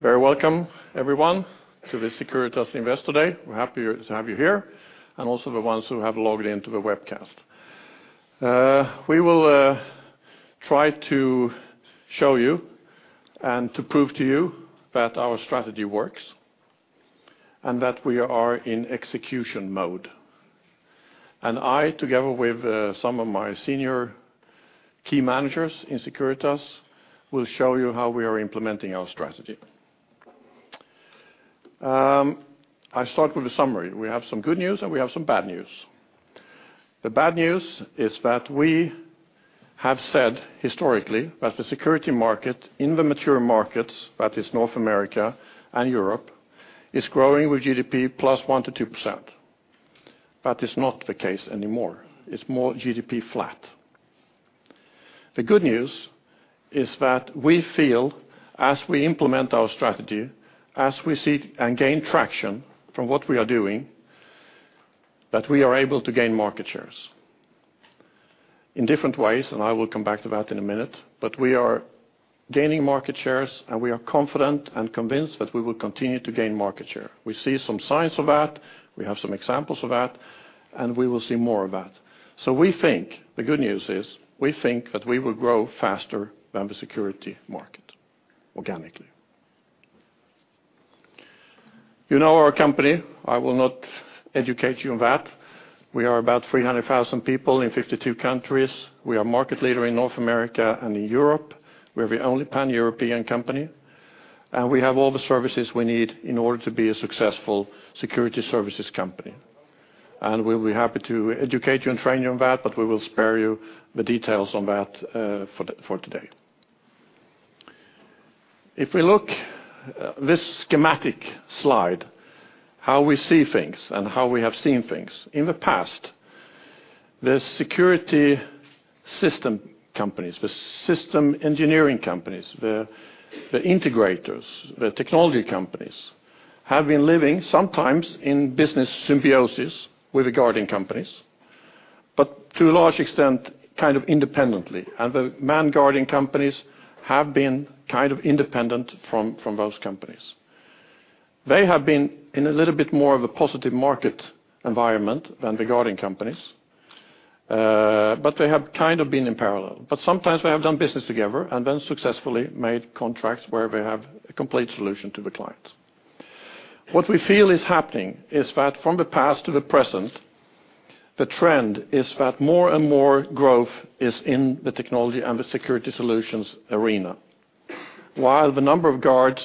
Very welcome, everyone, to the Securitas Investor Day. We're happy to have you here, and also the ones who have logged into the webcast. We will try to show you and to prove to you that our strategy works and that we are in execution mode. I, together with some of my senior key managers in Securitas, will show you how we are implementing our strategy. I start with a summary. We have some good news, and we have some bad news. The bad news is that we have said historically that the security market in the mature markets, that is North America and Europe, is growing with GDP + 1%-2%. That is not the case anymore. It's more GDP flat. The good news is that we feel as we implement our strategy, as we see and gain traction from what we are doing, that we are able to gain market shares in different ways, and I will come back to that in a minute. But we are gaining market shares, and we are confident and convinced that we will continue to gain market share. We see some signs of that, we have some examples of that, and we will see more of that. So we think the good news is, we think that we will grow faster than the security market organically. You know our company. I will not educate you on that. We are about 300,000 people in 52 countries. We are market leader in North America and in Europe. We are the only Pan-European company, and we have all the services we need in order to be a successful security services company. And we'll be happy to educate you and train you on that, but we will spare you the details on that for today. If we look this schematic slide, how we see things and how we have seen things. In the past, the security system companies, the system engineering companies, the integrators, the technology companies, have been living sometimes in business symbiosis with the guarding companies, but to a large extent, kind of independently, and the manned guarding companies have been kind of independent from those companies. They have been in a little bit more of a positive market environment than the guarding companies, but they have kind of been in parallel. But sometimes they have done business together and then successfully made contracts where they have a complete solution to the client. What we feel is happening is that from the past to the present, the trend is that more and more growth is in the technology and the Security Solutions arena, while the number of guards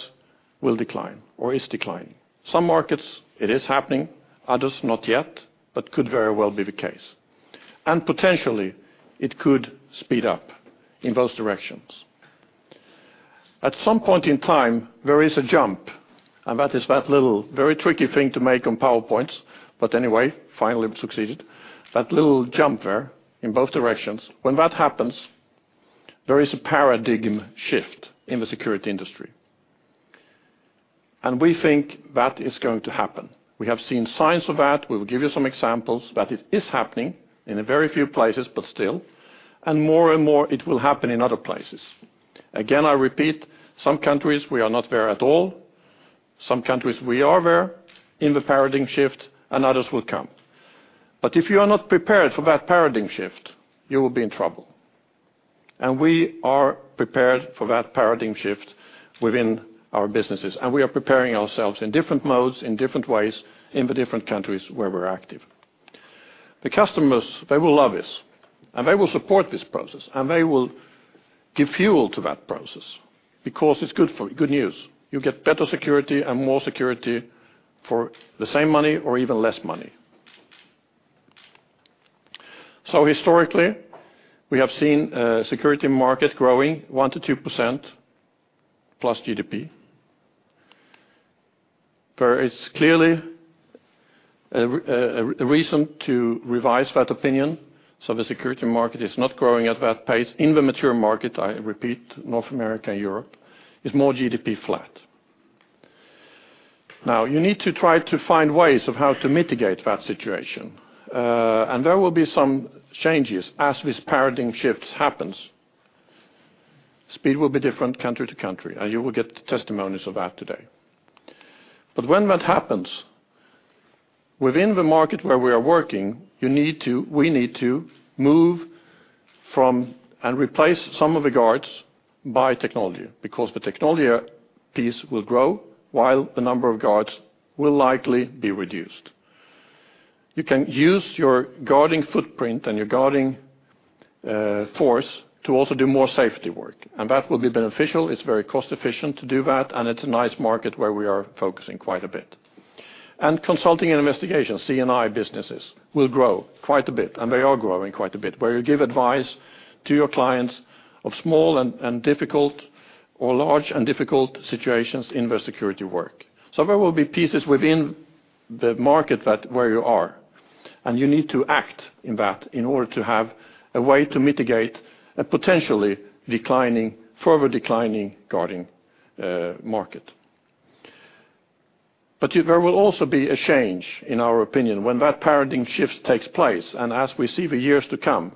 will decline or is declining. Some markets, it is happening, others, not yet, but could very well be the case. And potentially, it could speed up in both directions. At some point in time, there is a jump, and that is that little very tricky thing to make on PowerPoints, but anyway, finally, we succeeded. That little jump there in both directions. When that happens, there is a paradigm shift in the security industry, and we think that is going to happen. We have seen signs of that. We will give you some examples, but it is happening in a very few places, but still, and more and more it will happen in other places. Again, I repeat, some countries, we are not there at all. Some countries, we are there in the paradigm shift, and others will come. But if you are not prepared for that paradigm shift, you will be in trouble. And we are prepared for that paradigm shift within our businesses, and we are preparing ourselves in different modes, in different ways, in the different countries where we're active. The customers, they will love this, and they will support this process, and they will give fuel to that process because it's good for good news. You get better security and more security for the same money or even less money. So historically, we have seen, security market growing 1%-2% + GDP. There is clearly a reason to revise that opinion, so the security market is not growing at that pace. In the mature market, I repeat, North America and Europe, is more GDP flat. Now, you need to try to find ways of how to mitigate that situation, and there will be some changes as this paradigm shift happens. Speed will be different country to country, and you will get testimonies of that today. But when that happens, within the market where we are working, you need to-- we need to move from and replace some of the guards by technology, because the technology piece will grow while the number of guards will likely be reduced. You can use your guarding footprint and your guarding force to also do more safety work, and that will be beneficial. It's very cost-efficient to do that, and it's a nice market where we are focusing quite a bit. And consulting and investigation, C&I businesses, will grow quite a bit, and they are growing quite a bit, where you give advice to your clients of small and, and difficult or large and difficult situations in the security work. So there will be pieces within the market that where you are, and you need to act in that in order to have a way to mitigate a potentially declining, further declining guarding market.... But there will also be a change, in our opinion, when that paradigm shift takes place, and as we see the years to come,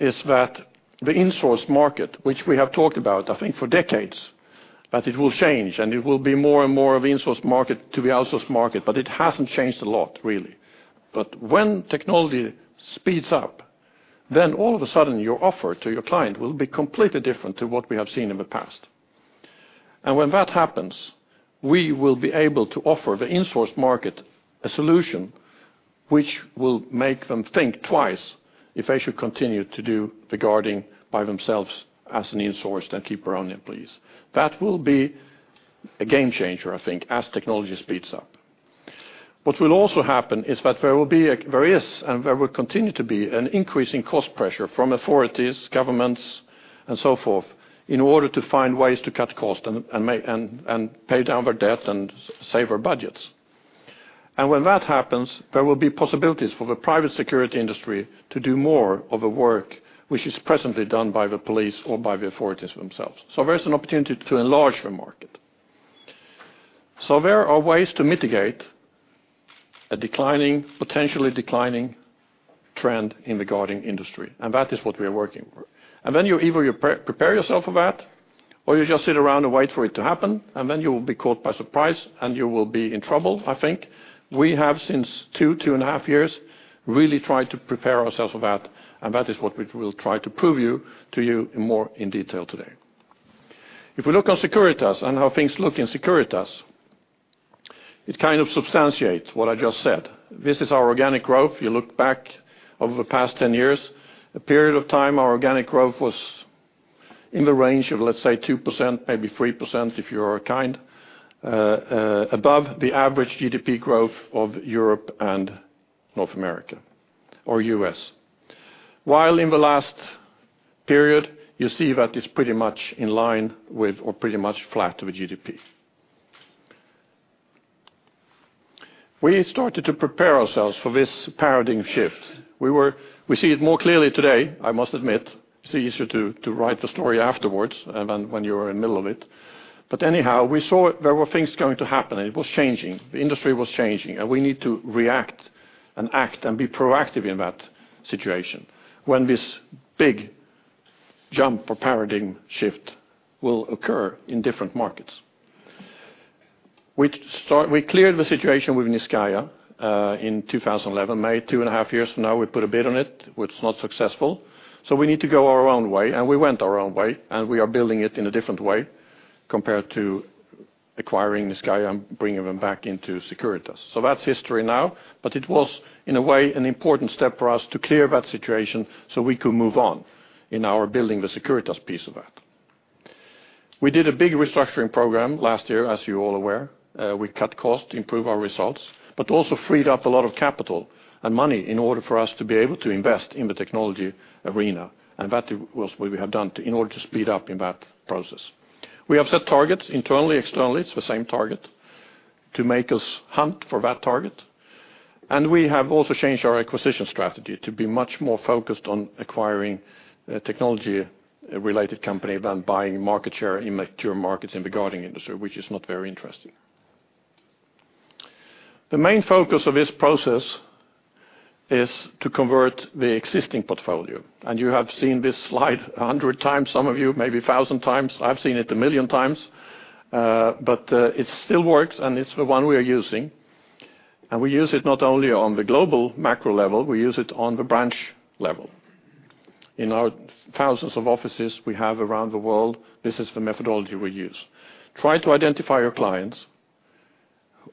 is that the insourced market, which we have talked about, I think, for decades, that it will change, and it will be more and more of insourced market to the outsourced market, but it hasn't changed a lot, really. But when technology speeds up, then all of a sudden, your offer to your client will be completely different to what we have seen in the past. And when that happens, we will be able to offer the insourced market a solution which will make them think twice if they should continue to do the guarding by themselves as an insourced and keep our own employees. That will be a game changer, I think, as technology speeds up. What will also happen is that there is, and there will continue to be an increase in cost pressure from authorities, governments, and so forth, in order to find ways to cut costs and pay down their debt and save our budgets. When that happens, there will be possibilities for the private security industry to do more of the work which is presently done by the police or by the authorities themselves. There's an opportunity to enlarge the market. There are ways to mitigate a potentially declining trend in the guarding industry, and that is what we are working for. Then you either prepare yourself for that, or you just sit around and wait for it to happen, and then you will be caught by surprise, and you will be in trouble, I think. We have since two-two and half years really tried to prepare ourselves for that, and that is what we will try to prove to you in more detail today. If we look on Securitas and how things look in Securitas, it kind of substantiates what I just said. This is our organic growth. If you look back over the past 10 years, a period of time, our organic growth was in the range of, let's say, 2%, maybe 3%, if you are kind, above the average GDP growth of Europe and North America or US. While in the last period, you see that it's pretty much in line with or pretty much flat with GDP. We started to prepare ourselves for this paradigm shift. We see it more clearly today, I must admit. It's easier to write the story afterwards than when you are in the middle of it. But anyhow, we saw there were things going to happen, and it was changing. The industry was changing, and we need to react and act and be proactive in that situation when this big jump or paradigm shift will occur in different markets. We cleared the situation with Niscayah in 2011, May, two and a half years from now, we put a bid on it, which was not successful. So we need to go our own way, and we went our own way, and we are building it in a different way compared to acquiring Niscayah and bringing them back into Securitas. So that's history now, but it was, in a way, an important step for us to clear that situation so we could move on in our building the Securitas piece of that. We did a big restructuring program last year, as you're all aware. We cut costs to improve our results, but also freed up a lot of capital and money in order for us to be able to invest in the technology arena, and that was what we have done to in order to speed up in that process. We have set targets internally, externally, it's the same target, to make us hunt for that target. And we have also changed our acquisition strategy to be much more focused on acquiring a technology-related company than buying market share in mature markets in the guarding industry, which is not very interesting. The main focus of this process is to convert the existing portfolio, and you have seen this slide 100 times, some of you, maybe 1,000 times. I've seen it 1 million times, but it still works, and it's the one we are using. We use it not only on the global macro level, we use it on the branch level. In our thousands of offices we have around the world, this is the methodology we use. Try to identify your clients,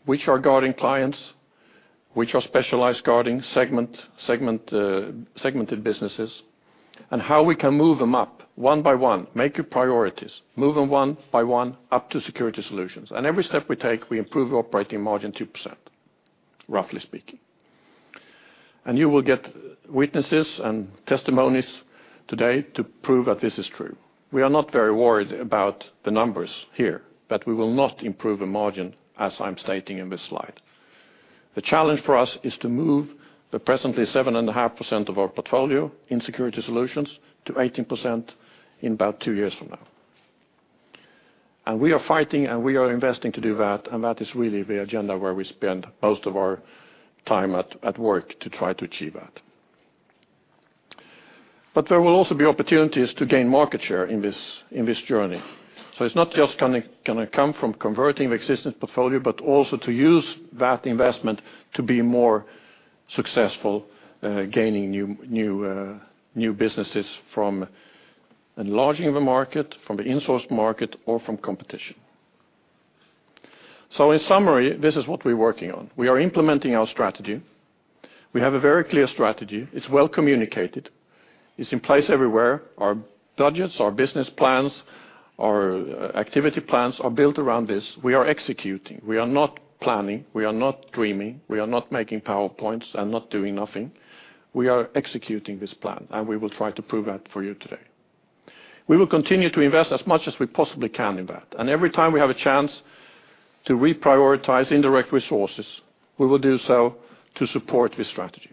which are guarding clients, which are Specialized Guarding segment, segmented businesses, and how we can move them up one by one, make your priorities, move them one by one up to Security Solutions. Every step we take, we improve operating margin 2%, roughly speaking. You will get witnesses and testimonies today to prove that this is true. We are not very worried about the numbers here, that we will not improve the margin, as I'm stating in this slide. The challenge for us is to move the presently 7.5% of our portfolio in Security Solutions to 18% in about two years from now. We are fighting, and we are investing to do that, and that is really the agenda where we spend most of our time at work to try to achieve that. But there will also be opportunities to gain market share in this, in this journey. So it's not just gonna, gonna come from converting the existing portfolio, but also to use that investment to be more successful, gaining new, new, new businesses from enlarging the market, from the insourced market, or from competition. So in summary, this is what we're working on. We are implementing our strategy. We have a very clear strategy. It's well communicated. It's in place everywhere. Our budgets, our business plans, our activity plans are built around this. We are executing. We are not planning, we are not dreaming, we are not making PowerPoints and not doing nothing. We are executing this plan, and we will try to prove that for you today. We will continue to invest as much as we possibly can in that, and every time we have a chance to reprioritize indirect resources, we will do so to support this strategy....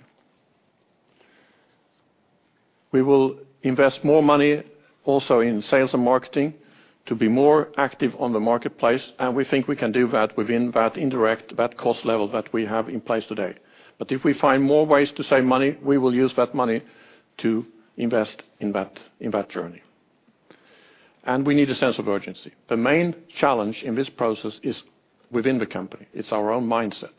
We will invest more money also in sales and marketing to be more active on the marketplace, and we think we can do that within that indirect, that cost level that we have in place today. But if we find more ways to save money, we will use that money to invest in that, in that journey. And we need a sense of urgency. The main challenge in this process is within the company. It's our own mindset.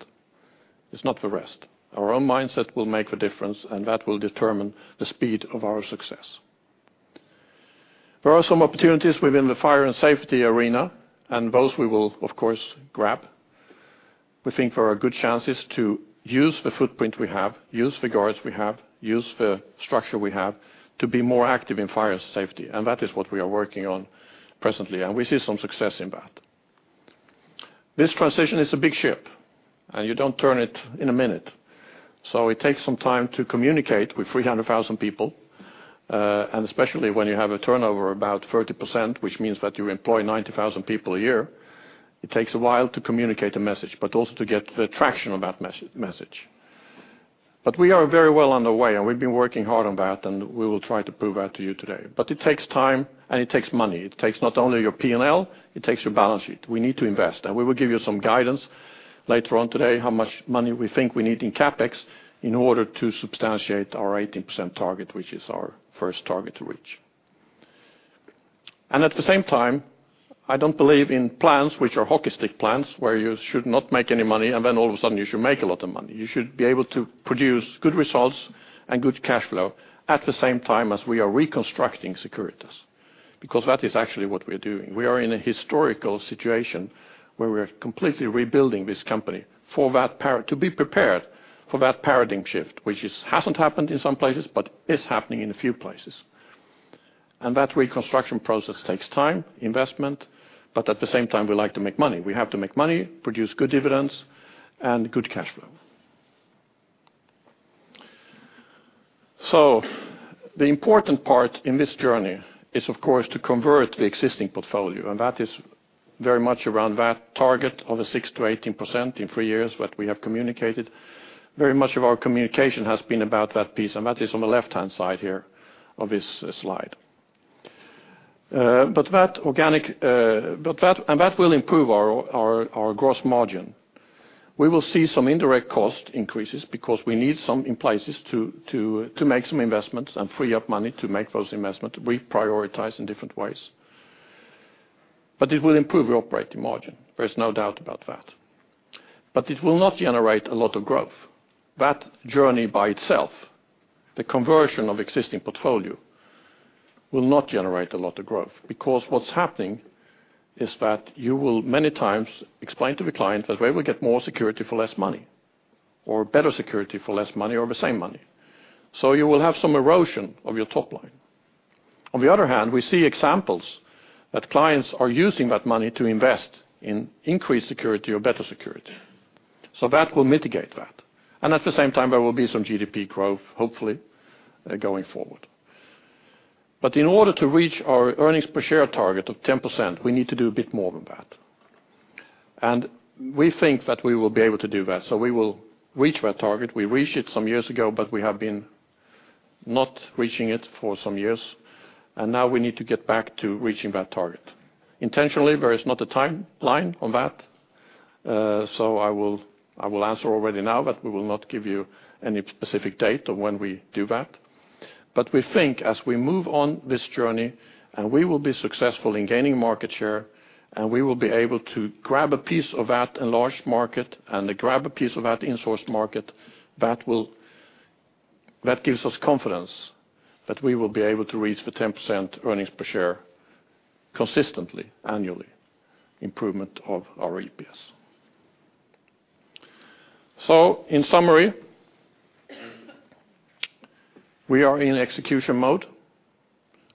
It's not the rest. Our own mindset will make the difference, and that will determine the speed of our success. There are some opportunities within the fire and safety arena, and those we will, of course, grab. We think there are good chances to use the footprint we have, use the guards we have, use the structure we have to be more active in fire and safety, and that is what we are working on presently, and we see some success in that. This transition is a big ship, and you don't turn it in a minute. So it takes some time to communicate with 300,000 people, and especially when you have a turnover about 30%, which means that you employ 90,000 people a year, it takes a while to communicate a message, but also to get the traction of that message. But we are very well on the way, and we've been working hard on that, and we will try to prove that to you today. But it takes time and it takes money. It takes not only your P&L, it takes your balance sheet. We need to invest, and we will give you some guidance later on today, how much money we think we need in CapEx in order to substantiate our 18% target, which is our first target to reach. At the same time, I don't believe in plans which are hockey stick plans, where you should not make any money, and then all of a sudden, you should make a lot of money. You should be able to produce good results and good cash flow at the same time as we are reconstructing Securitas, because that is actually what we're doing. We are in a historical situation where we are completely rebuilding this company to be prepared for that paradigm shift, which hasn't happened in some places, but is happening in a few places. That reconstruction process takes time, investment, but at the same time, we like to make money. We have to make money, produce good dividends and good cash flow. So the important part in this journey is, of course, to convert the existing portfolio, and that is very much around that target of 6%-18% in three years, what we have communicated. Very much of our communication has been about that piece, and that is on the left-hand side here of this slide. But that organic, but that and that will improve our gross margin. We will see some indirect cost increases because we need some in places to make some investments and free up money to make those investments. We prioritize in different ways. But it will improve the operating margin, there's no doubt about that. But it will not generate a lot of growth. That journey by itself, the conversion of existing portfolio, will not generate a lot of growth, because what's happening is that you will many times explain to the client that where we get more security for less money or better security for less money or the same money. So you will have some erosion of your top line. On the other hand, we see examples that clients are using that money to invest in increased security or better security. So that will mitigate that. And at the same time, there will be some GDP growth, hopefully, going forward. But in order to reach our earnings per share target of 10%, we need to do a bit more than that. And we think that we will be able to do that. So we will reach that target. We reached it some years ago, but we have been not reaching it for some years, and now we need to get back to reaching that target. Intentionally, there is not a timeline on that, so I will, I will answer already now, but we will not give you any specific date on when we do that. But we think as we move on this journey, and we will be successful in gaining market share, and we will be able to grab a piece of that enlarged market and grab a piece of that insourced market, that gives us confidence that we will be able to reach the 10% earnings per share consistently, annually, improvement of our EPS. So in summary, we are in execution mode.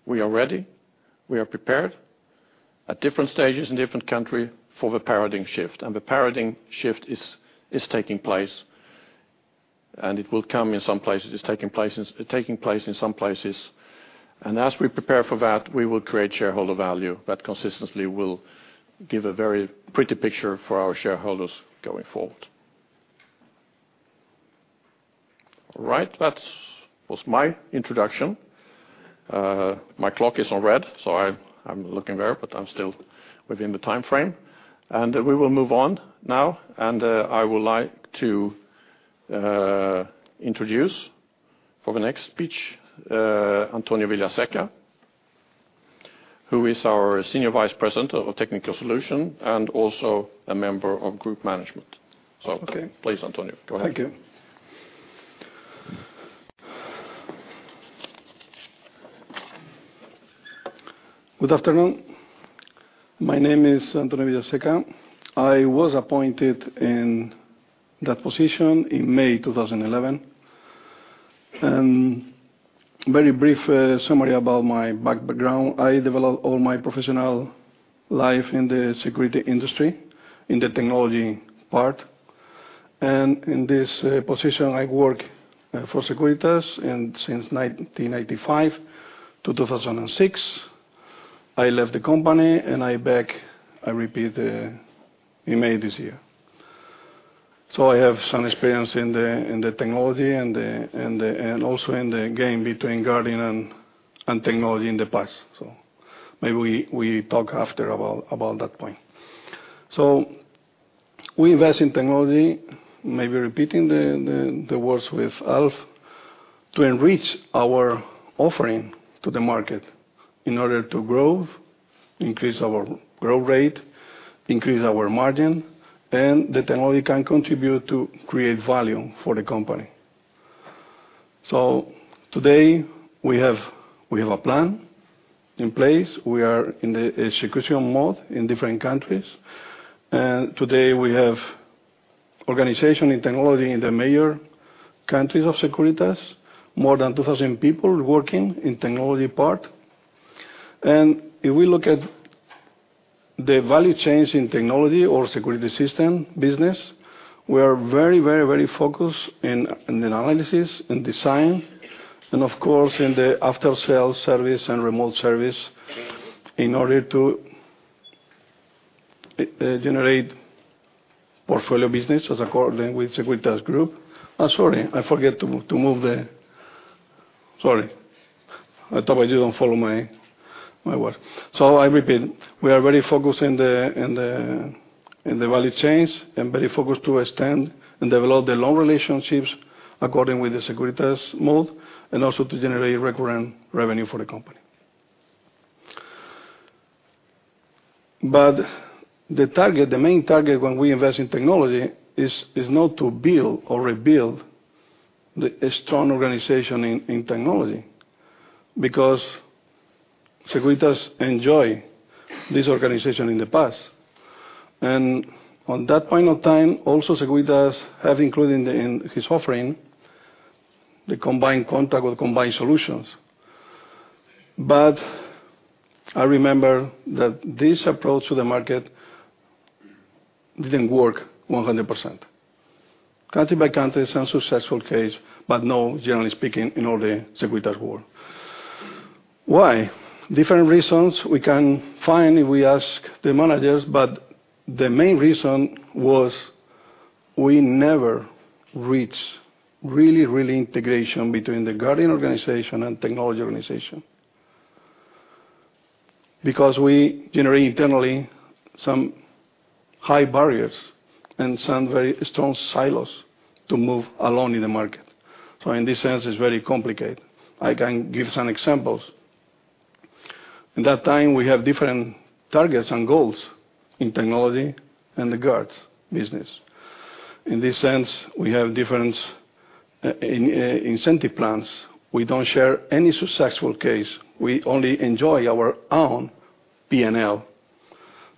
We are ready, we are prepared at different stages in different country for the paradigm shift, and the paradigm shift is taking place, and it will come in some places. It's taking place in some places. And as we prepare for that, we will create shareholder value that consistently will give a very pretty picture for our shareholders going forward. All right, that's was my introduction. My clock is on red, so I'm looking there, but I'm still within the time frame. And we will move on now, and I would like to introduce for the next speech Antonio Villaseca, who is our Senior Vice President of Technical Solution and also a member of group management. So please, Antonio, go ahead. Thank you. Good afternoon. My name is Antonio Villaseca. I was appointed in that position in May 2011. Very brief summary about my background. I developed all my professional life in the security industry, in the technology part, and in this position, I work for Securitas, and since 1995 to 2006, I left the company, and I came back in May this year. So I have some experience in the technology and also in the game between guarding and technology in the past. So maybe we talk after about that point. So we invest in technology, maybe repeating the words with Alf, to enrich our offering to the market in order to grow, increase our growth rate, increase our margin, and the technology can contribute to create value for the company. So today, we have a plan in place. We are in the execution mode in different countries, and today we have organization in technology in the major countries of Securitas, more than 2,000 people working in technology part. And if we look at the value chain in technology or security system business, we are very, very, very focused in the analysis and design, and of course, in the after-sale service and remote service, in order to generate portfolio business as according with Securitas Group. I'm sorry, I forget to move the... Sorry. I thought you don't follow my work. So I repeat, we are very focused in the value chains and very focused to extend and develop the long relationships according with the Securitas Model, and also to generate recurring revenue for the company. But the target, the main target when we invest in technology is not to build or rebuild a strong organization in technology, because Securitas enjoy this organization in the past. On that point of time, Securitas have included in his offering the combined contract or combined solutions. But I remember that this approach to the market didn't work 100%. Country by country, some successful case, but no, generally speaking, in all the Securitas world. Why? Different reasons we can find if we ask the managers, but the main reason was we never reach really integration between the guarding organization and technology organization. Because we generate internally some high barriers and some very strong silos to move along in the market. So in this sense, it's very complicated. I can give some examples. In that time, we have different targets and goals in technology and the guards business. In this sense, we have different incentive plans. We don't share any successful case. We only enjoy our own P&L.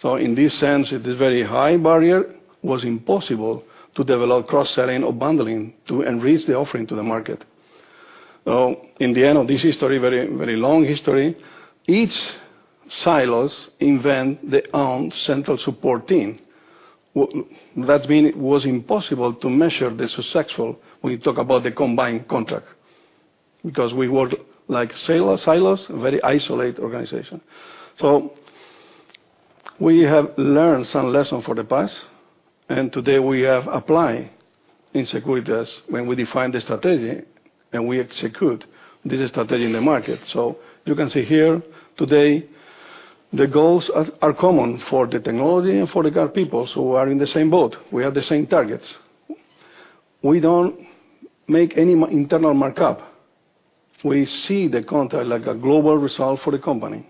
So in this sense, it is very high barrier; it was impossible to develop cross-selling or bundling to enrich the offering to the market. So in the end of this history, very, very long history, each silos invent their own central support team. That's mean it was impossible to measure the successful when we talk about the combined contract, because we work like silo, silos, very isolated organization. So we have learned some lesson for the past, and today we have applied in Securitas when we define the strategy, and we execute this strategy in the market. So you can see here today, the goals are common for the technology and for the guard people, so we are in the same boat. We have the same targets. We don't make any internal markup. We see the contract like a global result for the company.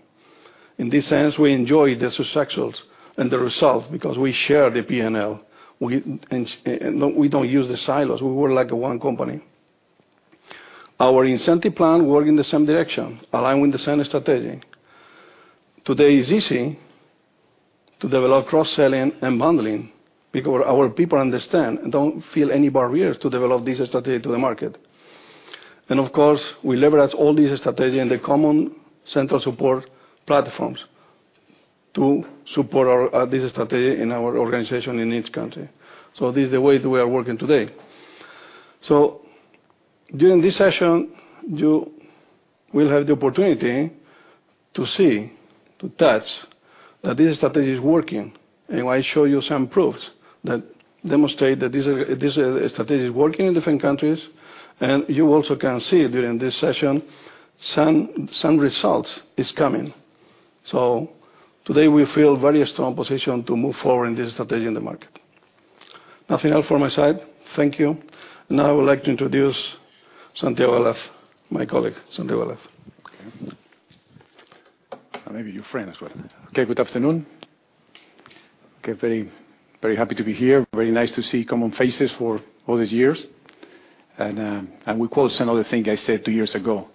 In this sense, we enjoy the successful and the results, because we share the P&L. And we don't use the silos. We work like a one company. Our incentive plan work in the same direction, align with the same strategy. Today, it's easy to develop cross-selling and bundling because our people understand and don't feel any barriers to develop this strategy to the market. And of course, we leverage all these strategy in the common central support platforms to support this strategy in our organization in each country. So this is the way we are working today. During this session, you will have the opportunity to see, to touch, that this strategy is working. I show you some proofs that demonstrate that this strategy is working in different countries, and you also can see during this session, some results is coming. Today, we feel very strong position to move forward in this strategy in the market. Nothing else from my side. Thank you. Now, I would like to introduce Santiago Galaz, my colleague, Santiago Galaz. Okay. Maybe your friend as well. Okay, good afternoon. Okay, very, very happy to be here. Very nice to see familiar faces for all these years. And we quote some of the things I said two years ago,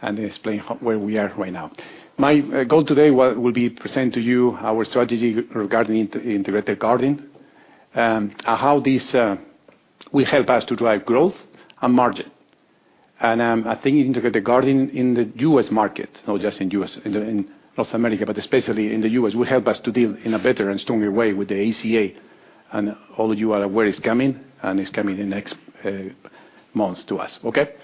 and explain where we are right now. My goal today will be to present to you our strategy regarding Integrated Guarding, and how this will help us to drive growth and margin. And I think Integrated Guarding in the U.S. market, not just in U.S., in North America, but especially in the U.S., will help us to deal in a better and stronger way with the ACA. And all of you are aware it's coming, and it's coming in next months to us, okay?...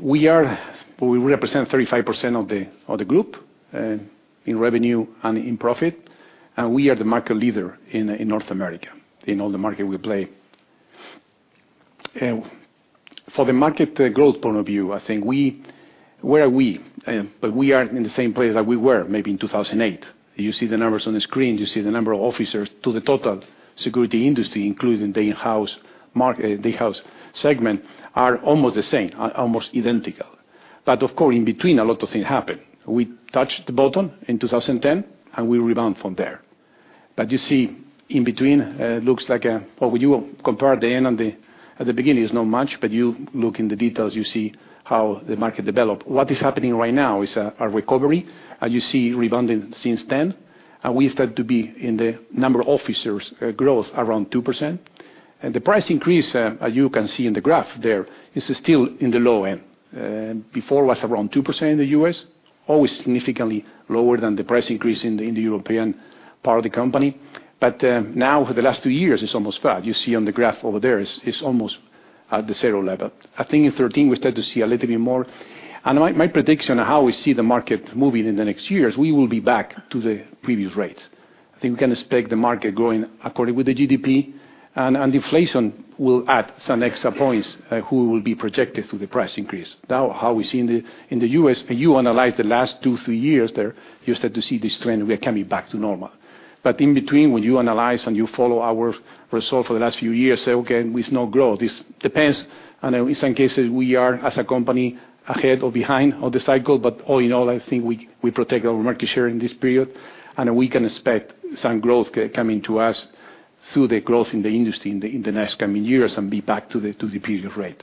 We represent 35% of the, of the group in revenue and in profit, and we are the market leader in, in North America, in all the market we play. For the market growth point of view, I think we, where are we? But we are in the same place that we were maybe in 2008. You see the numbers on the screen, you see the number of officers to the total security industry, including the in-house market, the in-house segment, are almost the same, are almost identical. But of course, in between, a lot of things happened. We touched the bottom in 2010, and we rebound from there. But you see, in between, well, when you compare the end and the beginning, it's not much, but you look in the details, you see how the market developed. What is happening right now is a recovery, and you see rebounding since then. And we start to be in the number of officers growth around 2%. And the price increase, as you can see in the graph there, is still in the low end. Before was around 2% in the U.S., always significantly lower than the price increase in the European part of the company. But now, for the last two years, it's almost flat. You see on the graph over there, it's almost at the zero level. I think in 2013, we start to see a little bit more. My prediction on how we see the market moving in the next years, we will be back to the previous rates. I think we can expect the market growing according with the GDP, and, and inflation will add some extra points, who will be projected through the price increase. Now, how we see in the, in the U.S., you analyze the last two-three years there, you start to see this trend where coming back to normal. But in between, when you analyze and you follow our result for the last few years, say, okay, there is no growth. This depends, and in some cases, we are, as a company, ahead or behind of the cycle, but all in all, I think we, we protect our market share in this period, and we can expect some growth coming to us through the growth in the industry in the, in the next coming years and be back to the, to the previous rate.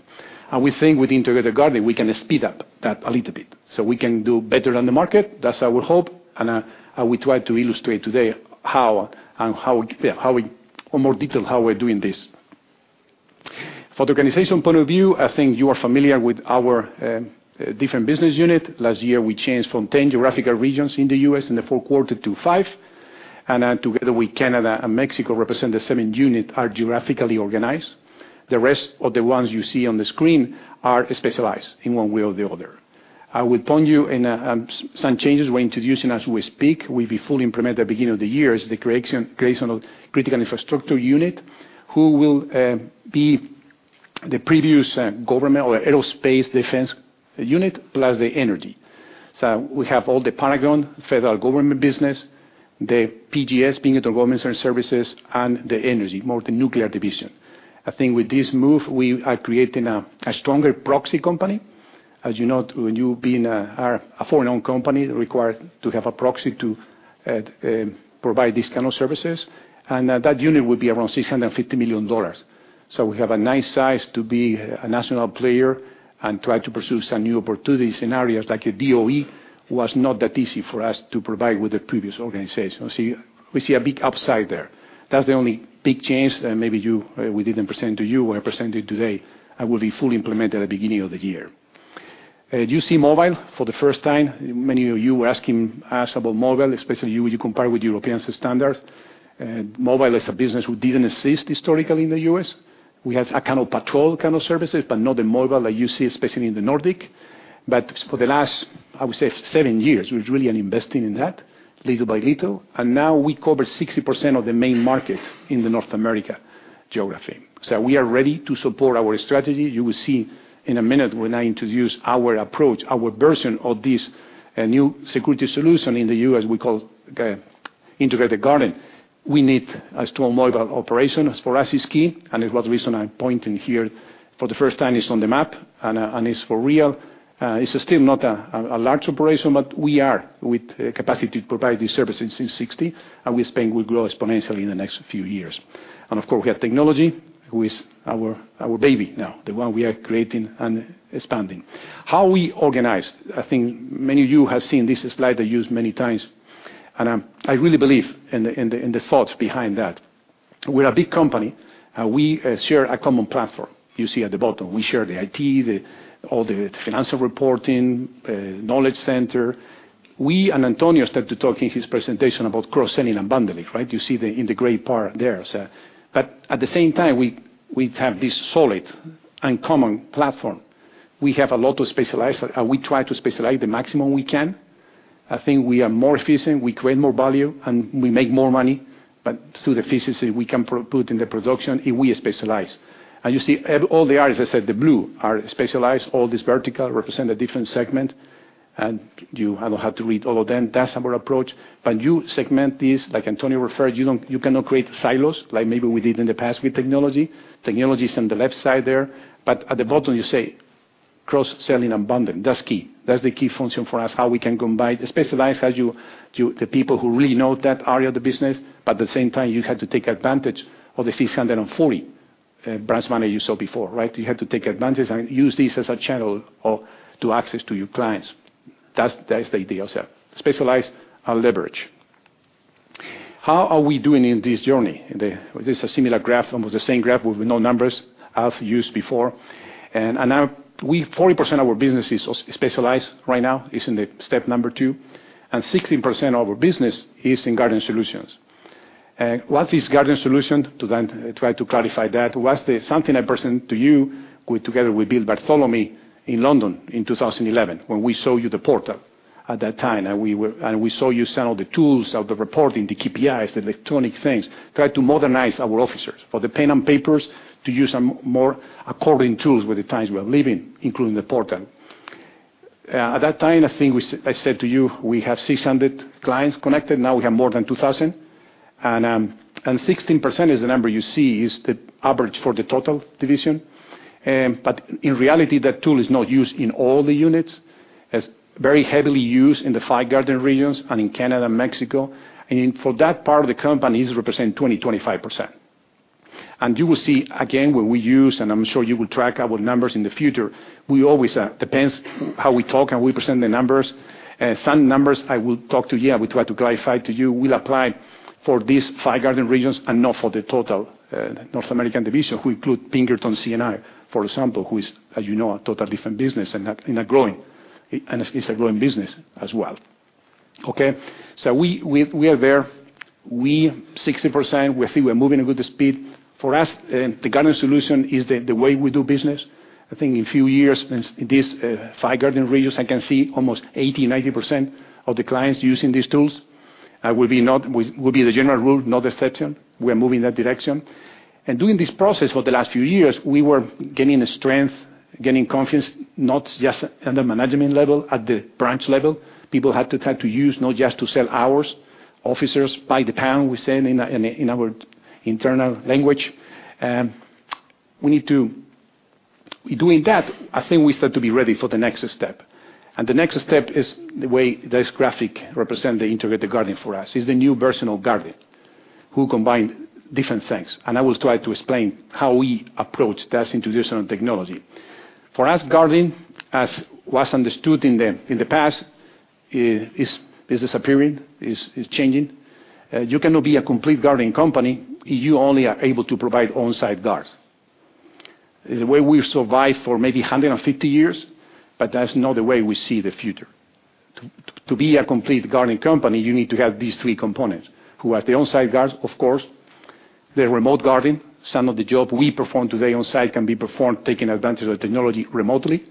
And we think with Integrated Guarding, we can speed up that a little bit. So we can do better on the market, that's our hope, and we try to illustrate today how and how, yeah, how we, or more detail, how we're doing this. For the organization point of view, I think you are familiar with our different business unit. Last year, we changed from 10 geographical regions in the U.S. in the fourth quarter to five, and together with Canada and Mexico, represent the seventh unit, are geographically organized. The rest of the ones you see on the screen are specialized in one way or the other. I will point you in some changes we're introducing as we speak. We'll be fully implement the beginning of the year is the creation of Critical Infrastructure unit, who will be the previous Government or Aerospace Defense unit, plus the energy. So we have all the Pentagon, federal government business, the PGS, being the government services, and the energy, more the nuclear division. I think with this move, we are creating a stronger proxy company. As you know, when you are a foreign-owned company required to have a proxy to provide this kind of services, and that unit will be around $650 million. So we have a nice size to be a national player and try to pursue some new opportunities in areas like a DOE was not that easy for us to provide with the previous organization. So we see a big upside there. That's the only big change, and maybe we didn't present to you, we presented today, and will be fully implemented at the beginning of the year. You see mobile for the first time. Many of you were asking us about mobile, especially you compare with European standard. Mobile is a business we didn't exist historically in the U.S.. We had a kind of patrol kind of services, but not the mobile that you see, especially in the Nordic. But for the last, I would say, seven years, we've really been investing in that little by little, and now we cover 60% of the main markets in the North America geography. So we are ready to support our strategy. You will see in a minute when I introduce our approach, our version of this new security solution in the U.S. we call Integrated Guarding. We need a strong mobile operation. As for us, it's key, and it's what reason I'm pointing here for the first time it's on the map, and, and it's for real. It's still not a large operation, but we are with capacity to provide these services in 60, and we expect we'll grow exponentially in the next few years. And of course, we have technology, who is our baby now, the one we are creating and expanding. How we organize? I think many of you have seen this slide I used many times, and I really believe in the thoughts behind that. We're a big company, and we share a common platform. You see at the bottom, we share the IT, all the financial reporting, knowledge center. We and Antonio start to talk in his presentation about cross-selling and bundling, right? You see in the gray part there. So, but at the same time, we have this solid and common platform. We have a lot to specialize, and we try to specialize the maximum we can. I think we are more efficient, we create more value, and we make more money, but through the efficiency we can put in the production if we specialize. And you see all the areas, I said, the blue are specialized. All this vertical represent a different segment, and you... I don't have to read all of them. That's our approach. But you segment this, like Antonio referred, you don't, you cannot create silos like maybe we did in the past with technology. Technology is on the left side there, but at the bottom, you say cross-selling and bundling. That's key. That's the key function for us, how we can combine, specialize as you, the people who really know that area of the business, but at the same time, you have to take advantage of the 640 branch manager you saw before, right? You have to take advantage and use this as a channel or to access to your clients. That's, that is the idea, so specialize and leverage. How are we doing in this journey? This is a similar graph, almost the same graph with no numbers I've used before. And now we, 40% of our business is specialized right now, is in the step number two, and 16% of our business is in Guarding Solutions. What is Guarding Solution? To then try to clarify that, was the something I present to you with together with Bill Barthelemy in London in 2011, when we show you the portal at that time, and we show you some of the tools of the reporting, the KPIs, the electronic things, try to modernize our officers. For the pen and papers to use some more according tools with the times we are living, including the portal. At that time, I think we said, I said to you, we have 600 clients connected, now we have more than 2000. And, and 16% is the number you see, is the average for the total division. But in reality, that tool is not used in all the units. It's very heavily used in the five guarding regions and in Canada and Mexico, and in for that part of the company, it represent 20%-25%. You will see again, when we use, and I'm sure you will track our numbers in the future, we always, depends how we talk and we present the numbers. Some numbers I will talk to you, I will try to clarify to you, will apply for these five guarding regions and not for the total, North American division. We include Pinkerton C&I, for example, who is, as you know, a total different business and a growing, and it's a growing business as well. Okay? So we are there. We 60%, we think we're moving a good speed. For us, the Guarding Solution is the way we do business. I think in a few years, this five guarding regions, I can see almost 80%-90% of the clients using these tools. Will be the general rule, not exception. We are moving that direction. During this process for the last few years, we were gaining strength, gaining confidence, not just at the management level, at the branch level. People had to try to use, not just to sell hours, officers by the pound, we said in our internal language. Doing that, I think we start to be ready for the next step, and the next step is the way this graphic represent the Integrated Guarding for us. Is the new version of guarding, who combine different things, and I will try to explain how we approach that introduction of technology. For us, guarding, as was understood in the past, is disappearing, is changing. You cannot be a complete guarding company, you only are able to provide on-site guards. Is the way we survive for maybe 150 years, but that's not the way we see the future. To be a complete guarding company, you need to have these three components: who are the on-site guards, of course. The remote guarding, some of the job we perform today on site can be performed taking advantage of technology remotely,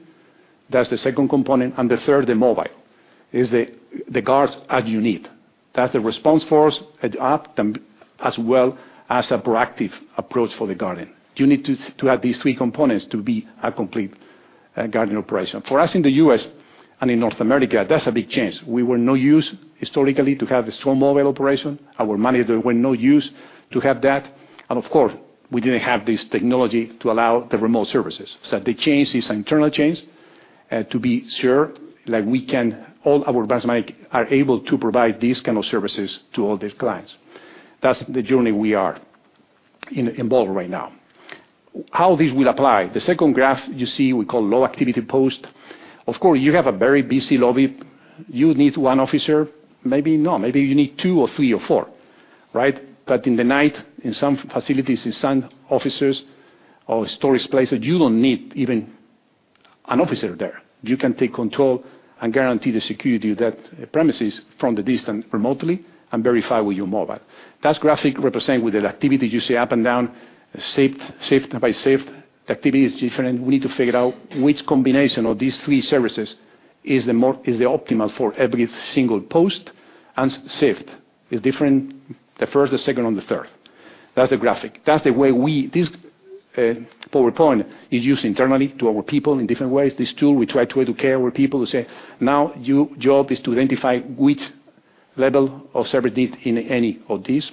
that's the second component. And the third, the mobile, is the guards as you need. That's the response force, an app, as well as a proactive approach for the guarding. You need to have these three components to be a complete guarding operation. For us in the U.S. and in North America, that's a big change. We were not used historically to have a strong mobile operation. Our manager were not used to have that, and of course, we didn't have this technology to allow the remote services. So the change is internal change, to be sure, like we can, all our branch might, are able to provide these kind of services to all their clients. That's the journey we are in, involved right now. How this will apply? The second graph you see, we call low activity post. Of course, you have a very busy lobby. You need one officer, maybe not, maybe you need two or three or four, right? But in the night, in some facilities, in some officers or storage places, you don't need even an officer there. You can take control and guarantee the security of that premises from the distance remotely and verify with your mobile. That graphic represent with the activity you see up and down, shift, shift by shift, activity is different. We need to figure out which combination of these three services is the more- is the optimal for every single post and shift. Is different, the first, the second, and the third. That's the graphic. That's the way. This PowerPoint is used internally to our people in different ways. This tool, we try to educate our people to say, "Now, your job is to identify which level of service need in any of these,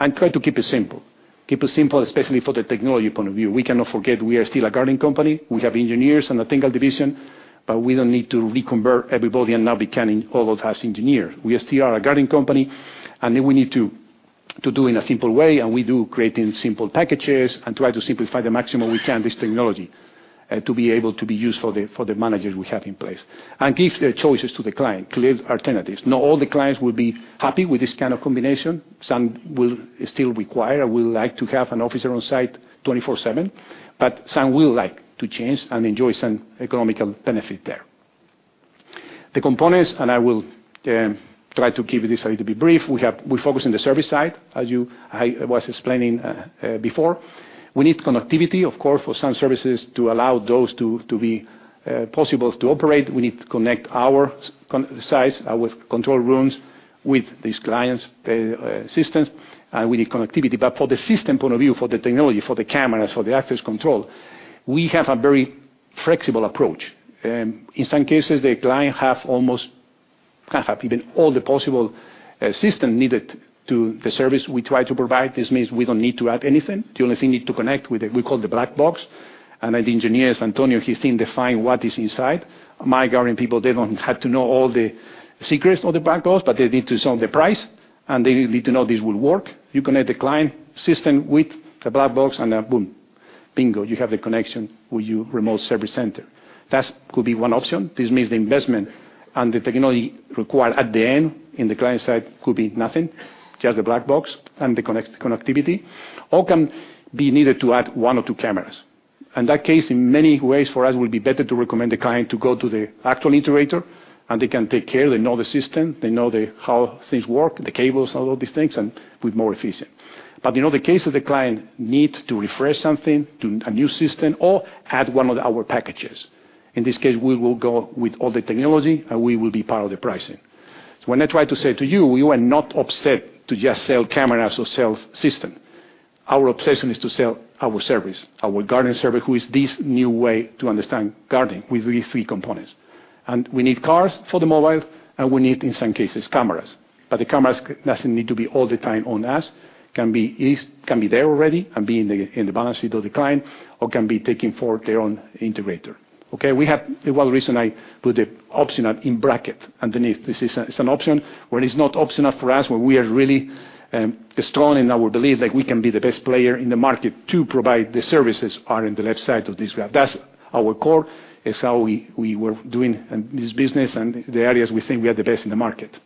and try to keep it simple." Keep it simple, especially for the technology point of view. We cannot forget we are still a guarding company. We have engineers in the technical division, but we don't need to reconvert everybody and now becoming all of us engineers. We are still a guarding company, and then we need to do in a simple way, and we do creating simple packages and try to simplify the maximum we can this technology to be able to be used for the managers we have in place. And give the choices to the client, clear alternatives. Not all the clients will be happy with this kind of combination. Some will still require or will like to have an officer on site 24/7, but some will like to change and enjoy some economical benefit there. The components, and I will try to keep this a little bit brief. We focus on the service side, as you... I was explaining before. We need connectivity, of course, for some services to allow those to be possible to operate. We need to connect our control rooms with these clients' systems, and we need connectivity. But for the system point of view, for the technology, for the cameras, for the access control, we have a very flexible approach. In some cases, the client have almost, have even all the possible system needed to the service we try to provide. This means we don't need to add anything. The only thing need to connect with the, we call the black box, and the engineers, Antonio, his team define what is inside. My guarding people, they don't have to know all the secrets of the black box, but they need to know the price, and they need to know this will work. You connect the client system with the black box, and then boom! Bingo. You have the connection with your remote service center. That could be one option. This means the investment and the technology required at the end, in the client side, could be nothing, just the black box and the connectivity, or can be needed to add one or two cameras. In that case, in many ways for us, it will be better to recommend the client to go to the actual integrator, and they can take care. They know the system, they know how things work, the cables, all of these things, and be more efficient. But you know, in the case the client needs to refresh something to a new system or add one of our packages. In this case, we will go with all the technology, and we will be part of the pricing. So when I try to say to you, we were not obsessed to just sell cameras or sell system. Our obsession is to sell our service, our guarding service, who is this new way to understand guarding with these three components. And we need cars for the mobile, and we need, in some cases, cameras. But the cameras doesn't need to be all the time on us, can be, can be there already, and be in the balance sheet of the client or can be taking for their own integrator. Okay, we have, one reason I put the optional in bracket underneath. This is a, it's an option, where it's not optional for us, where we are really strong in our belief that we can be the best player in the market to provide the services are in the left side of this graph. That's our core. It's how we were doing this business and the areas we think we are the best in the market.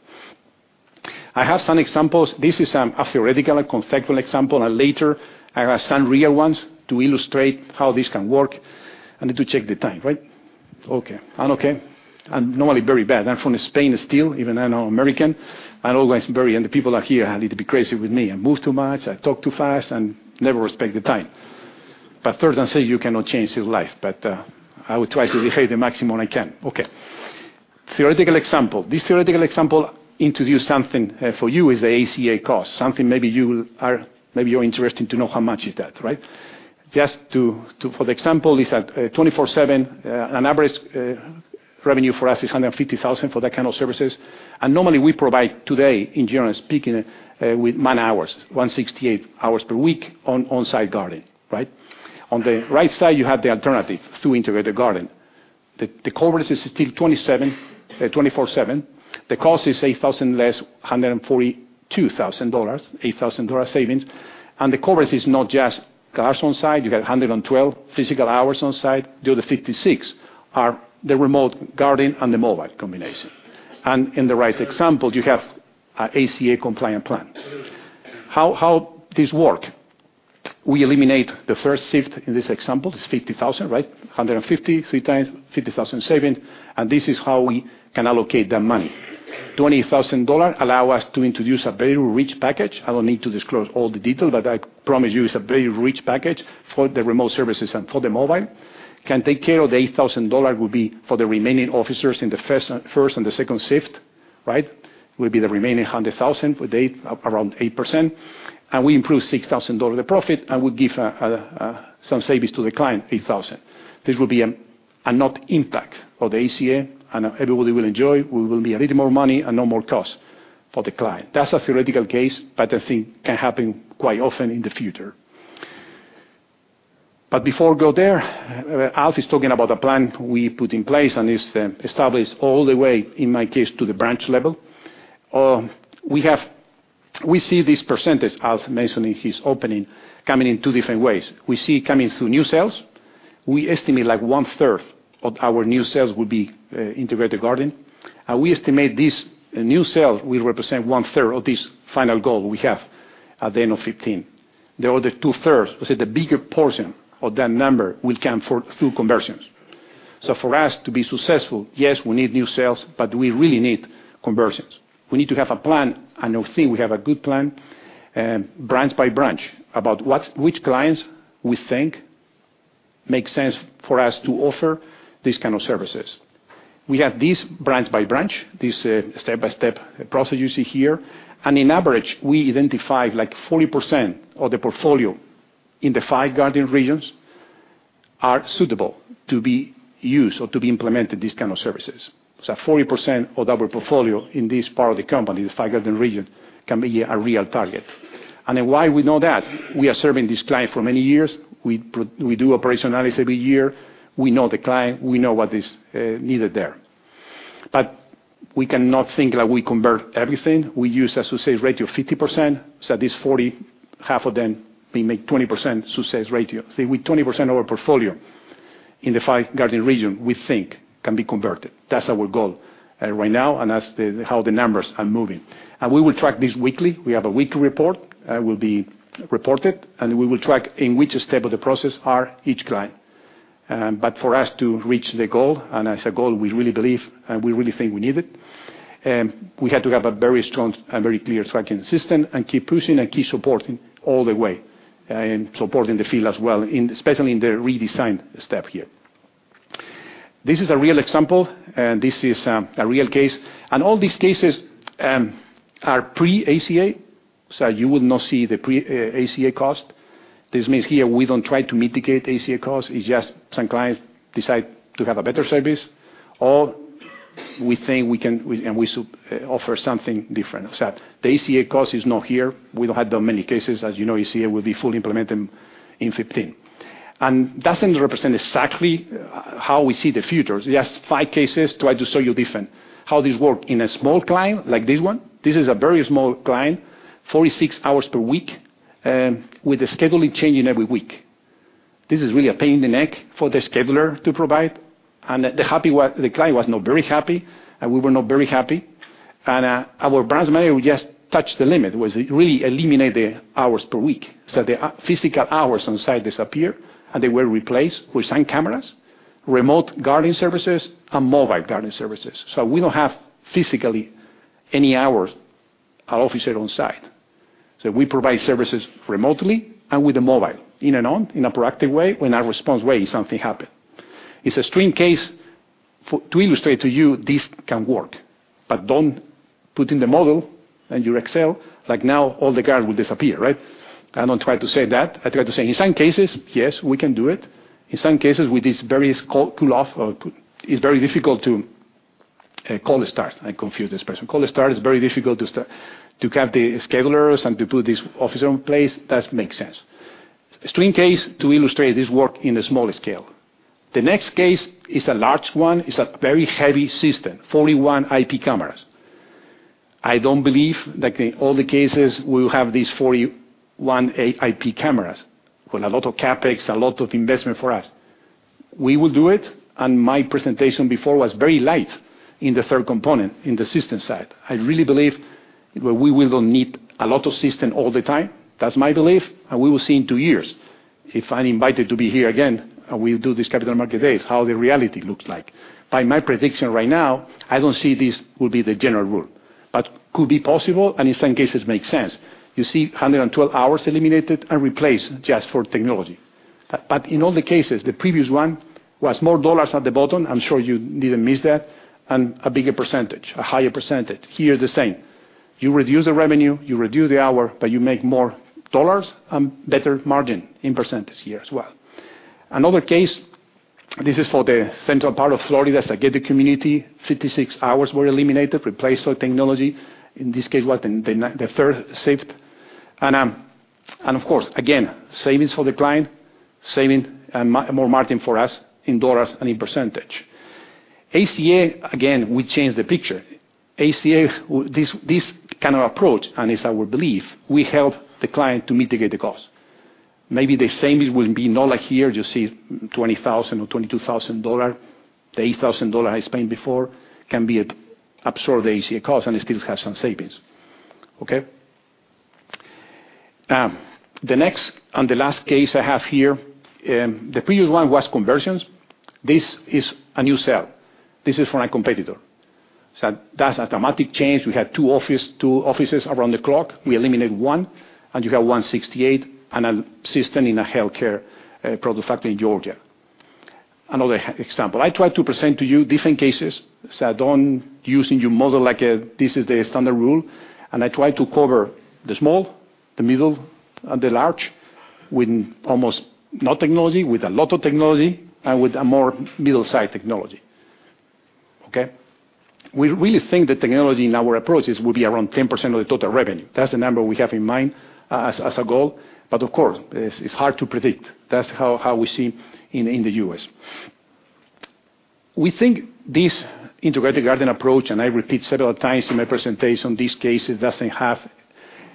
I have some examples. This is a theoretical and conceptual example, and later, I have some real ones to illustrate how this can work. I need to check the time, right? Okay. I'm okay. I'm normally very bad. I'm from Spain still, even I know American, and always very. And the people out here have need to be crazy with me. I move too much, I talk too fast, and never respect the time. But third, and say you cannot change your life, but, I will try to behave the maximum I can. Okay. Theoretical example. This theoretical example introduce something for you is the ACA cost, something maybe you are, maybe you're interested to know how much is that, right? Just to, for the example, is at 24/7, an average revenue for us is $150,000 for that kind of services. And normally, we provide today, in general speaking, with man-hours, 168 hours per week on on-site guarding, right? On the right side, you have the alternative to Integrated Guarding. The coverage is still 24/7. The cost is $8,000 less, $142,000, $8,000 savings. And the coverage is not just guards on site. You get 112 physical hours on site. Of the 56 are the remote guarding and the mobile combination. And in the right example, you have an ACA compliant plan. How this work? We eliminate the first shift in this example, $50,000, right? 150, three times, $50,000 saving, and this is how we can allocate that money. $20,000 allow us to introduce a very rich package. I don't need to disclose all the detail, but I promise you, it's a very rich package for the remote services and for the mobile. Can take care of the $8,000 dollar will be for the remaining officers in the first, first and the second shift, right? Will be the remaining $100,000 for they, around 8%, and we improve $6,000 dollar the profit and will give some savings to the client, $8,000. This will be a not impact of the ACA, and everybody will enjoy. We will be a little more money and no more cost for the client. That's a theoretical case, but I think can happen quite often in the future. But before go there, Alf is talking about a plan we put in place, and it's established all the way, in my case, to the branch level. We have we see this percentage, Alf mentioned in his opening, coming in two different ways. We see it coming through new sales. We estimate, like, one-third of our new sales will be Integrated Guarding, and we estimate this new sale will represent 1/3 of this final goal we have at the end of 2015. The other 2/3, we say the bigger portion of that number will come for through conversions. So for us to be successful, yes, we need new sales, but we really need conversions. We need to have a plan, and I think we have a good plan, branch by branch, about what's, which clients we think make sense for us to offer these kind of services. We have this branch by branch, this step-by-step process you see here, and in average, we identified, like, 40% of the portfolio in the five guarding regions are suitable to be used or to be implemented, these kind of services. So 40% of our portfolio in this part of the company, the five guarding region, can be a real target. And then why we know that? We are serving this client for many years. We do operational analysis every year. We know the client. We know what is needed there. But we cannot think that we convert everything. We use a success rate of 50%, so this 40, half of them, we make 20% success rate. So with 20% of our portfolio in the five guarding region, we think can be converted. That's our goal, right now, and that's how the numbers are moving. And we will track this weekly. We have a weekly report, will be reported, and we will track in which step of the process are each client. But for us to reach the goal, and as a goal, we really believe, and we really think we need it, we have to have a very strong and very clear tracking system and keep pushing and keep supporting all the way, and supporting the field as well, especially in the redesign step here. This is a real example, and this is a real case, and all these cases are pre-ACA, so you will not see the pre ACA cost. This means here we don't try to mitigate ACA cost. It's just some clients decide to have a better service, or we think we can, we, and we should offer something different. Except the ACA cost is not here. We don't have that many cases. As you know, ACA will be fully implemented in 2015. And doesn't represent exactly how we see the future. Just five cases try to show you different, how this work in a small client like this one. This is a very small client, 46 hours per week, with the scheduling changing every week. This is really a pain in the neck for the scheduler to provide, and the happy one, the client was not very happy, and we were not very happy... And, our branch manager, we just touched the limit, was it really eliminate the hours per week. So the physical hours on site disappear, and they were replaced with sign cameras, remote guarding services, and mobile guarding services. So we don't have physically any hours our officer on site. So we provide services remotely and with the mobile, in and out, in a proactive way, when our response way, something happen. It's a stream case to illustrate to you this can work, but don't put in the model in your Excel, like, now all the guard will disappear, right? I don't try to say that. I try to say, in some cases, yes, we can do it. In some cases, with this very cold, cool off, it's very difficult to, cold start. I confuse the expression. Cold start, it's very difficult to have the schedulers and to put this officer in place, that makes sense. Stream case, to illustrate, this work in a smaller scale. The next case is a large one. It's a very heavy system, 41 IP cameras. I don't believe that in all the cases we will have these 41 AI IP cameras, with a lot of CapEx, a lot of investment for us. We will do it, and my presentation before was very light in the third component, in the system side. I really believe where we will not need a lot of system all the time. That's my belief, and we will see in two years, if I'm invited to be here again, and we do this Capital Markets Day, how the reality looks like. By my prediction right now, I don't see this will be the general rule, but could be possible, and in some cases, make sense. You see 112 hours eliminated and replaced just for technology. But, in all the cases, the previous one was more dollars at the bottom, I'm sure you didn't miss that, and a bigger percentage, a higher percentage. Here, the same. You reduce the revenue, you reduce the hour, but you make more dollars and better margin in percentage here as well. Another case, this is for the central part of Florida, it's a gated community. 56 hours were eliminated, replaced with technology. In this case, was in the night, the third shift. Of course, again, savings for the client, saving and more margin for us in dollars and in percentage. ACA, again, we changed the picture. ACA, this kind of approach, and it's our belief, we help the client to mitigate the cost. Maybe the same it will be not like here, you see $20,000 or $22,000. The $8,000 I spent before can be a absorb the ACA cost and still have some savings. Okay? The next and the last case I have here, the previous one was conversions. This is a new sale. This is from a competitor. So that's a dramatic change. We had two offices around the clock. We eliminate one, and you have 168 and a system in a healthcare product factory in Georgia. Another example, I try to present to you different cases, so I don't using your model like a, this is the standard rule. And I try to cover the small, the middle, and the large, with almost no technology, with a lot of technology, and with a more middle-sized technology. Okay? We really think the technology in our approaches will be around 10% of the total revenue. That's the number we have in mind as, as a goal, but of course, it's hard to predict. That's how we see in the U.S. We think this Integrated Guarding approach, and I repeat several times in my presentation, this case, it doesn't have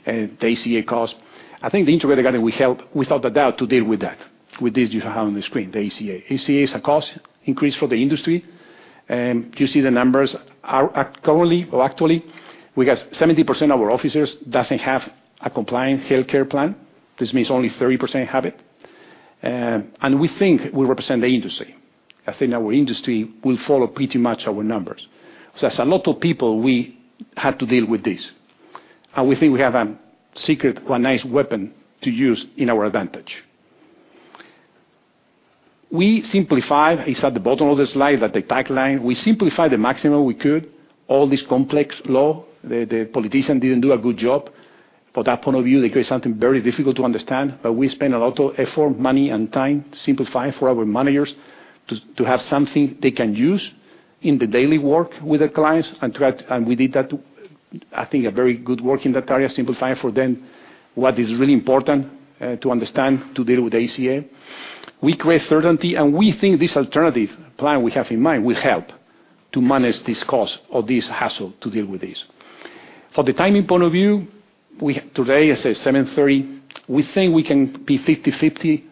the ACA cost. I think the Integrated Guarding will help, without a doubt, to deal with that, with this you have on the screen, the ACA. ACA is a cost increase for the industry. You see the numbers are currently or actually, we got 70% of our officers doesn't have a compliant healthcare plan. This means only 30% have it. And we think we represent the industry. I think our industry will follow pretty much our numbers. So that's a lot of people we have to deal with this, and we think we have a secret or a nice weapon to use in our advantage. We simplify, it's at the bottom of the slide, at the tagline. We simplify the maximum we could, all this complex law. The politician didn't do a good job. From that point of view, they create something very difficult to understand, but we spend a lot of effort, money, and time simplifying for our managers to have something they can use in the daily work with the clients, and we did that, I think, a very good work in that area, simplifying for them what is really important to understand, to deal with ACA. We create certainty, and we think this alternative plan we have in mind will help to manage this cost or this hassle to deal with this. For the timing point of view, today, it's 7:30, we think we can be 50/50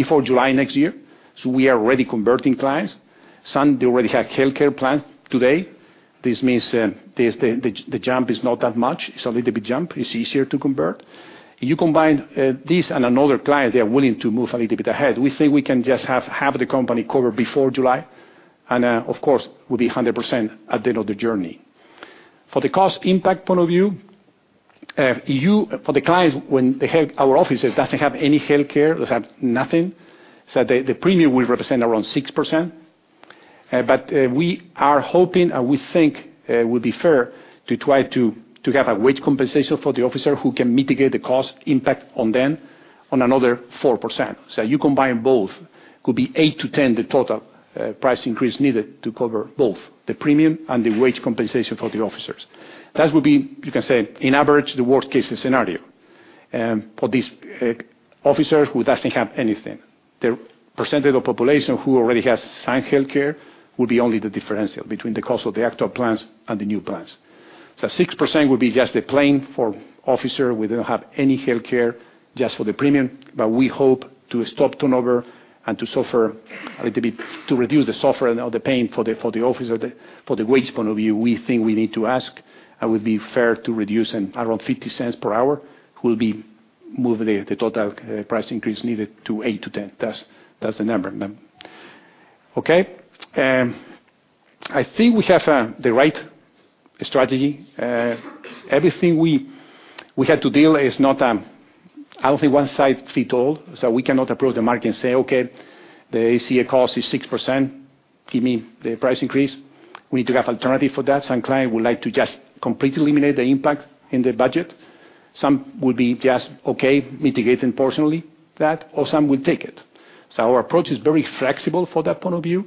before July next year. So we are already converting clients. Some they already have healthcare plan today. This means, the jump is not that much. It's a little bit jump. It's easier to convert. You combine this and another client, they are willing to move a little bit ahead. We think we can just have half of the company covered before July, and, of course, will be 100% at the end of the journey. For the cost impact point of view, for the clients, when they have our officer doesn't have any healthcare, they have nothing, so the premium will represent around 6%. But we are hoping, and we think, will be fair to try to have a wage compensation for the officer who can mitigate the cost impact on them on another 4%. So you combine both, could be 8%-10%, the total price increase needed to cover both the premium and the wage compensation for the officers. That would be, you can say, in average, the worst case scenario, for these, officers who doesn't have anything. The percentage of population who already has signed healthcare will be only the differential between the cost of the actual plans and the new plans. So 6% would be just the plan for officer, we don't have any healthcare just for the premium, but we hope to stop turnover and to suffer a little bit, to reduce the suffer and all the pain for the, for the office or the, for the wage point of view, we think we need to ask, and would be fair to reduce around $0.50 per hour, will be move the, the total price increase needed to eight-10. That's, that's the number. Okay, I think we have, the right strategy. Everything we, we had to deal is not, I don't think one size fit all, so we cannot approach the market and say, "Okay, the ACA cost is 6%, give me the price increase." We need to have alternative for that. Some client would like to just completely eliminate the impact in their budget. Some will be just, okay, mitigating personally that, or some will take it. So our approach is very flexible for that point of view,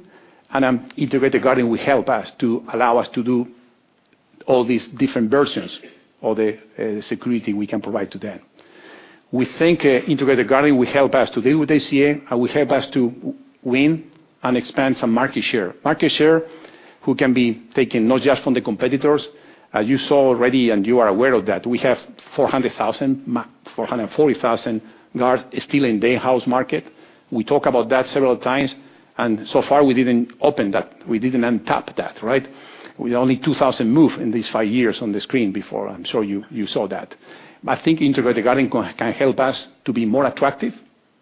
and, Integrated Guarding will help us to allow us to do all these different versions or the, security we can provide to them. We think, Integrated Guarding will help us to deal with ACA, and will help us to win and expand some market share. Market share, who can be taken not just from the competitors. As you saw already, and you are aware of that, we have 400,000, 440,000 guards still in the in-house market. We talk about that several times, and so far, we didn't open that. We didn't untap that, right? With only 2,000 move in these five years on the screen before, I'm sure you, you saw that. I think Integrated Guarding can, can help us to be more attractive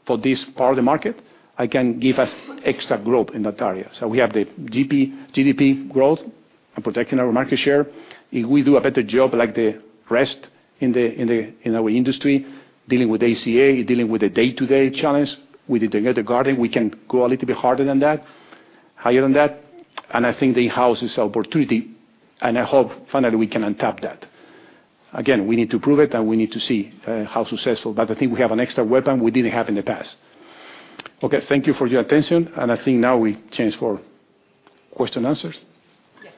for this part of the market, and can give us extra growth in that area. So we have the GDP growth and protecting our market share. If we do a better job, like the rest in our industry, dealing with ACA, dealing with the day-to-day challenge, with the Integrated Guarding, we can go a little bit harder than that, higher than that, and I think the house is opportunity, and I hope finally, we can untap that. Again, we need to prove it, and we need to see how successful, but I think we have an extra weapon we didn't have in the past. Okay, thank you for your attention, and I think now we change for question and answers. Yes,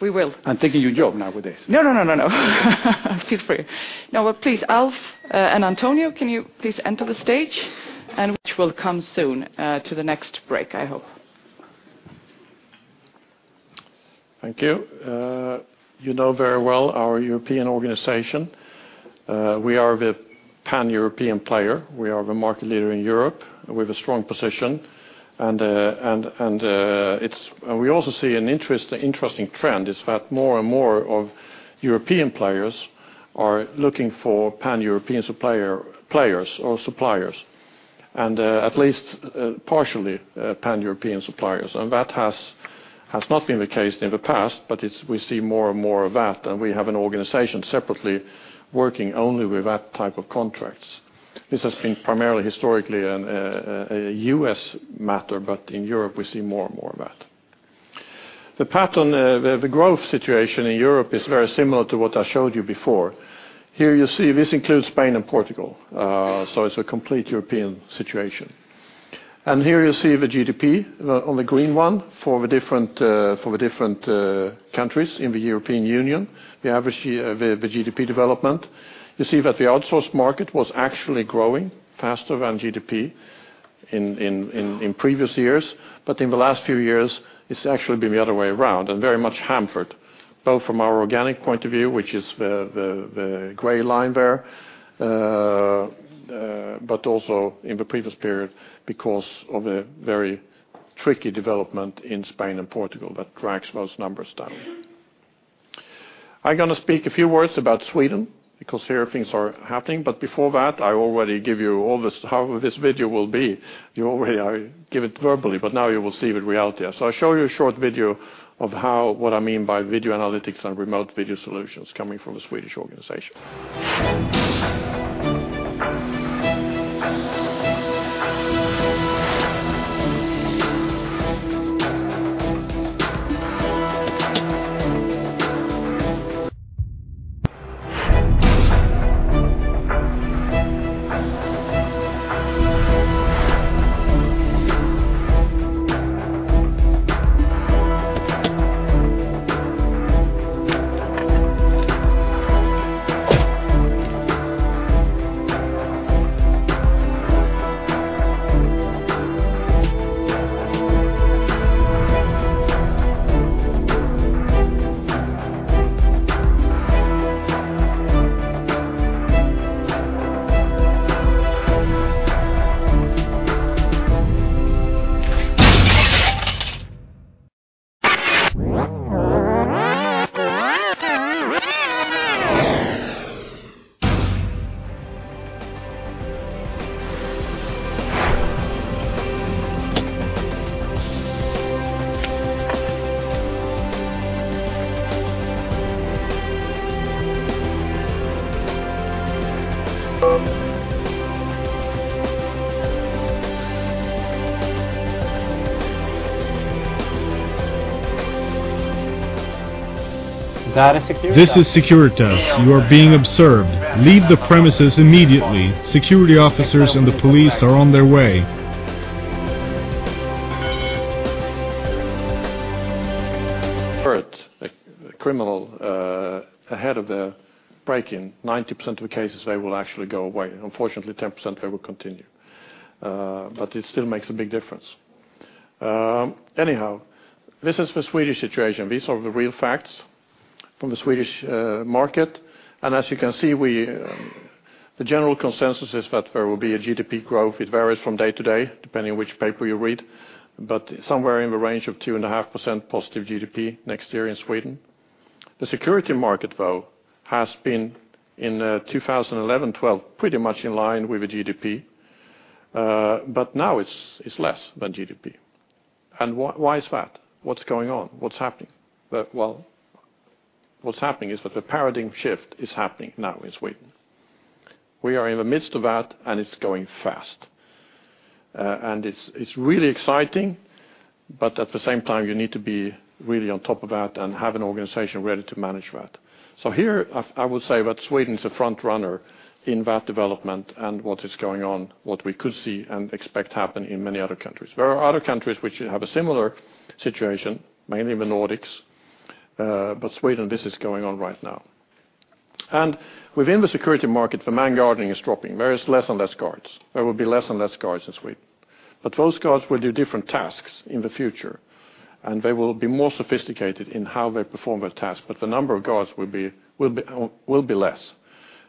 we will. I'm taking your job now with this. No, no, no, no, no. Feel free. Now, please, Alf, and Antonio, can you please enter the stage? And which will come soon, to the next break, I hope. Thank you. You know very well our European organization. We are the Pan-European player. We are the market leader in Europe with a strong position, and we also see an interesting trend: that more and more European players are looking for Pan-European supplier, players or suppliers, and at least partially Pan-European suppliers. That has not been the case in the past, but we see more and more of that, and we have an organization separately working only with that type of contracts. This has been primarily historically a U.S. matter, but in Europe, we see more and more of that. The pattern, the growth situation in Europe is very similar to what I showed you before. Here, you see this includes Spain and Portugal, so it's a complete European situation. And here you see the GDP, on the green one, for the different countries in the European Union, the average year, the GDP development. You see that the outsource market was actually growing faster than GDP in previous years, but in the last few years, it's actually been the other way around, and very much hampered, both from our organic point of view, which is the gray line there, but also in the previous period, because of a very tricky development in Spain and Portugal that drags those numbers down. I'm gonna speak a few words about Sweden, because here things are happening, but before that, I already give you all this, how this video will be. You already are. Give it verbally, but now you will see the reality. So I'll show you a short video of how, what I mean by video analytics and Remote Video Solutions coming from a Swedish organization. This is Securitas. You are being observed. Leave the premises immediately. Security officers and the police are on their way.... Heard a criminal ahead of the break-in, 90% of the cases, they will actually go away. Unfortunately, 10%, they will continue, but it still makes a big difference... Anyhow, this is the Swedish situation. These are the real facts from the Swedish market. And as you can see, the general consensus is that there will be a GDP growth. It varies from day to day, depending on which paper you read, but somewhere in the range of 2.5% positive GDP next year in Sweden. The security market, though, has been in 2011, 2012, pretty much in line with the GDP, but now it's less than GDP. And why is that? What's going on? What's happening? But well, what's happening is that the paradigm shift is happening now in Sweden. We are in the midst of that, and it's going fast. And it's really exciting, but at the same time, you need to be really on top of that and have an organization ready to manage that. So here, I will say that Sweden is a front runner in that development and what is going on, what we could see and expect to happen in many other countries. There are other countries which have a similar situation, mainly the Nordics, but Sweden, this is going on right now. And within the security market, the man guarding is dropping. There is less and less guards. There will be less and less guards in Sweden. But those guards will do different tasks in the future, and they will be more sophisticated in how they perform their tasks, but the number of guards will be less,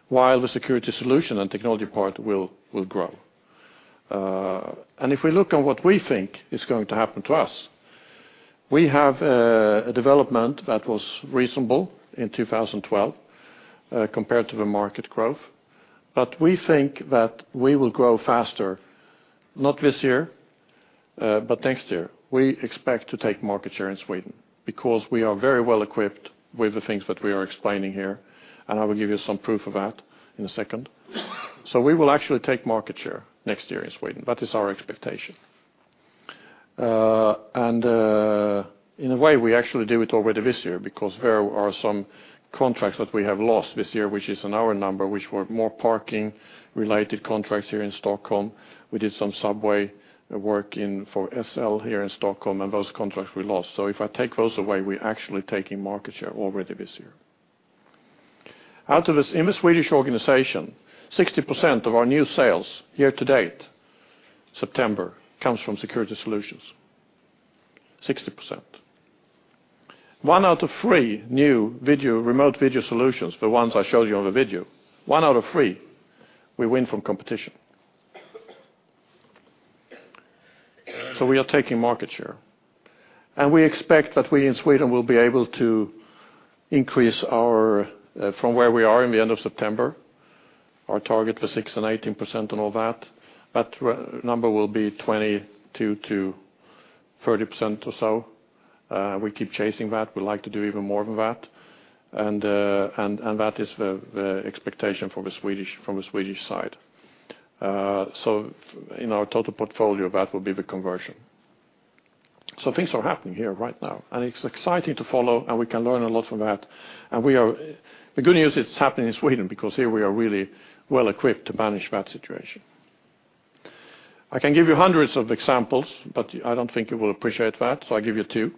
while the security solution and technology part will grow. And if we look on what we think is going to happen to us, we have a development that was reasonable in 2012, compared to the market growth, but we think that we will grow faster, not this year, but next year. We expect to take market share in Sweden because we are very well equipped with the things that we are explaining here, and I will give you some proof of that in a second. So we will actually take market share next year in Sweden. That is our expectation. And, in a way, we actually do it already this year because there are some contracts that we have lost this year, which is in our number, which were more parking-related contracts here in Stockholm. We did some subway work for SL here in Stockholm, and those contracts we lost. So if I take those away, we're actually taking market share already this year. Out of this, in the Swedish organization, 60% of our new sales here to date, September, comes from Security Solutions. 60%. One out of three new video, Remote Video Solutions, the ones I showed you on the video, one out of three, we win from competition. So we are taking market share. And we expect that we, in Sweden, will be able to increase our from where we are in the end of September, our target for 6% and 18% and all that, that number will be 22%-30% or so. We keep chasing that. We'd like to do even more than that. And that is the expectation for the Swedish from the Swedish side. So in our total portfolio, that will be the conversion. So things are happening here right now, and it's exciting to follow, and we can learn a lot from that. And we are the good news, it's happening in Sweden, because here we are really well equipped to manage that situation. I can give you hundreds of examples, but I don't think you will appreciate that, so I'll give you two.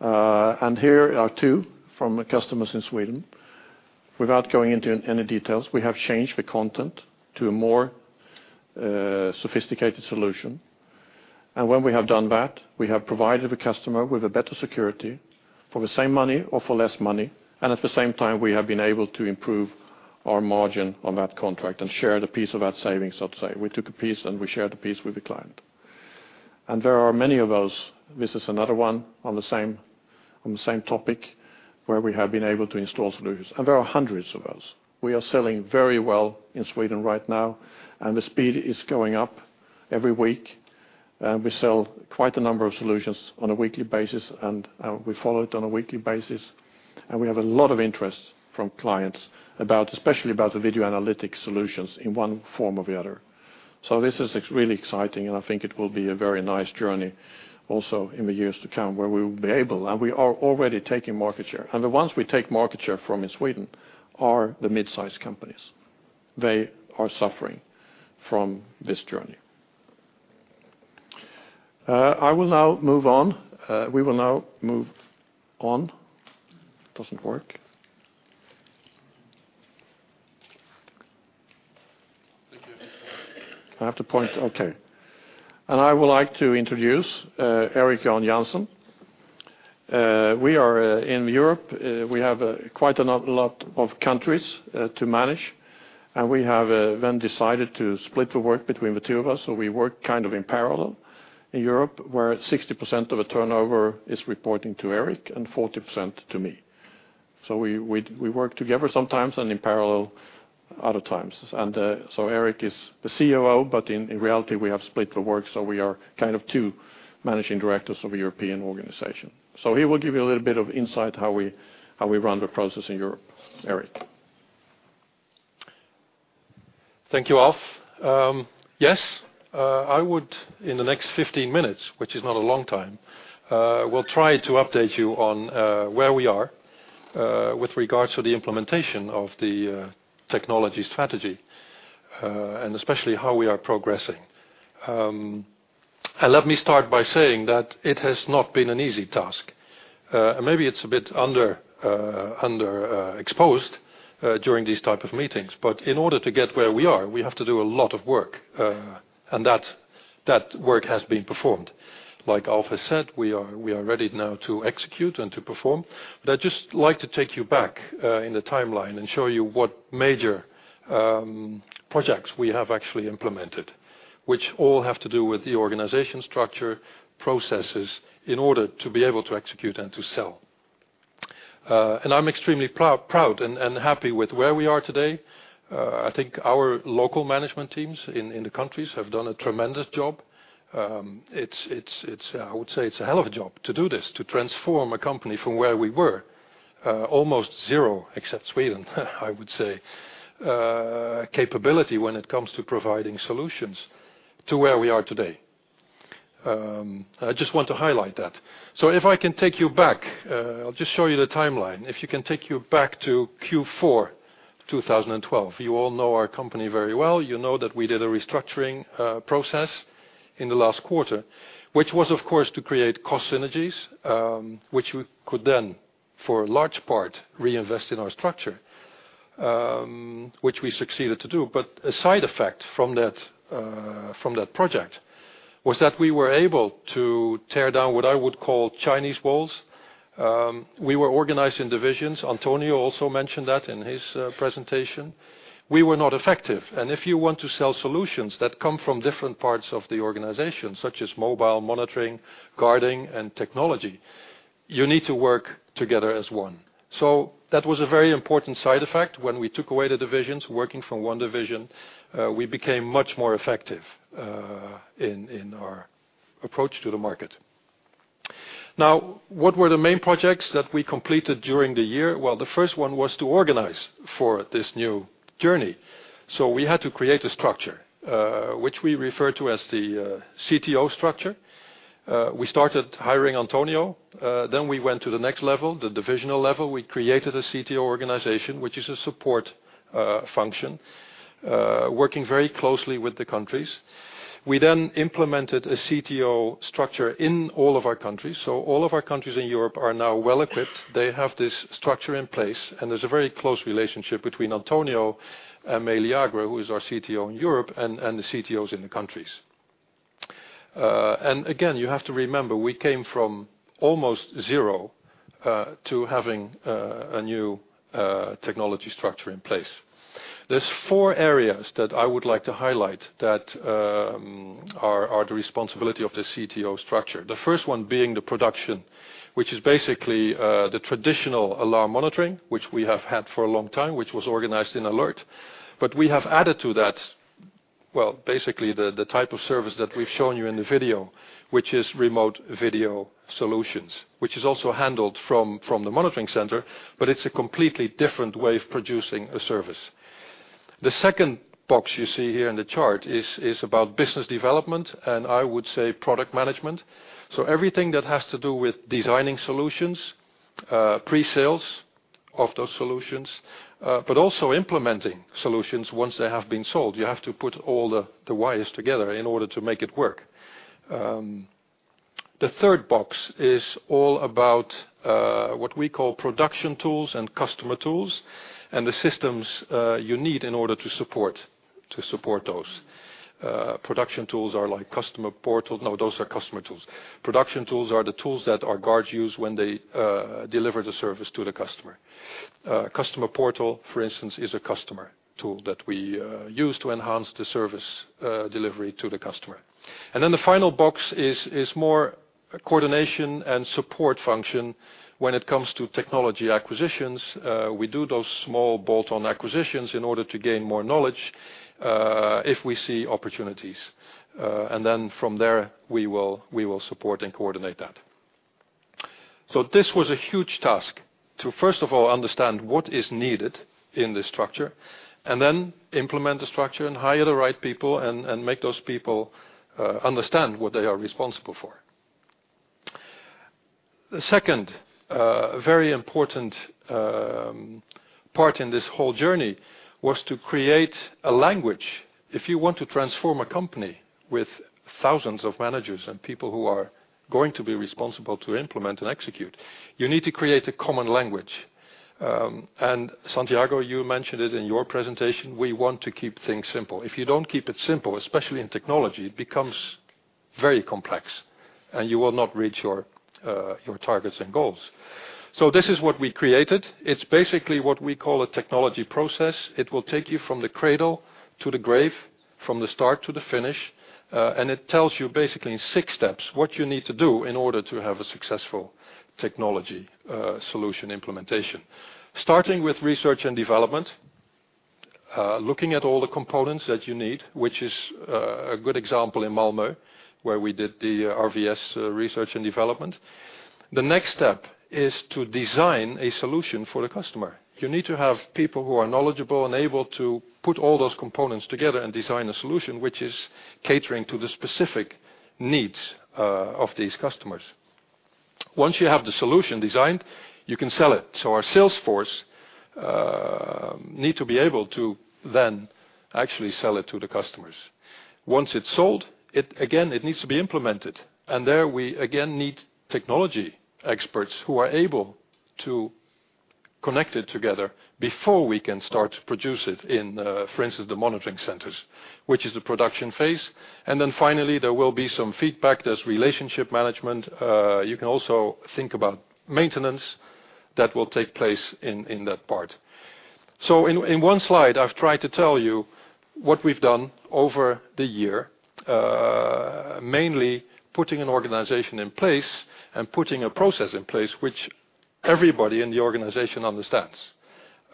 And here are two from the customers in Sweden. Without going into any details, we have changed the content to a more sophisticated solution. And when we have done that, we have provided the customer with a better security for the same money or for less money, and at the same time, we have been able to improve our margin on that contract and share the piece of that savings, I'll say. We took a piece, and we shared a piece with the client. And there are many of those. This is another one on the same topic, where we have been able to install solutions, and there are hundreds of those. We are selling very well in Sweden right now, and the speed is going up every week. We sell quite a number of solutions on a weekly basis, and, we follow it on a weekly basis, and we have a lot of interest from clients about, especially about the video analytics solutions in one form or the other. So this is really exciting, and I think it will be a very nice journey also in the years to come, where we will be able, and we are already taking market share. And the ones we take market share from in Sweden are the mid-sized companies. They are suffering from this journey. I will now move on. We will now move on. It doesn't work. I have to point? Okay. And I would like to introduce Erik-Jan Jansen. We are in Europe. We have quite a lot of countries to manage, and we have then decided to split the work between the two of us, so we work kind of in parallel. In Europe, where 60% of the turnover is reporting to Erik and 40% to me. So we work together sometimes and in parallel other times. And so Erik is the COO, but in reality, we have split the work, so we are kind of two managing directors of a European organization. So he will give you a little bit of insight how we run the process in Europe. Erik? Thank you, Alf. Yes, I would, in the next 15 minutes, which is not a long time, will try to update you on where we are with regards to the implementation of the technology strategy and especially how we are progressing. And let me start by saying that it has not been an easy task. And maybe it's a bit underexposed during these type of meetings. But in order to get where we are, we have to do a lot of work, and that work has been performed. Like Alf has said, we are ready now to execute and to perform. But I'd just like to take you back in the timeline and show you what major projects we have actually implemented, which all have to do with the organization structure, processes, in order to be able to execute and to sell. And I'm extremely proud and happy with where we are today. I think our local management teams in the countries have done a tremendous job. It's, I would say, a hell of a job to do this, to transform a company from where we were. Almost zero, except Sweden, I would say, capability when it comes to providing solutions to where we are today. I just want to highlight that. So if I can take you back, I'll just show you the timeline. If you can take you back to Q4, 2012. You all know our company very well. You know that we did a restructuring process in the last quarter, which was, of course, to create cost synergies, which we could then, for a large part, reinvest in our structure, which we succeeded to do. But a side effect from that, from that project, was that we were able to tear down what I would call Chinese walls. We were organized in divisions. Antonio also mentioned that in his presentation. We were not effective, and if you want to sell solutions that come from different parts of the organization, such as mobile monitoring, guarding, and technology, you need to work together as one. So that was a very important side effect. When we took away the divisions, working from one division, we became much more effective, in our approach to the market. Now, what were the main projects that we completed during the year? Well, the first one was to organize for this new journey. We had to create a structure, which we refer to as the CTO structure. We started hiring Antonio, then we went to the next level, the divisional level. We created a CTO organization, which is a support function working very closely with the countries. We then implemented a CTO structure in all of our countries. All of our countries in Europe are now well-equipped. They have this structure in place, and there's a very close relationship between Antonio and Aimé Lyagre, who is our CTO in Europe, and the CTOs in the countries. And again, you have to remember, we came from almost zero to having a new technology structure in place. There's four areas that I would like to highlight that are the responsibility of the CTO structure. The first one being the production, which is basically the traditional alarm monitoring, which we have had for a long time, which was organized in Alert. But we have added to that, well, basically, the type of service that we've shown you in the video, which is Remote Video Solutions, which is also handled from the monitoring center, but it's a completely different way of producing a service. The second box you see here in the chart is about business development, and I would say product management. So everything that has to do with designing solutions, pre-sales of those solutions, but also implementing solutions once they have been sold. You have to put all the wires together in order to make it work. The third box is all about what we call production tools and customer tools, and the systems you need in order to support those. Production tools are like customer portal—no, those are customer tools. Production tools are the tools that our guards use when they deliver the service to the customer. Customer portal, for instance, is a customer tool that we use to enhance the service delivery to the customer. And then the final box is more coordination and support function when it comes to technology acquisitions. We do those small bolt-on acquisitions in order to gain more knowledge if we see opportunities. And then from there, we will support and coordinate that. So this was a huge task, to first of all, understand what is needed in this structure, and then implement the structure and hire the right people and make those people understand what they are responsible for. The second, very important, part in this whole journey was to create a language. If you want to transform a company with thousands of managers and people who are going to be responsible to implement and execute, you need to create a common language. And Santiago, you mentioned it in your presentation, we want to keep things simple. If you don't keep it simple, especially in technology, it becomes very complex, and you will not reach your targets and goals. So this is what we created. It's basically what we call a technology process. It will take you from the cradle to the grave, from the start to the finish, and it tells you basically in six steps what you need to do in order to have a successful technology solution implementation. Starting with research and development, looking at all the components that you need, which is a good example in Malmö, where we did the RVS research and development. The next step is to design a solution for the customer. You need to have people who are knowledgeable and able to put all those components together and design a solution which is catering to the specific needs of these customers. Once you have the solution designed, you can sell it. So our sales force need to be able to then actually sell it to the customers. Once it's sold, it, again, it needs to be implemented, and there we again need technology experts who are able to connect it together before we can start to produce it in, for instance, the monitoring centers, which is the production phase. And then finally, there will be some feedback. There's relationship management. You can also think about maintenance that will take place in that part. So in one slide, I've tried to tell you what we've done over the year. Mainly putting an organization in place and putting a process in place which everybody in the organization understands.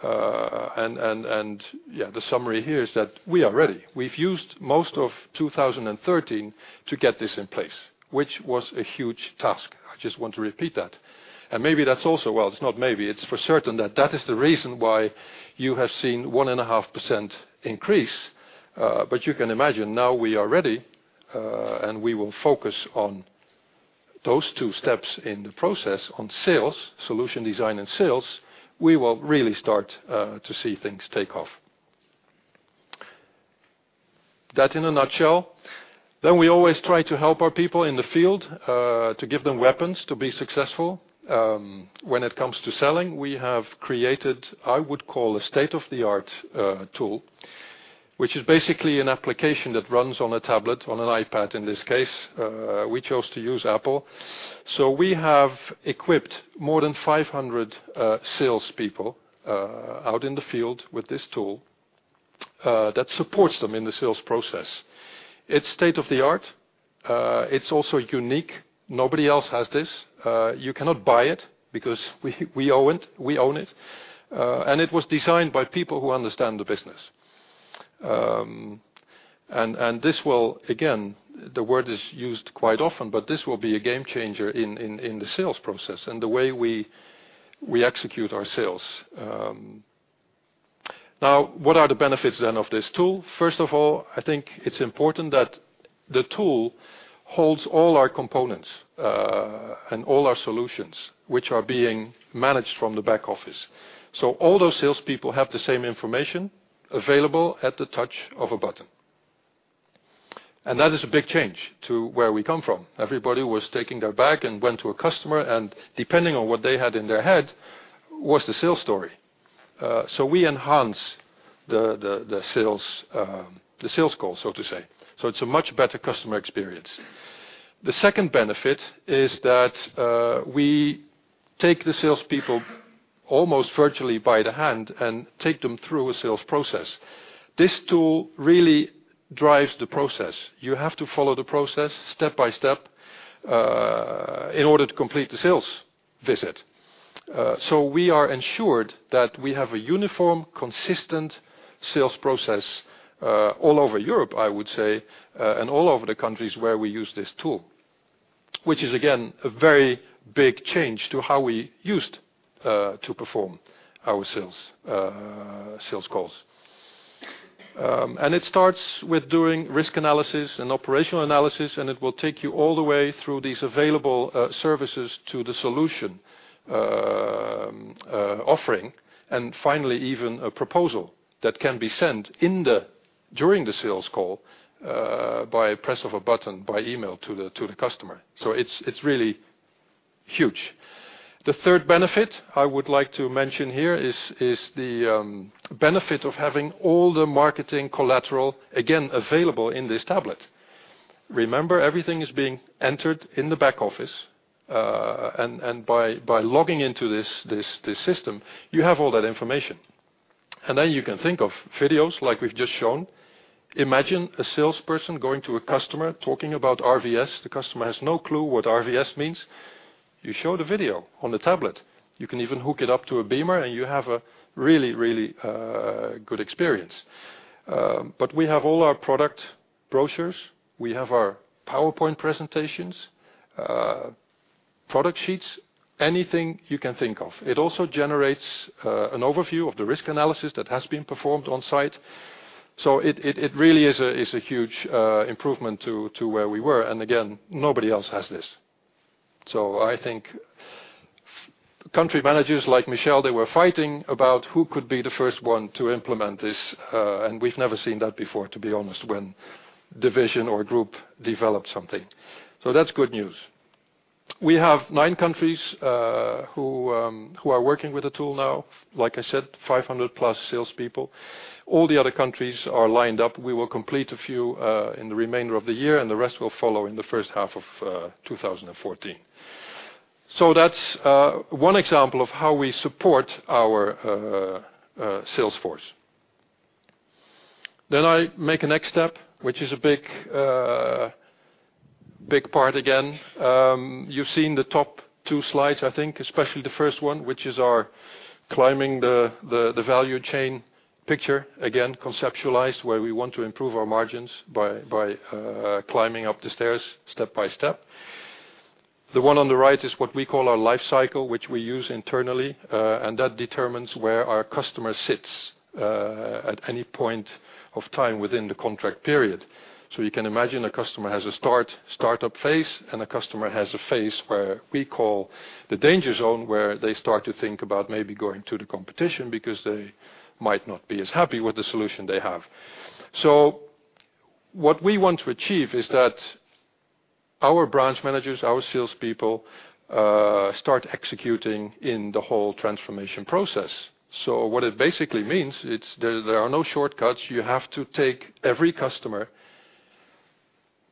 And yeah, the summary here is that we are ready. We've used most of 2013 to get this in place, which was a huge task. I just want to repeat that. Maybe that's also, well, it's not maybe, it's for certain that that is the reason why you have seen 1.5% increase. But you can imagine now we are ready, and we will focus on those two steps in the process, on sales, solution design, and sales, we will really start to see things take off. That in a nutshell. Then we always try to help our people in the field to give them weapons to be successful. When it comes to selling, we have created, I would call a state-of-the-art tool, which is basically an application that runs on a tablet, on an iPad, in this case, we chose to use Apple. So we have equipped more than 500 salespeople out in the field with this tool that supports them in the sales process. It's state-of-the-art. It's also unique. Nobody else has this. You cannot buy it because we own it, we own it. And it was designed by people who understand the business. This will, again, the word is used quite often, but this will be a game changer in the sales process and the way we execute our sales. Now, what are the benefits then of this tool? First of all, I think it's important that the tool holds all our components and all our solutions, which are being managed from the back office. So all those salespeople have the same information available at the touch of a button. That is a big change to where we come from. Everybody was taking their bag and went to a customer, and depending on what they had in their head, was the sales story. So we enhance the sales call, so to say. So it's a much better customer experience. The second benefit is that we take the salespeople almost virtually by the hand and take them through a sales process. This tool really drives the process. You have to follow the process step by step in order to complete the sales visit. So we are ensured that we have a uniform, consistent sales process all over Europe, I would say, and all over the countries where we use this tool, which is, again, a very big change to how we used to perform our sales sales calls. And it starts with doing risk analysis and operational analysis, and it will take you all the way through these available services to the solution offering, and finally, even a proposal that can be sent in the during the sales call by press of a button by email to the customer. So it's really huge. The third benefit I would like to mention here is the benefit of having all the marketing collateral, again, available in this tablet. Remember, everything is being entered in the back office, and by logging into this system, you have all that information. And then you can think of videos like we've just shown. Imagine a salesperson going to a customer, talking about RVS. The customer has no clue what RVS means. You show the video on the tablet. You can even hook it up to a beamer and you have a really, really good experience. But we have all our product brochures, we have our PowerPoint presentations, product sheets, anything you can think of. It also generates an overview of the risk analysis that has been performed on site. So it really is a huge improvement to where we were. And again, nobody else has this. So I think country managers like Michel, they were fighting about who could be the first one to implement this, and we've never seen that before, to be honest, when division or group develops something. So that's good news. We have 9 countries who are working with the tool now. Like I said, 500+ salespeople. All the other countries are lined up. We will complete a few in the remainder of the year, and the rest will follow in the first half of 2014. So that's one example of how we support our sales force. Then I make a next step, which is a big big part again. You've seen the top two slides, I think, especially the first one, which is our climbing the value chain picture, again, conceptualized, where we want to improve our margins by by climbing up the stairs step by step. The one on the right is what we call our life cycle, which we use internally, and that determines where our customer sits at any point of time within the contract period. So you can imagine a customer has a start, startup phase, and a customer has a phase where we call the danger zone, where they start to think about maybe going to the competition because they might not be as happy with the solution they have. So what we want to achieve is that our branch managers, our salespeople, start executing in the whole transformation process. So what it basically means, it's that there are no shortcuts. You have to take every customer,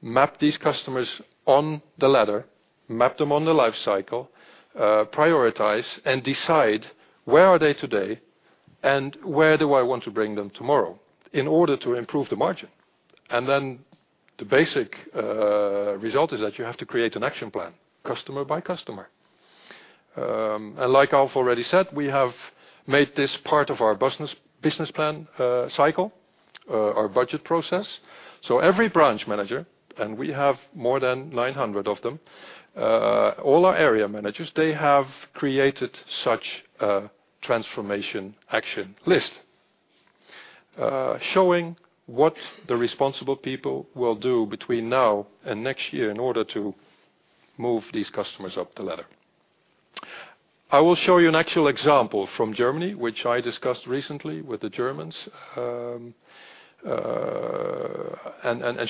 map these customers on the ladder, map them on the life cycle, prioritize, and decide where are they today, and where do I want to bring them tomorrow in order to improve the margin? And then the basic result is that you have to create an action plan, customer by customer. Like I've already said, we have made this part of our business plan cycle, our budget process. So every branch manager, and we have more than 900 of them, all our area managers, they have created such a transformation action list, showing what the responsible people will do between now and next year in order to move these customers up the ladder. I will show you an actual example from Germany, which I discussed recently with the Germans, and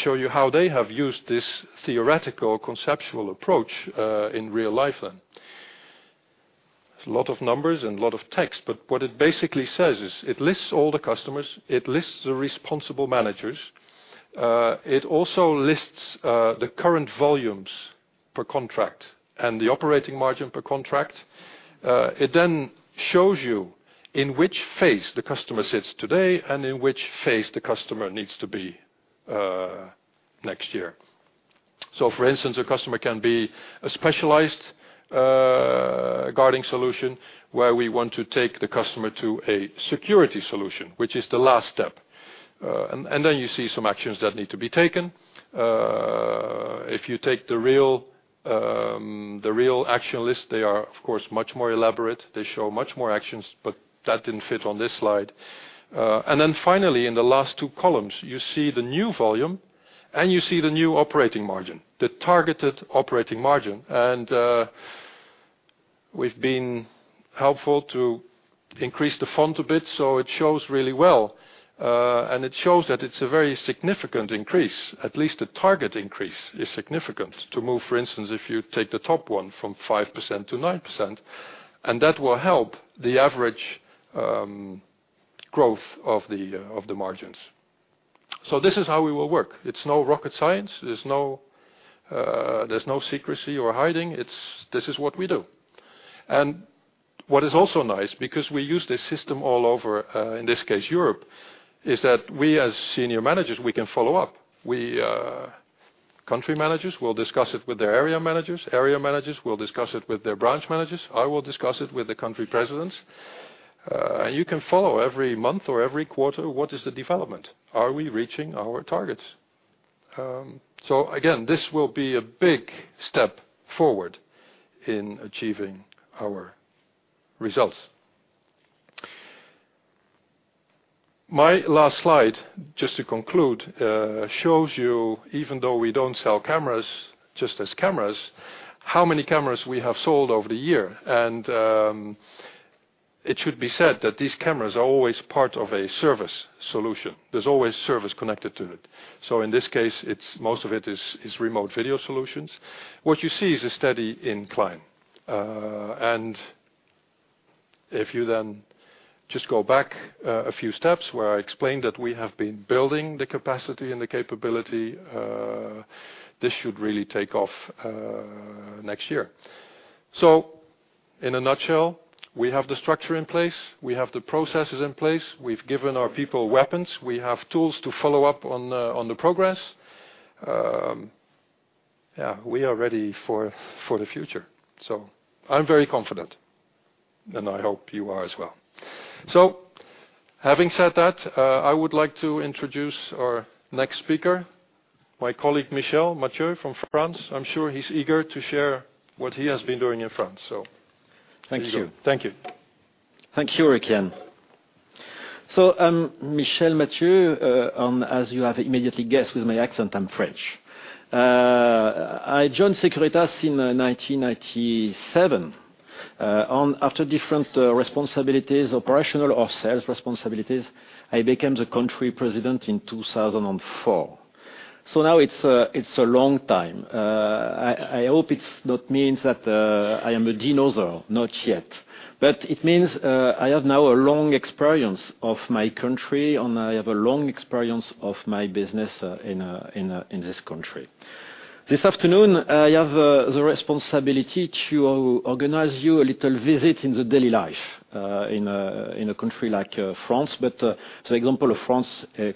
show you how they have used this theoretical conceptual approach in real life then. It's a lot of numbers and a lot of text, but what it basically says is, it lists all the customers, it lists the responsible managers. It also lists the current volumes per contract and the operating margin per contract. It then shows you in which phase the customer sits today and in which phase the customer needs to be next year. So for instance, a customer can be a Specialized Guarding Solution, where we want to take the customer to a Security Solution, which is the last step. And then you see some actions that need to be taken. If you take the real, the real action list, they are, of course, much more elaborate. They show much more actions, but that didn't fit on this slide. And then finally, in the last two columns, you see the new volume, and you see the new operating margin, the targeted operating margin. And we've been helpful to increase the font a bit, so it shows really well. And it shows that it's a very significant increase. At least the target increase is significant to move, for instance, if you take the top one from 5% to 9%, and that will help the average growth of the margins. So this is how we will work. It's no rocket science. There's no secrecy or hiding. This is what we do. And what is also nice, because we use this system all over, in this case, Europe, is that we, as senior managers, we can follow up. We country managers will discuss it with their area managers, area managers will discuss it with their branch managers, I will discuss it with the country presidents. And you can follow every month or every quarter, what is the development? Are we reaching our targets? So again, this will be a big step forward in achieving our results. My last slide, just to conclude, shows you, even though we don't sell cameras, just as cameras, how many cameras we have sold over the year. And it should be said that these cameras are always part of a service solution. There's always service connected to it. So in this case, it's most of it is Remote Video Solutions. What you see is a steady incline. And if you then just go back a few steps where I explained that we have been building the capacity and the capability, this should really take off next year. So in a nutshell, we have the structure in place, we have the processes in place, we've given our people weapons, we have tools to follow up on the progress. Yeah, we are ready for the future. So I'm very confident, and I hope you are as well. So having said that, I would like to introduce our next speaker, my colleague, Michel Mathieu from France. I'm sure he's eager to share what he has been doing in France. So- Thank you. Thank you. Thank you, Erik-Jan. So I'm Michel Mathieu, and as you have immediately guessed, with my accent, I'm French. I joined Securitas in 1997. After different responsibilities, operational or sales responsibilities, I became the country president in 2004. So now it's a long time. I hope it's not means that I am a dinosaur, not yet. But it means I have now a long experience of my country, and I have a long experience of my business in this country. This afternoon, I have the responsibility to organize you a little visit in the daily life in a country like France. But the example of France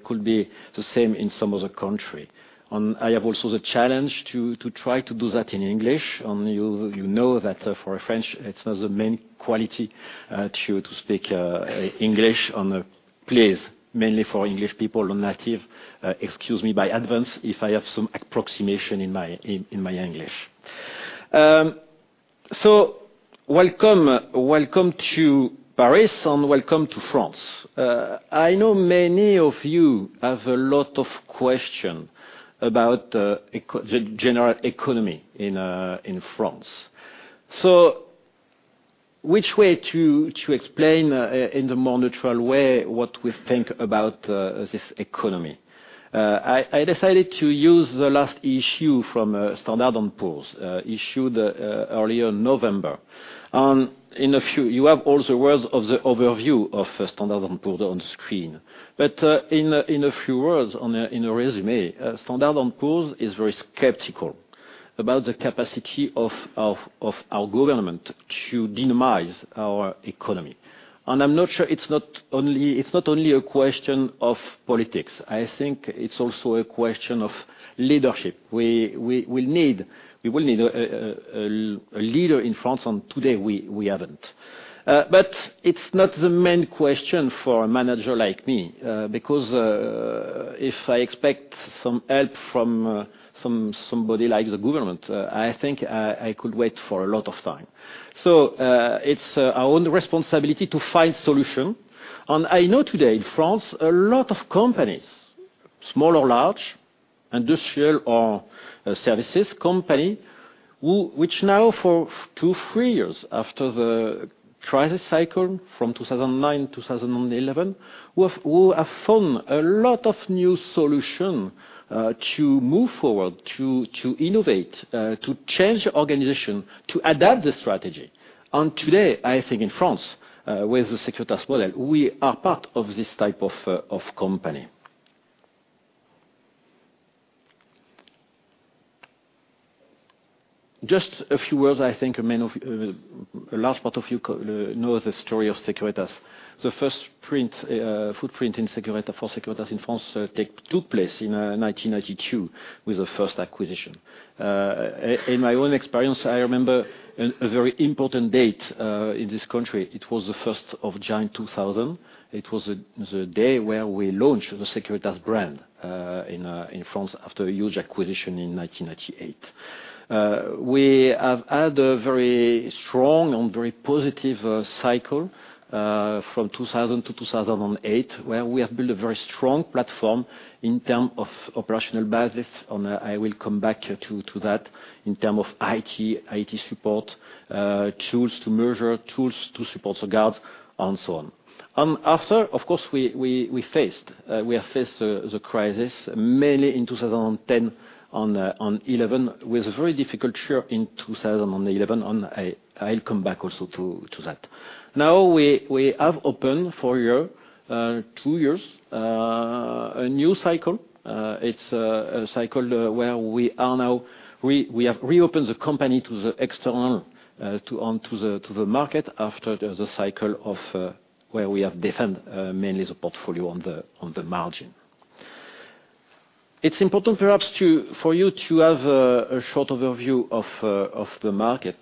could be the same in some other country. I have also the challenge to try to do that in English, and you know that, for a French, it's not the main quality, to speak English. And, please, mainly for English people who are not native, excuse me in advance if I have some approximation in my English. So welcome, welcome to Paris, and welcome to France. I know many of you have a lot of question about the general economy in France. So which way to explain in the more neutral way what we think about this economy? I decided to use the last issue from Standard & Poor's, issued earlier in November. And in a few, you have all the words of the overview of Standard & Poor's on screen. In a few words, in a résumé, Standard & Poor's is very skeptical about the capacity of our government to dynamize our economy. I'm not sure it's not only a question of politics, I think it's also a question of leadership. We need, we will need a leader in France, and today we haven't. But it's not the main question for a manager like me, because if I expect some help from somebody like the government, I think I could wait for a lot of time. It's our own responsibility to find solution. I know today, in France, a lot of companies, small or large, industrial or services company, which now, for two, three years, after the crisis cycle from 2009 to 2011, who have, who have found a lot of new solution, to move forward, to, to innovate, to change the organization, to adapt the strategy. And today, I think in France, with the Securitas model, we are part of this type of, of company. Just a few words, I think many of, a large part of you know the story of Securitas. The first footprint in Securitas, for Securitas in France, took place in 1992, with the first acquisition. In my own experience, I remember a very important date, in this country. It was the first of June, 2000. It was the day where we launched the Securitas brand in France, after a huge acquisition in 1998. We have had a very strong and very positive cycle from 2000 to 2008, where we have built a very strong platform in terms of operational basis, and I will come back to that, in terms of IT, IT support, tools to measure, tools to support the guards, and so on. After, of course, we faced, we have faced the crisis, mainly in 2010, on 2011, with a very difficult year in 2011, and I'll come back also to that. Now, we have opened for two years a new cycle. It's a cycle where we are now—we have reopened the company to the external to the market, after the cycle where we have defended mainly the portfolio on the margin. It's important, perhaps, for you to have a short overview of the market.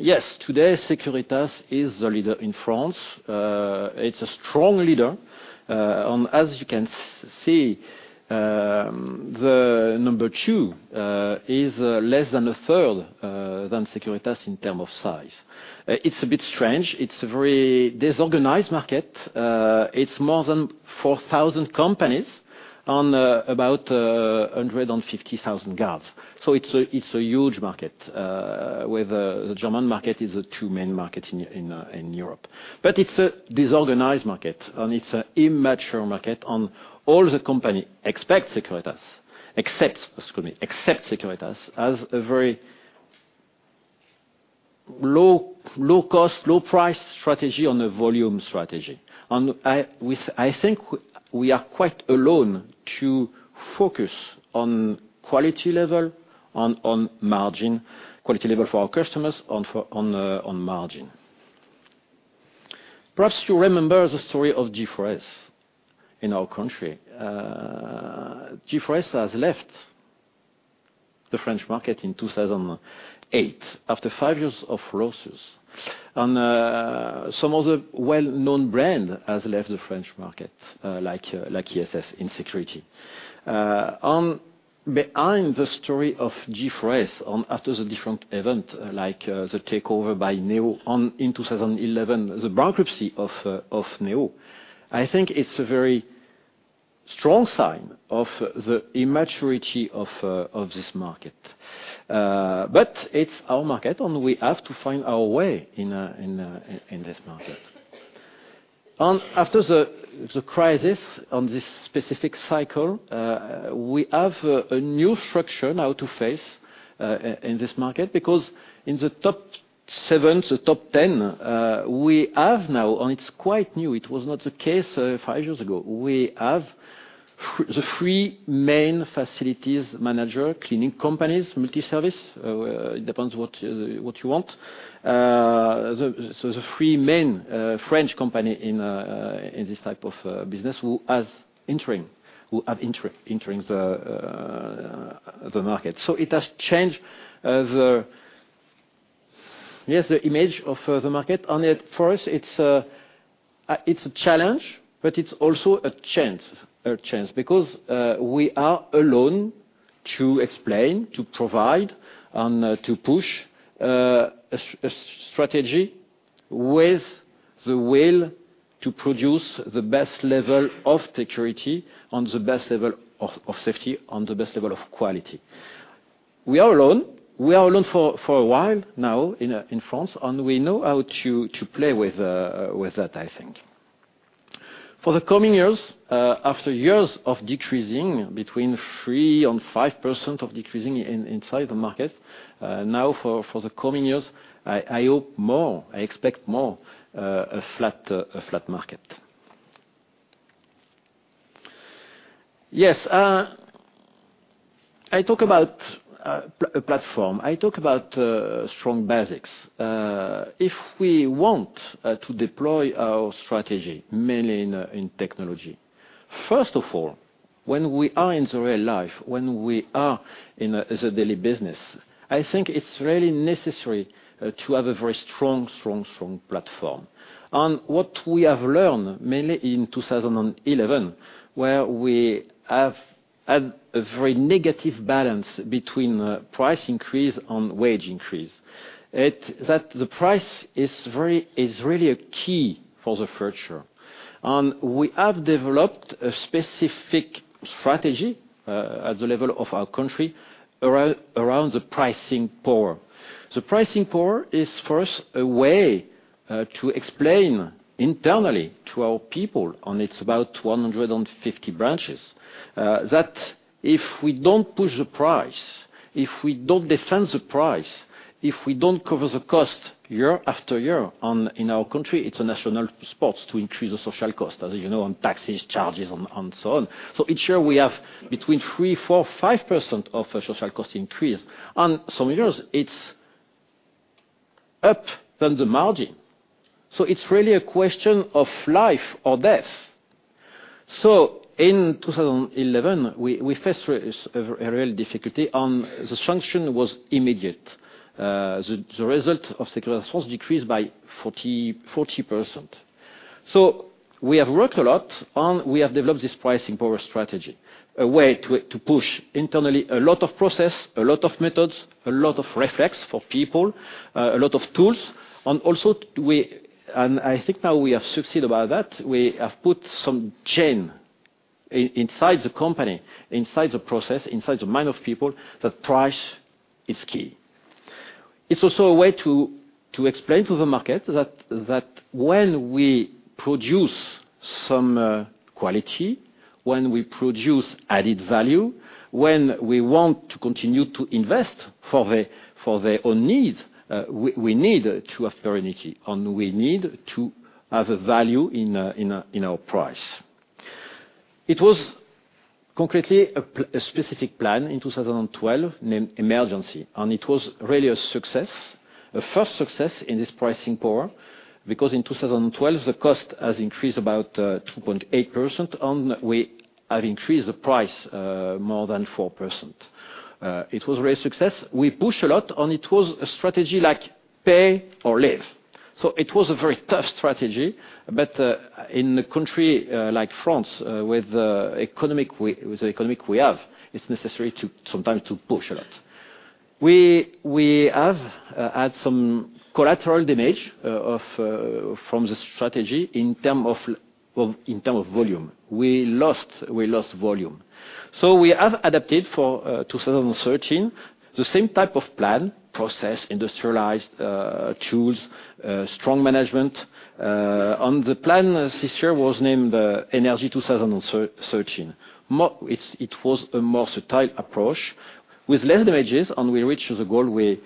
Yes, today, Securitas is the leader in France. It's a strong leader, and as you can see, the number two is less than a third than Securitas in term of size. It's a bit strange. It's a very disorganized market. It's more than 4,000 companies on about 150,000 guards. So it's a huge market where the German market is the two main market in Europe. But it's a disorganized market, and it's an immature market, and all the companies except Securitas as a very low, low-cost, low-price strategy and a volume strategy. And we are quite alone to focus on quality level, on margin, quality level for our customers, on margin. Perhaps you remember the story of G4S in our country. G4S has left the French market in 2008, after five years of losses. And some other well-known brand has left the French market, like ISS in security. Behind the story of G4S, after the different event, like the takeover by NEO in 2011, the bankruptcy of NEO, I think it's a very strong sign of the immaturity of this market. But it's our market, and we have to find our way in this market. After the crisis on this specific cycle, we have a new structure now to face in this market, because in the top seven, the top ten, we have now, and it's quite new, it was not the case five years ago, we have the three main facilities manager cleaning companies, multi-service, it depends what you want. So the three main French company in this type of business who have entering the market. So it has changed the image of the market, and yet for us, it's a challenge, but it's also a chance, a chance. Because we are alone to explain, to provide, and to push a strategy with the will to produce the best level of security and the best level of safety, and the best level of quality. We are alone. We are alone for a while now in France, and we know how to play with that, I think. For the coming years, after years of decreasing between 3%-5% of decreasing inside the market, now for the coming years, I hope more, I expect more, a flat market. Yes, I talk about a platform. I talk about strong basics. If we want to deploy our strategy, mainly in technology, first of all, when we are in the real life, when we are in the daily business, I think it's really necessary to have a very strong, strong, strong platform. And what we have learned, mainly in 2011, where we have had a very negative balance between price increase and wage increase, that the price is very, is really a key for the future. We have developed a specific strategy at the level of our country around the pricing power. The pricing power is, first, a way to explain internally to our people, and it's about 150 branches, that if we don't push the price, if we don't defend the price, if we don't cover the cost year after year on, in our country, it's a national sport to increase the social cost, as you know, on taxes, charges, and so on. So each year we have between 3%-5% of social cost increase. And some years it's up than the margin, so it's really a question of life or death. So in 2011, we faced with this, a real difficulty, and the sanction was immediate. The result of Securitas France decreased by 40%. So we have worked a lot, and we have developed this pricing power strategy, a way to push internally a lot of process, a lot of methods, a lot of reflex for people, a lot of tools. And also, we... And I think now we have succeeded about that. We have put some chain inside the company, inside the process, inside the mind of people, that price is key. It's also a way to explain to the market that when we produce some quality, when we produce added value, when we want to continue to invest for their own needs, we need to have serenity, and we need to have a value in our price. It was concretely a specific plan in 2012, named Emergency, and it was really a success. A first success in this pricing power, because in 2012, the cost has increased about 2.8%, and we have increased the price more than 4%. It was a real success. We pushed a lot, and it was a strategy like pay or leave. So it was a very tough strategy, but in a country like France, with the economic we have, it's necessary to sometimes to push a lot. We have had some collateral damage of from the strategy in terms of volume. We lost volume. So we have adapted for 2013, the same type of plan, process, industrialized tools, strong management. And the plan this year was named Energy 2013. More, it was a more subtle approach with less damages, and we reached the goal we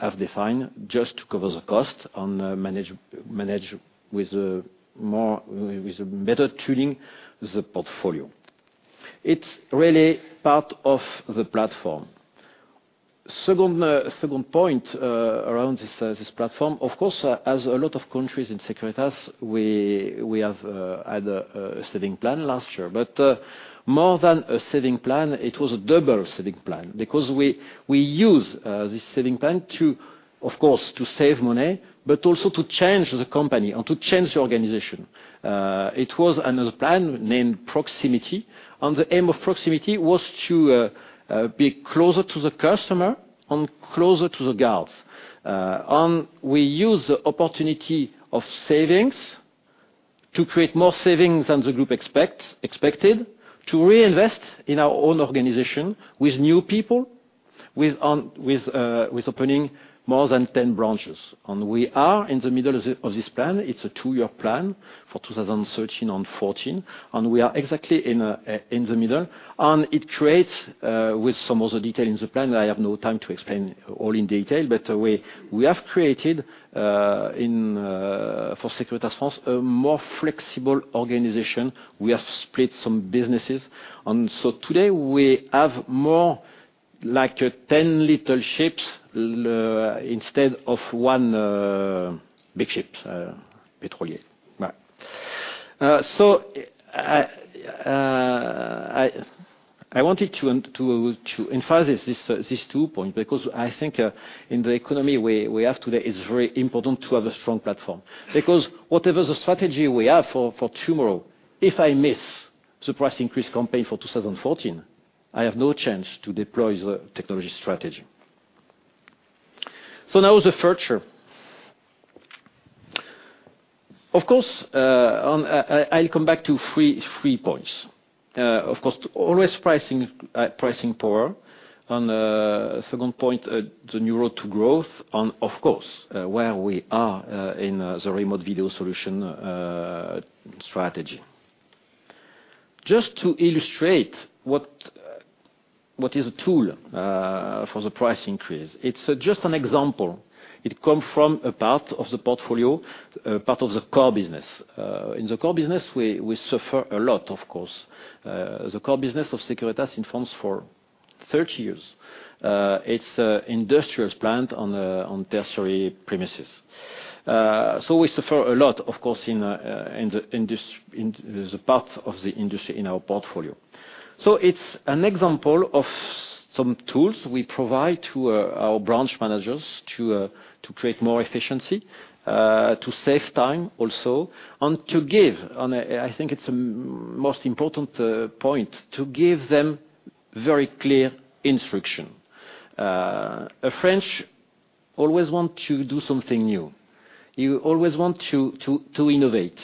have defined just to cover the cost and manage with more, with a better tuning the portfolio. It's really part of the platform. Second point, around this platform, of course, as in a lot of countries in Securitas, we have had a saving plan last year. But more than a saving plan, it was a double saving plan, because we use this saving plan to, of course, to save money, but also to change the company and to change the organization. It was another plan named Proximity, and the aim of Proximity was to be closer to the customer and closer to the guards. And we use the opportunity of savings to create more savings than the group expected, to reinvest in our own organization with new people, with opening more than 10 branches. And we are in the middle of this, of this plan. It's a two-year plan for 2013 and 2014, and we are exactly in the middle. And it creates, with some of the detail in the plan, I have no time to explain all in detail, but we, we have created, in for Securitas France, a more flexible organization. We have split some businesses. And so today we have more like 10 little ships instead of one big ship petroleum. Right... So, I wanted to emphasize these two points, because I think in the economy we have today, it's very important to have a strong platform. Because whatever the strategy we have for tomorrow, if I miss the price increase campaign for 2014, I have no chance to deploy the technology strategy. So now the future. Of course, I'll come back to three points. Of course, always pricing, pricing power. And, second point, the new road to growth, and of course, where we are in the remote video solution strategy. Just to illustrate what is a tool for the price increase, it's just an example. It come from a part of the portfolio, a part of the core business. In the core business, we suffer a lot, of course. The core business of Securitas in France for 30 years, it's an industrial plant on tertiary premises. So we suffer a lot, of course, in the part of the industry in our portfolio. So it's an example of some tools we provide to our branch managers to create more efficiency, to save time also, and to give, and I think it's a most important point, to give them very clear instruction. A French always want to do something new. You always want to innovate,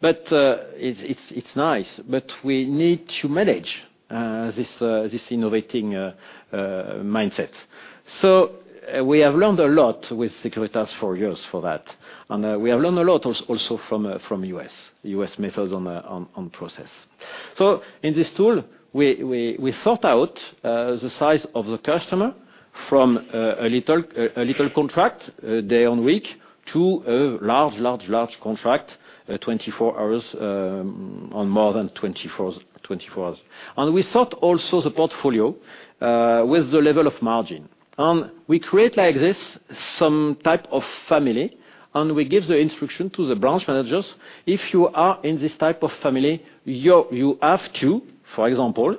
but it's nice, but we need to manage this innovating mindset. So we have learned a lot with Securitas for years for that, and we have learned a lot also from U.S. methods on process. So in this tool, we sort out the size of the customer from a little contract day on week to a large contract 24 hours on more than 24, 24 hours. And we sort also the portfolio with the level of margin. And we create, like this, some type of family, and we give the instruction to the branch managers: if you are in this type of family, you have to, for example,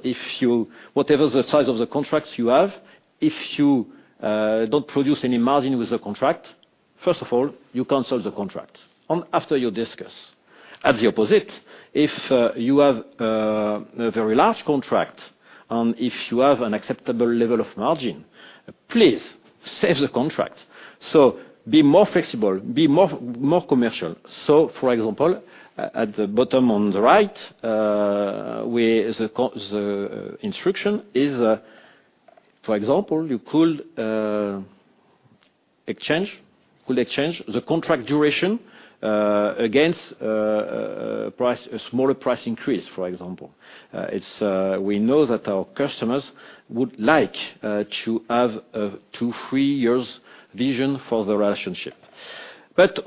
whatever the size of the contracts you have, if you don't produce any margin with the contract, first of all, you cancel the contract, and after, you discuss. At the opposite, if you have a very large contract, and if you have an acceptable level of margin, please save the contract. So be more flexible, be more commercial. So, for example, at the bottom on the right, where the instruction is, for example, you could exchange the contract duration against price, a smaller price increase, for example. We know that our customers would like to have a two-three years vision for the relationship. But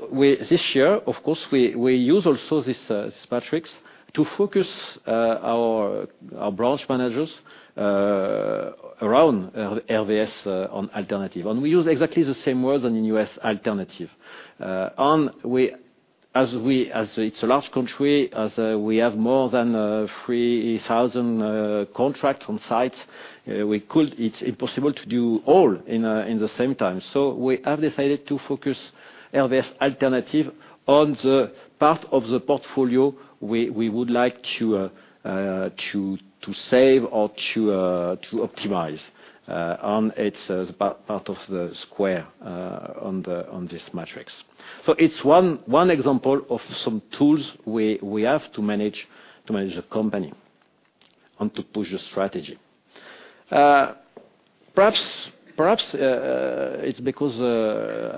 this year, of course, we use also this matrix to focus our branch managers around RVS on alternative. And we use exactly the same word than in U.S., alternative. And as it's a large country, we have more than 3,000 contracts on sites, we could. It's impossible to do all in the same time. So we have decided to focus RVS alternative on the part of the portfolio we would like to save or to optimize, on it's the part of the square, on this matrix. So it's one example of some tools we have to manage the company and to push the strategy. Perhaps it's because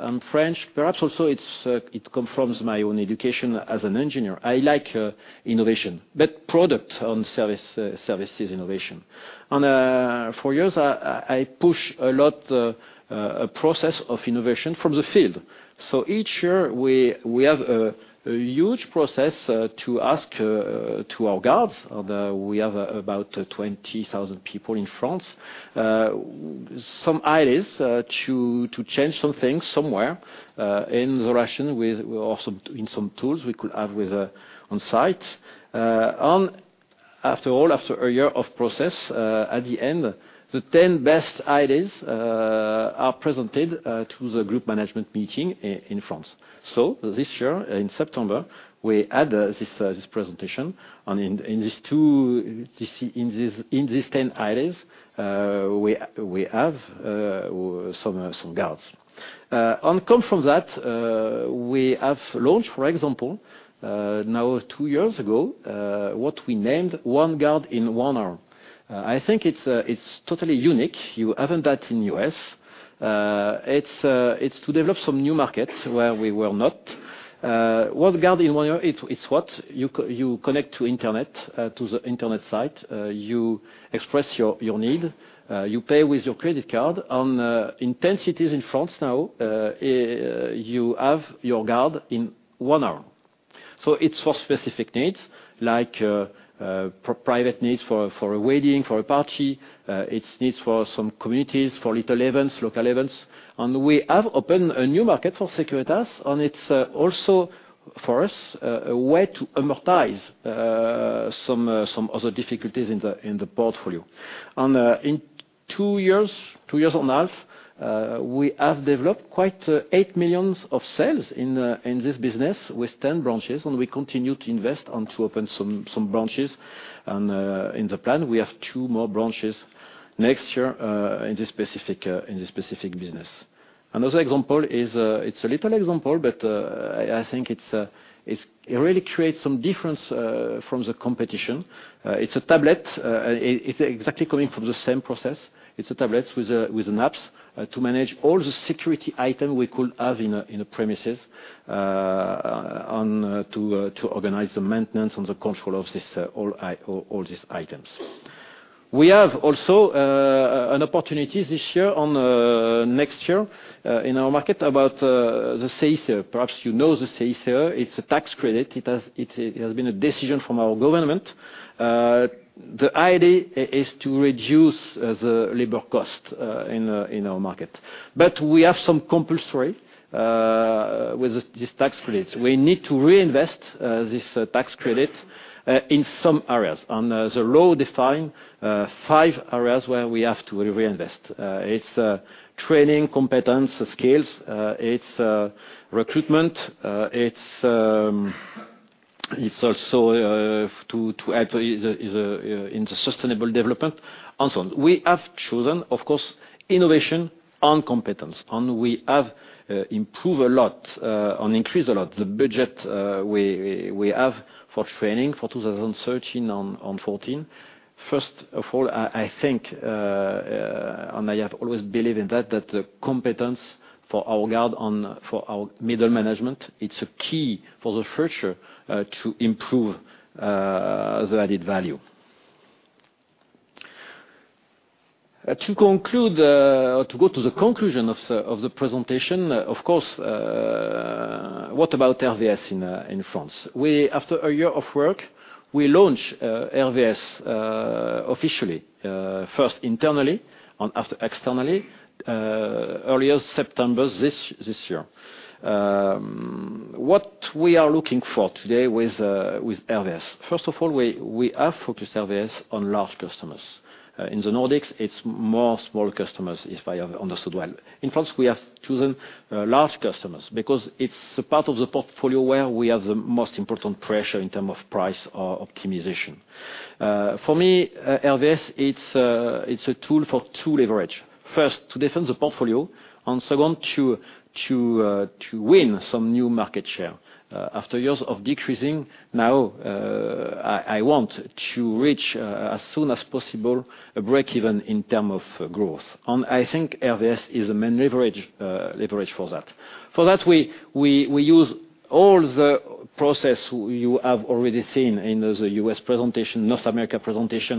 I'm French, perhaps also it confirms my own education as an engineer. I like innovation, but product and service services innovation. For years, I push a lot a process of innovation from the field. So each year, we have a huge process to ask to our guards, we have about 20,000 people in France, some ideas to change some things somewhere, in the relation with also in some tools we could have with on site. And after all, after a year of process, at the end, the 10 best ideas are presented to the group management meeting in France. So this year, in September, we had this presentation, and in these 10 ideas, we have some guards. And come from that, we have launched, for example, now two years ago, what we named One Guard in One Hour. I think it's, it's totally unique. You haven't that in U.S. It's, it's to develop some new markets where we were not. One Guard in One Hour, it, it's what? You connect to internet, to the internet site, you express your, your need, you pay with your credit card. In 10 cities in France now, you have your guard in one hour. So it's for specific needs... like, for private needs for, for a wedding, for a party, it's needs for some communities, for little events, local events. We have opened a new market for Securitas, and it's also for us a way to amortize some other difficulties in the portfolio. In two and a half years, we have developed quite 8 million of sales in this business with 10 branches, and we continue to invest and to open some branches. In the plan, we have two more branches next year in this specific business. Another example is, it's a little example, but I think it really creates some difference from the competition. It's a tablet. It's exactly coming from the same process. It's a tablet with a, with an apps to manage all the security item we could have in a, in a premises, on, to, to organize the maintenance and the control of this, all these items. We have also an opportunity this year on next year in our market about the CICE. Perhaps you know the CICE. It's a tax credit. It has been a decision from our government. The idea is to reduce the labor cost in our market. But we have some compulsory with this tax credit. We need to reinvest this tax credit in some areas. And the law define five areas where we have to reinvest. It's training, competence, skills. It's recruitment. It's also to actually the is in the sustainable development and so on. We have chosen, of course, innovation and competence, and we have improved a lot and increased a lot the budget we have for training for 2013 and 2014. First of all, I think and I have always believed in that, that the competence for our guard and for our middle management, it's a key for the future to improve the added value. To conclude, to go to the conclusion of the presentation, of course, what about RVS in France? After a year of work, we launched RVS officially, first internally and after externally, earlier September this year. What we are looking for today with RVS? First of all, we have focused RVS on large customers. In the Nordics, it's more small customers, if I have understood well. In France, we have chosen large customers because it's a part of the portfolio where we have the most important pressure in term of price or optimization. For me, RVS, it's a tool for two leverage. First, to defend the portfolio, and second, to win some new market share. After years of decreasing, now, I want to reach, as soon as possible, a break even in term of growth. I think RVS is the main leverage, leverage for that. For that, we use all the processes you have already seen in the U.S. presentation, North America presentation,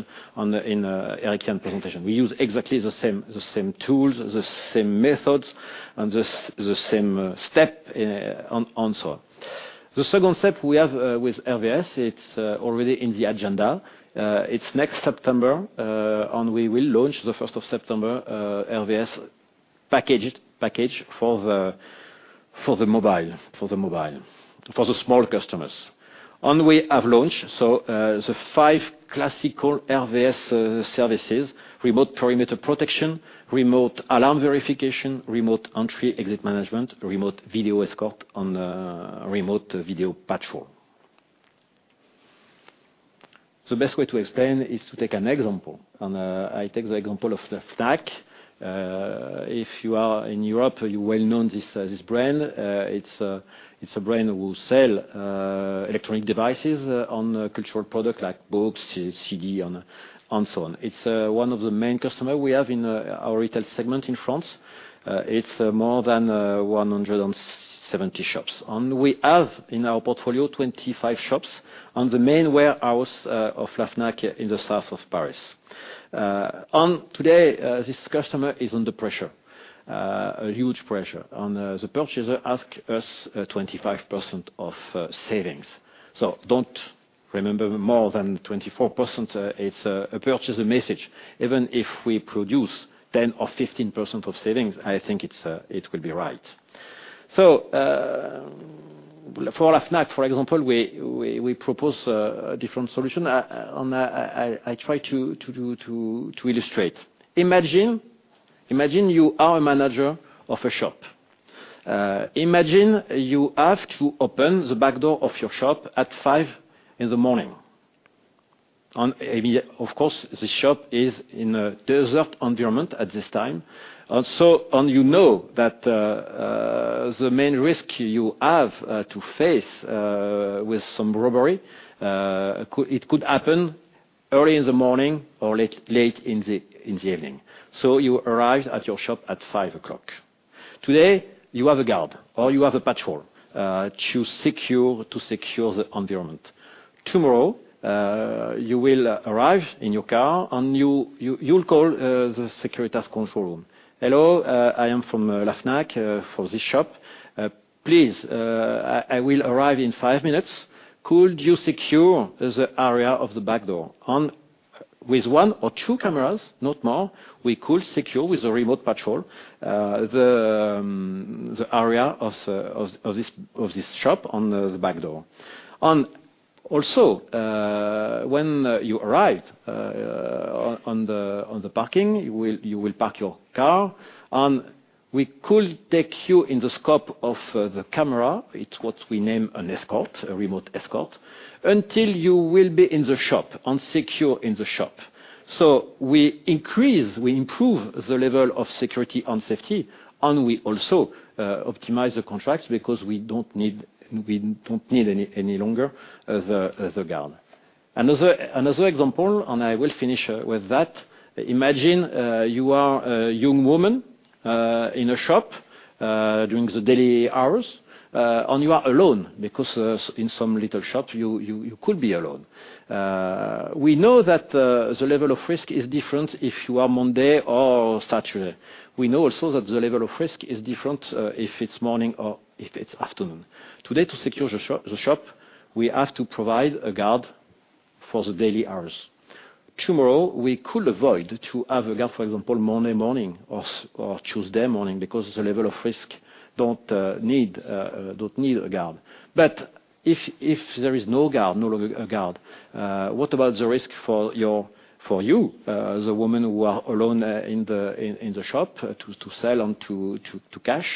in Erik-Jan presentation. We use exactly the same, the same tools, the same methods, and the same steps also. The second step we have with RVS, it's already in the agenda. It's next September, and we will launch the first of September, RVS package, package for the mobile, for the mobile, for the small customers. And we have launched, so, the five classical RVS services: Remote Perimeter Protection, Remote Alarm Verification, Remote Entry/Exit Management, Remote Video Escort, and Remote Video Patrol. The best way to explain is to take an example, and I take the example of the Fnac. If you are in Europe, you well know this brand. It's a brand who sells electronic devices and cultural products like books, CDs, and so on. It's one of the main customers we have in our retail segment in France. It's more than 170 shops. And we have in our portfolio 25 shops and the main warehouse of Fnac in the south of Paris. And today, this customer is under pressure, a huge pressure, and the purchaser asks us 25% of savings. So don't remember more than 24%, it's a purchaser message. Even if we produce 10% or 15% of savings, I think it will be right. So, for Fnac, for example, we propose a different solution. And I try to illustrate. Imagine you are a manager of a shop. Imagine you have to open the back door of your shop at 5:00 A.M. And, of course, the shop is in a deserted environment at this time. Also, and you know that the main risk you have to face with some robbery could happen early in the morning or late in the evening. So you arrive at your shop at 5:00 A.M. Today, you have a guard or you have a patrol to secure the environment. Tomorrow, you will arrive in your car, and you'll call the Securitas control room. "Hello, I am from Fnac for this shop. Please, I will arrive in five minutes. Could you secure the area of the back door?" With one or two cameras, not more, we could secure with the remote patrol the area of this shop on the back door. And also, when you arrive on the parking, you will park your car, and we could take you in the scope of the camera. It's what we name an escort, a remote escort, until you will be in the shop and secure in the shop. So we increase, we improve the level of security and safety, and we also optimize the contracts because we don't need any longer the guard. Another example, and I will finish with that, imagine you are a young woman in a shop during the daily hours and you are alone, because in some little shops, you could be alone. We know that the level of risk is different if you are Monday or Saturday. We know also that the level of risk is different if it's morning or if it's afternoon. Today, to secure the shop, we have to provide a guard for the daily hours. Tomorrow, we could avoid to have a guard, for example, Monday morning or Tuesday morning, because the level of risk don't need a guard. But if there is no guard, no longer a guard, what about the risk for you, the woman who are alone in the shop, to sell and to cash?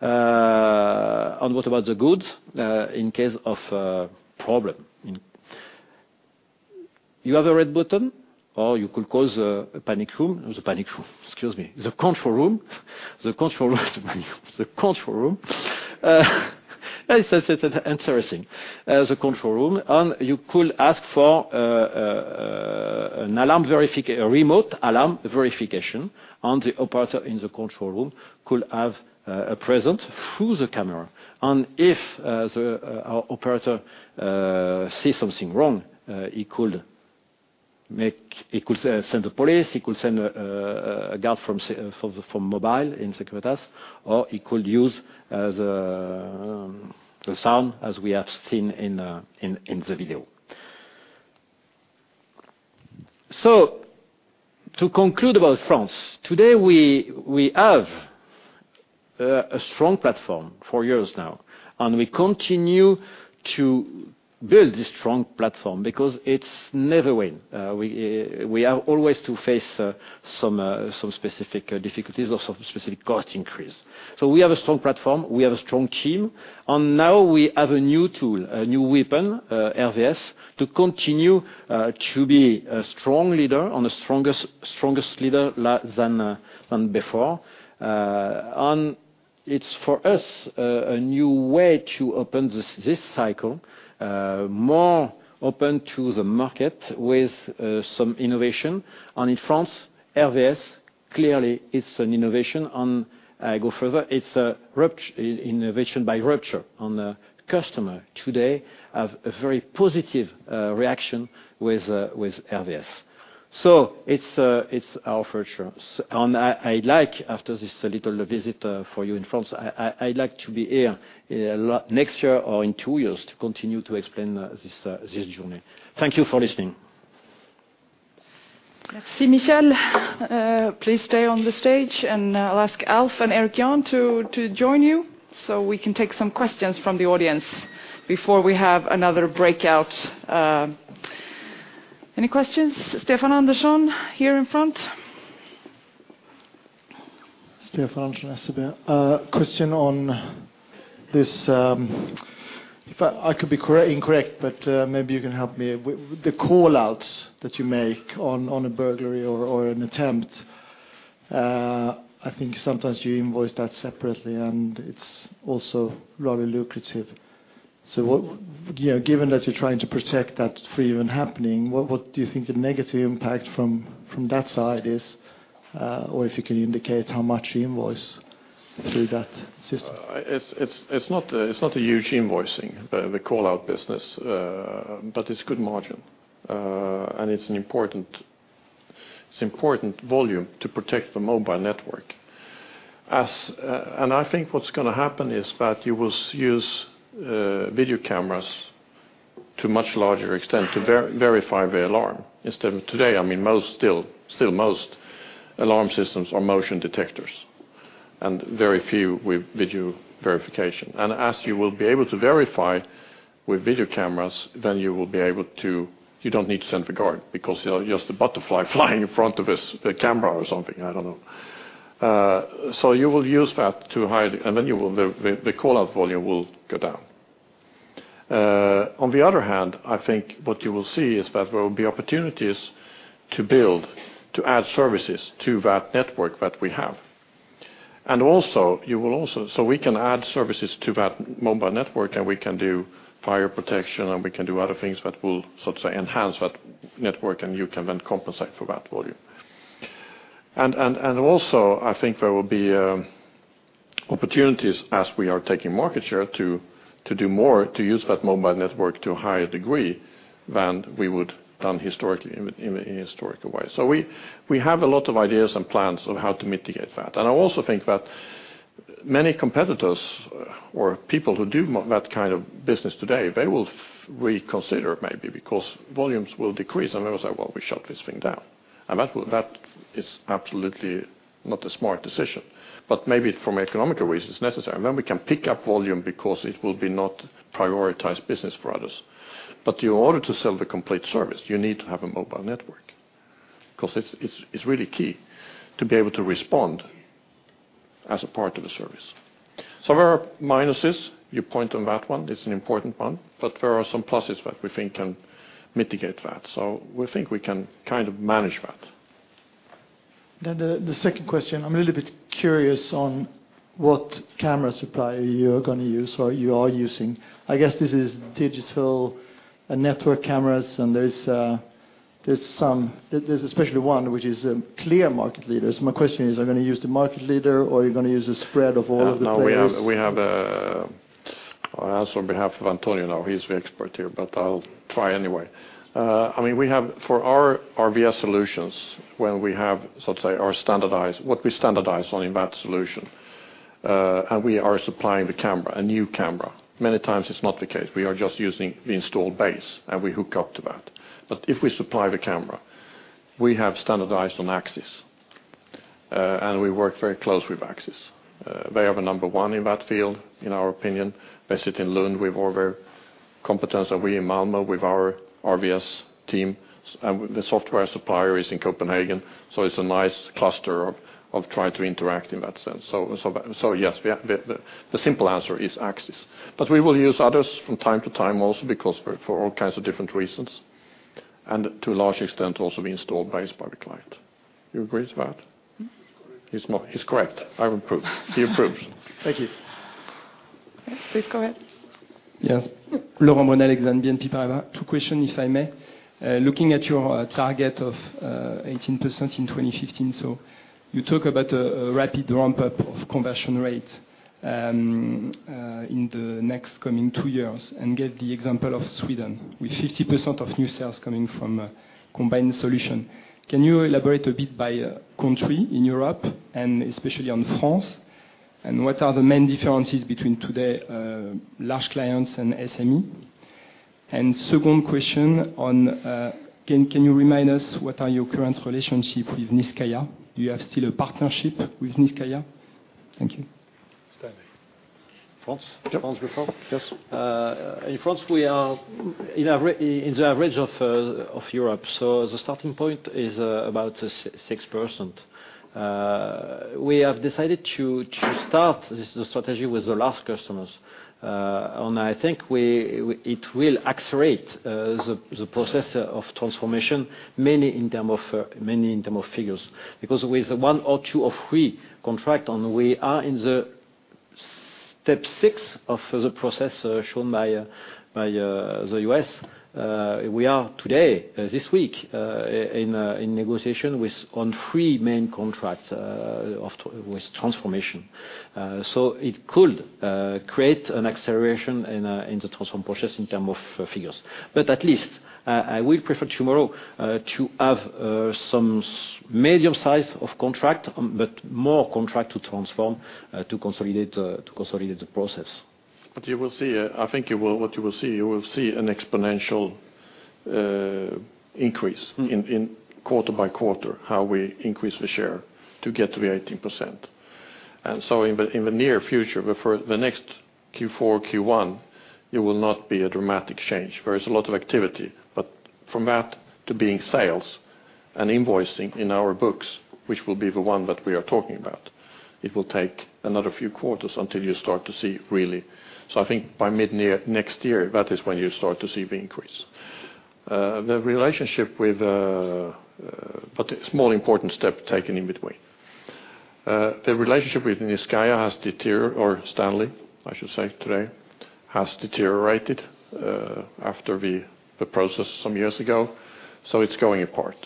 And what about the goods in case of a problem? You have a red button, or you could call the panic room. Excuse me, the control room. The control room. It's interesting. The control room, and you could ask for a Remote Alarm Verification, and the operator in the control room could have a presence through the camera. And if the operator sees something wrong, he could make—he could send the police, he could send a guard from the mobile in Securitas, or he could use the sound as we have seen in the video. So to conclude about France, today we have a strong platform, four years now, and we continue to build this strong platform because it's never win. We have always to face some specific difficulties or some specific cost increase. So we have a strong platform, we have a strong team, and now we have a new tool, a new weapon, RVS, to continue to be a strong leader and a strongest leader than before. And it's for us, a new way to open this, this cycle, more open to the market with some innovation. And in France, RVS clearly is an innovation. And I go further, it's a rupture, innovation by rupture, and the customer today have a very positive reaction with with RVS. So it's, it's our future. And I, I'd like after this little visit, for you in France, I'd like to be here a lot next year or in two years to continue to explain this, this journey. Thank you for listening. Merci, Michel. Please stay on the stage, and I'll ask Alf and Erik-Jan to join you, so we can take some questions from the audience before we have another breakout. Any questions? Stefan Andersson here in front. Stefan Andersson. Question on this. But I could be incorrect, but maybe you can help me. The call-outs that you make on a burglary or an attempt, I think sometimes you invoice that separately, and it's also rather lucrative. So what, given that you're trying to protect that from even happening, what do you think the negative impact from that side is, or if you can indicate how much you invoice through that system? It's not a huge invoicing, the call-out business, but it's good margin. And it's an important volume to protect the mobile network. And I think what's gonna happen is that you will use video cameras to a much larger extent to verify the alarm, instead of today, I mean, most alarm systems are motion detectors, and very few with video verification. And as you will be able to verify with video cameras, then you don't need to send the guard, because, you know, just a butterfly flying in front of the camera or something, I don't know. So you will use that to hide, and then the call out volume will go down. On the other hand, I think what you will see is that there will be opportunities to build, to add services to that network that we have. And also, so we can add services to that mobile network, and we can do fire protection, and we can do other things that will, so to say, enhance that network, and you can then compensate for that volume. And also, I think there will be opportunities as we are taking market share to do more, to use that mobile network to a higher degree than we would done historically, in a historical way. So we have a lot of ideas and plans on how to mitigate that. And I also think that-... many competitors or people who do that kind of business today, they will reconsider maybe because volumes will decrease, and they will say, "Well, we shut this thing down." That will, that is absolutely not a smart decision, but maybe from economic reasons, necessary. Then we can pick up volume because it will be not prioritized business for others. But in order to sell the complete service, you need to have a mobile network, 'cause it's really key to be able to respond as a part of the service. So there are minuses. You point on that one, it's an important one, but there are some pluses that we think can mitigate that. So we think we can kind of manage that. Then the second question, I'm a little bit curious on what camera supplier you're gonna use or you are using. I guess this is digital and network cameras, and there's especially one which is a clear market leader. So my question is, are you gonna use the market leader, or are you gonna use a spread of all of the players? Yeah, no, we have, we have... I'll answer on behalf of Antonio now, he's the expert here, but I'll try anyway. I mean, we have, for our RVS solutions, when we have, so let's say, our standardized, what we standardize on in that solution, and we are supplying the camera, a new camera, many times it's not the case. We are just using the installed base, and we hook up to that. But if we supply the camera, we have standardized on Axis, and we work very closely with Axis. They are the number one in that field, in our opinion. They sit in Lund with all their competence, and we in Malmö with our RVS team, and the software supplier is in Copenhagen. So it's a nice cluster of trying to interact in that sense. So yes, the simple answer is Axis. But we will use others from time to time also because for all kinds of different reasons, and to a large extent, also the installed base by the client. You agree with that? He's correct. I approve. He approves. Thank you. Please go ahead. Yes. Laurent Monnaux, Exane BNP Paribas. Two questions, if I may. Looking at your target of 18% in 2015, so you talk about a rapid ramp-up of conversion rate in the next coming two years, and gave the example of Sweden, with 50% of new sales coming from a combined solution. Can you elaborate a bit by country in Europe, and especially on France? And what are the main differences between today large clients and SME? And second question on, can you remind us, what are your current relationship with Niscayah? Do you have still a partnership with Niscayah? Thank you. Stanley. France. France before? Yes. In France, we are in the average of Europe. So the starting point is about 6%. We have decided to start this, the strategy with the large customers. And I think we, it will accelerate the process of transformation, mainly in terms of figures. Because with one or two or three contracts on, we are in step six of the process shown by the U.S. We are today, this week, in negotiation with, on three main contracts of, with transformation. So it could create an acceleration in the transformation process in terms of figures. But at least, I will prefer tomorrow to have some medium size of contract, but more contract to transform, to consolidate, to consolidate the process. But you will see, I think you will, what you will see, you will see an exponential increase- Mm. In quarter by quarter, how we increase the share to get to the 18%. And so in the near future, but for the next Q4, Q1, it will not be a dramatic change. There is a lot of activity, but from that to being sales and invoicing in our books, which will be the one that we are talking about, it will take another few quarters until you start to see really. So I think by mid-near next year, that is when you start to see the increase. But a small important step taken in between. The relationship with Niscayah—or Stanley, I should say today—has deteriorated after the process some years ago, so it's going apart.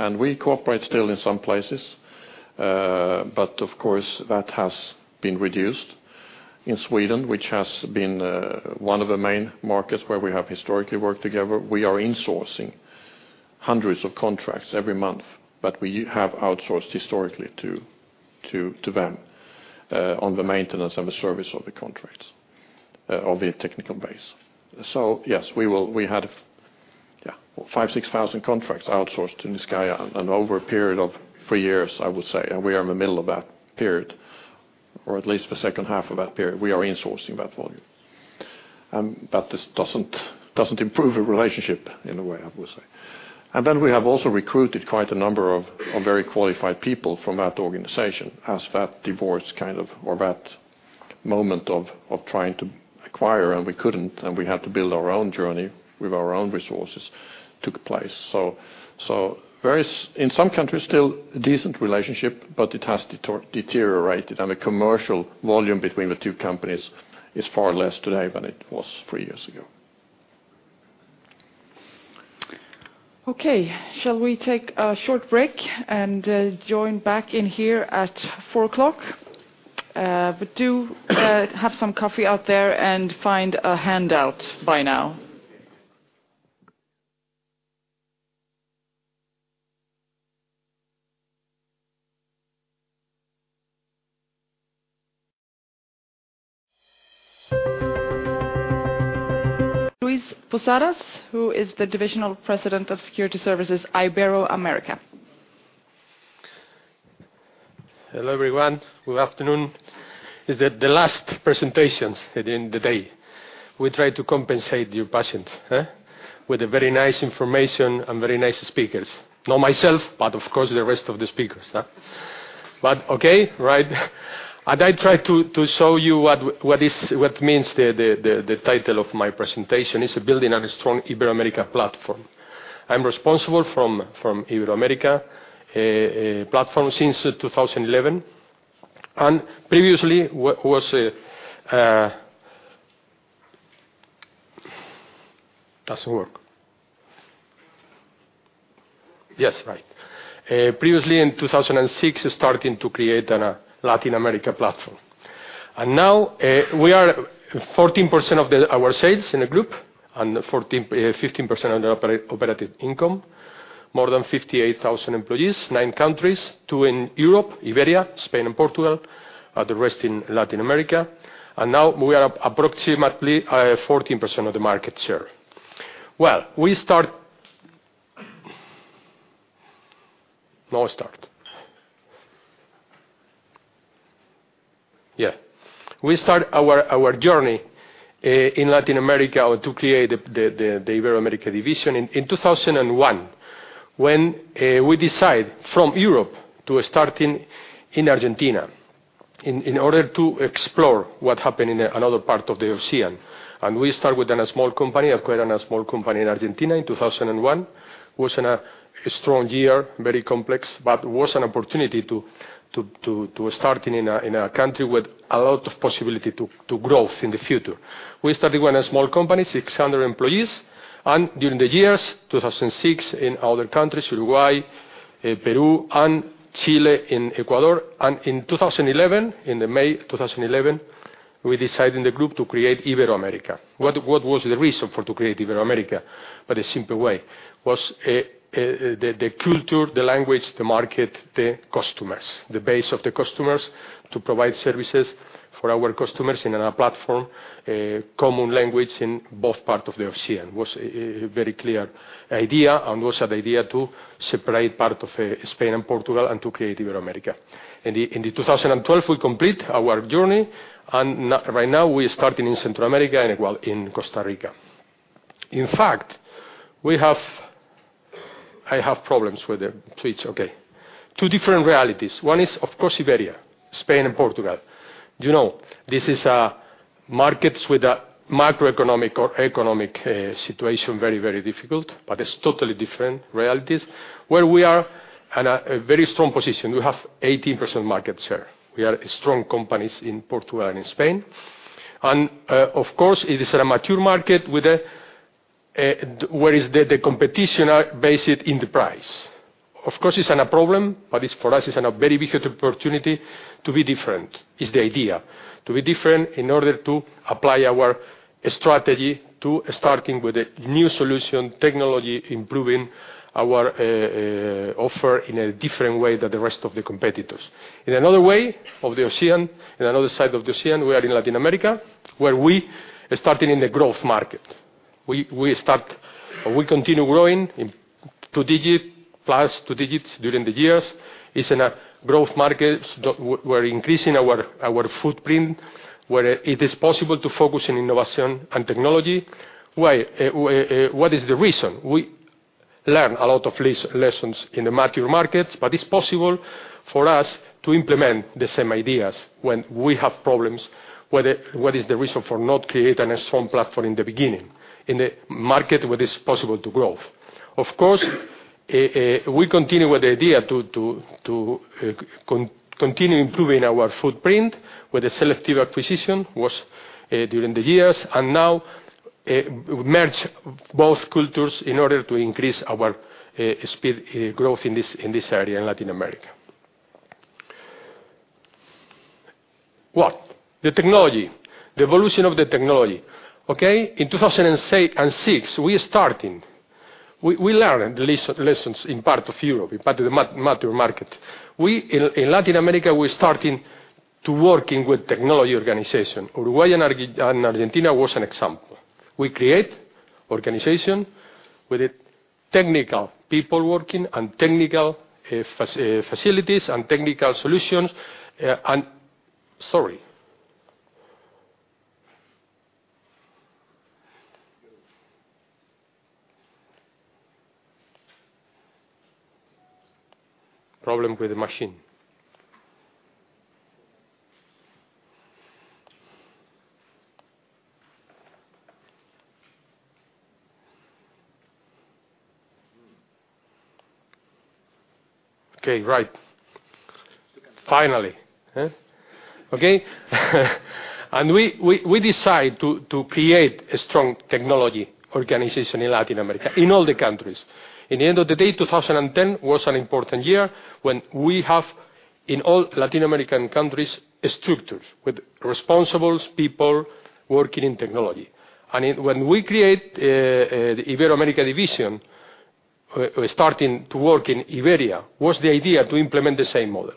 And we cooperate still in some places, but of course, that has been reduced. In Sweden, which has been one of the main markets where we have historically worked together, we are insourcing hundreds of contracts every month, but we have outsourced historically to them on the maintenance and the service of the contracts of the technical base. So yes, we had, yeah, 5,000-6,000 contracts outsourced to Niscayah, and over a period of three years, I would say, and we are in the middle of that period, or at least the second half of that period, we are insourcing that volume. But this doesn't improve the relationship in a way, I would say. And then we have also recruited quite a number of very qualified people from that organization, as that divorce kind of, or that moment of trying to acquire, and we couldn't, and we had to build our own journey with our own resources, took place. So there is, in some countries, still a decent relationship, but it has deteriorated, and the commercial volume between the two companies is far less today than it was three years ago. Okay, shall we take a short break and join back in here at 4:00 P.M.? But do have some coffee out there and find a handout by now. Luis Posadas, who is the Divisional President of Security Services, Ibero-America. Hello, everyone. Good afternoon. It's the last presentations at the end of the day; we try to compensate your patience, huh? With a very nice information and very nice speakers. Not myself, but of course, the rest of the speakers, huh? But okay, right. And I try to show you what—what means the title of my presentation: Building a Strong Ibero-America Platform. I'm responsible from Ibero-America platform since 2011, and previously was... Doesn't work. Yes, right. Previously in 2006, starting to create a Latin America platform. And now, we are 14% of our sales in the group and 14, 15% of the operative income, more than 58,000 employees, nine countries, two in Europe, Iberia, Spain, and Portugal, the rest in Latin America. And now we are approximately 14% of the market share. Well, we start our journey in Latin America to create the Ibero-America division in 2001, when we decide from Europe to starting in Argentina in order to explore what happened in another part of the ocean. And we start with a small company, acquired a small company in Argentina in 2001. It was a strong year, very complex, but it was an opportunity to start in a country with a lot of possibility to growth in the future. We started with a small company, 600 employees, and during the years, 2006, in other countries, Uruguay, Peru, and Chile, and Ecuador. And in 2011, in May 2011, we decided in the group to create Ibero-America. What was the reason for to create Ibero-America? By the simple way, was the culture, the language, the market, the customers, the base of the customers, to provide services for our customers in another platform, a common language in both parts of the ocean. It was a very clear idea, and also the idea to separate part of Spain and Portugal and to create Ibero-America. In 2012, we complete our journey, and right now, we're starting in Central America and well, in Costa Rica. In fact, we have - I have problems with the tweets, okay. Two different realities. One is, of course, Iberia, Spain, and Portugal. You know, this is markets with a macroeconomic or economic situation, very, very difficult, but it's totally different realities, where we are at a very strong position. We have 18% market share. We are strong companies in Portugal and in Spain. And, of course, it is a mature market with a where is the, the competition are based in the price. Of course, it's in a problem, but it's for us, it's a very big opportunity to be different. It's the idea, to be different in order to apply our strategy to starting with a new solution, technology, improving our offer in a different way than the rest of the competitors. In another way of the ocean, in another side of the ocean, we are in Latin America, where we are starting in the growth market. We start, we continue growing in two-digit, plus two digits during the years. It's in a growth market. We're increasing our footprint, where it is possible to focus on innovation and technology. Why? What is the reason? We learn a lot of lessons in the mature markets, but it's possible for us to implement the same ideas when we have problems, whether what is the reason for not creating a strong platform in the beginning, in the market where there's possible to growth. Of course, we continue with the idea to continue improving our footprint with a selective acquisition during the years, and now merge both cultures in order to increase our speed growth in this area, in Latin America. What? The technology, the evolution of the technology, okay? In 2006, we starting. We learned the lessons in part of Europe, in part of the mature market. We, in Latin America, we're starting to working with technology organization. Uruguay and Argentina was an example. We create organization with a technical people working and technical facilities and technical solutions, and we decide to create a strong technology organization in Latin America, in all the countries. In the end of the day, 2010 was an important year when we have in all Latin American countries, structures with responsible people working in technology. And when we create the Ibero-America division, we starting to work in Iberia. It was the idea to implement the same model.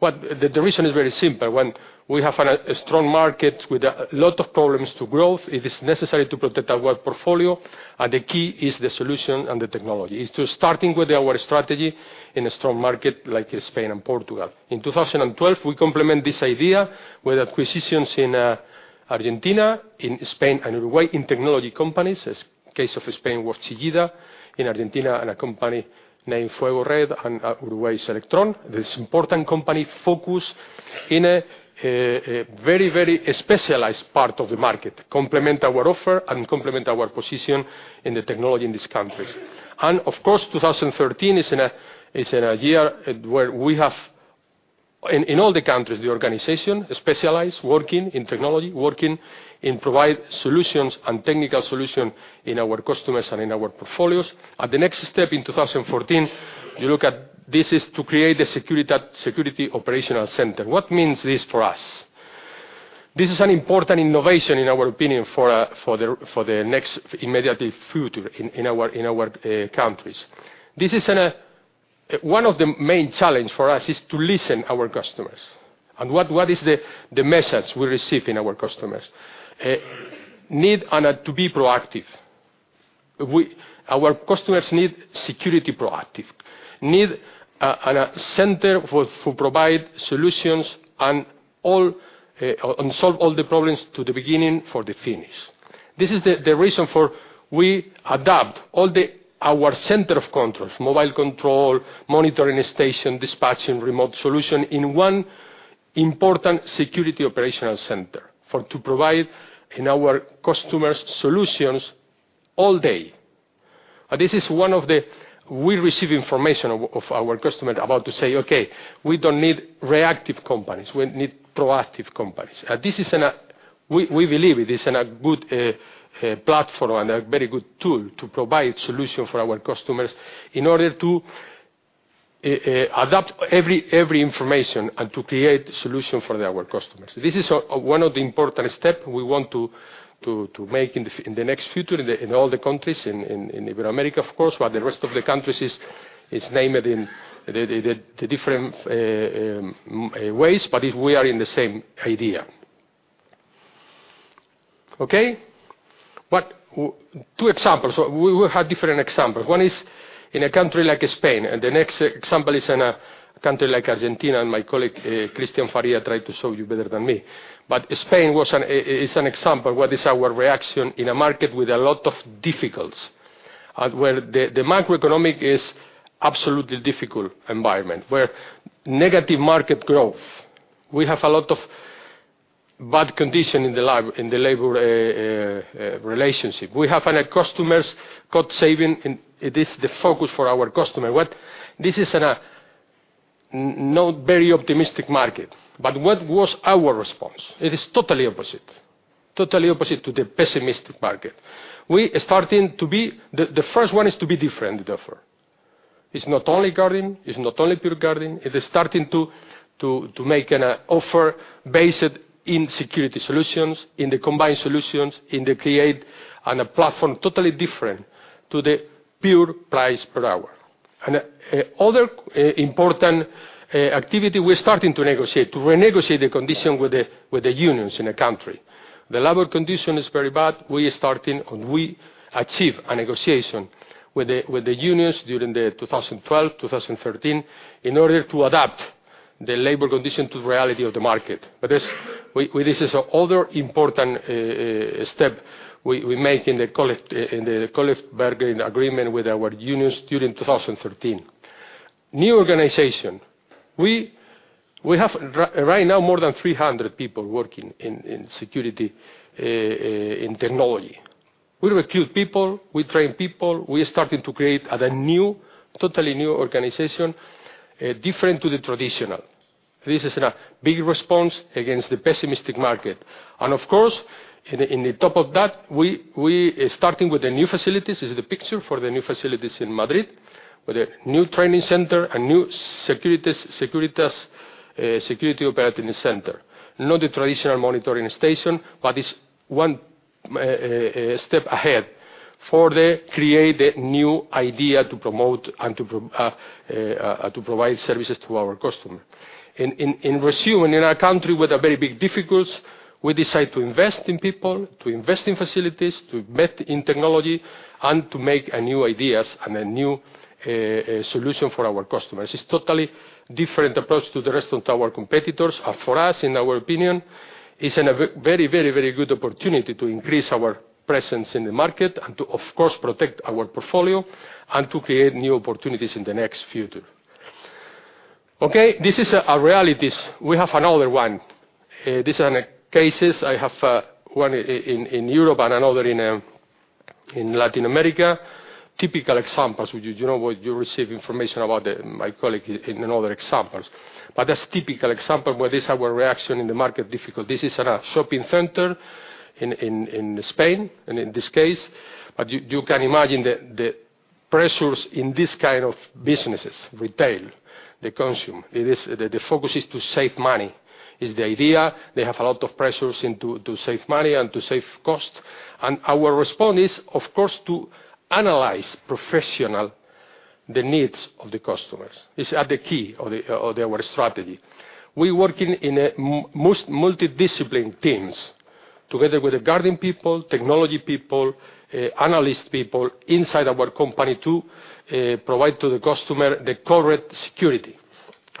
But the reason is very simple. When we have a strong market with a lot of problems to growth, it is necessary to protect our work portfolio, and the key is the solution and the technology. is to starting with our strategy in a strong market, like Spain and Portugal. In 2012, we complement this idea with acquisitions in Argentina, in Spain, and Uruguay, in technology companies. As case of Spain, was Chillida, in Argentina, and a company named Fuego Red, and Uruguay, Selectron. This important company focus in a very, very specialized part of the market, complement our offer and complement our position in the technology in these countries. And, of course, 2013 is in a, is in a year, where we have, in, in all the countries, the organization, specialized, working in technology, working in provide solutions and technical solution in our customers and in our portfolios. And the next step in 2014, you look at, this is to create a Securitas Security Operational Center. What means this for us? This is an important innovation in our opinion for the next immediate future in our countries. One of the main challenge for us is to listen our customers. And what is the message we receive in our customers? Need and to be proactive. Our customers need security proactive, need a center for provide solutions and all and solve all the problems to the beginning for the finish. This is the reason for we adapt all our center of controls, mobile control, monitoring station, dispatch, and remote solution in one important security operating center for to provide in our customers solutions all day. And this is one of the-- We receive information of our customer about to say, "Okay, we don't need reactive companies. We need proactive companies." And this is an. We believe it is in a good platform and a very good tool to provide solution for our customers in order to adapt every information, and to create solution for our customers. This is one of the important step we want to make in the next future, in all the countries, in Ibero-America, of course, but the rest of the countries is named in the different ways, but is we are in the same idea. Okay? Two examples. We have different examples. One is in a country like Spain, and the next example is in a country like Argentina, and my colleague, Christian Faria, tried to show you better than me. But Spain is an example, what is our reaction in a market in our contract, in our profitability. Of course, we increase the profitability, we increase the relationship with the customer. It's in a an example for to manage in more professional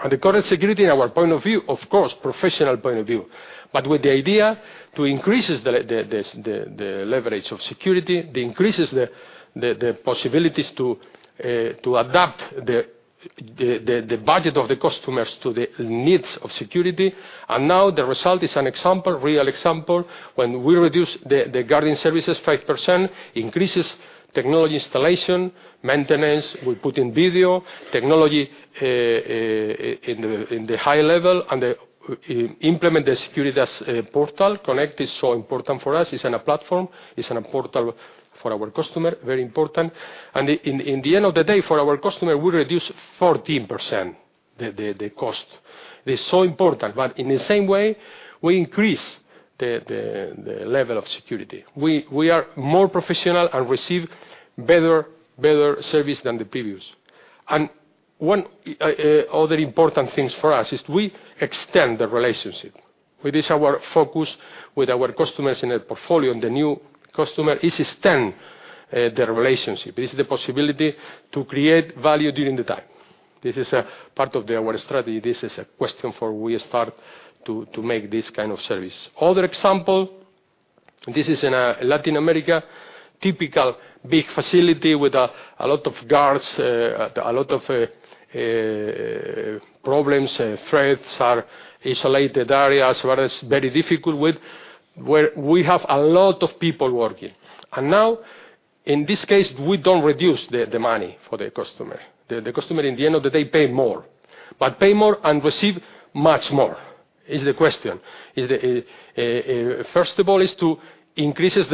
way, using the technology and advantage for our approach to the market. In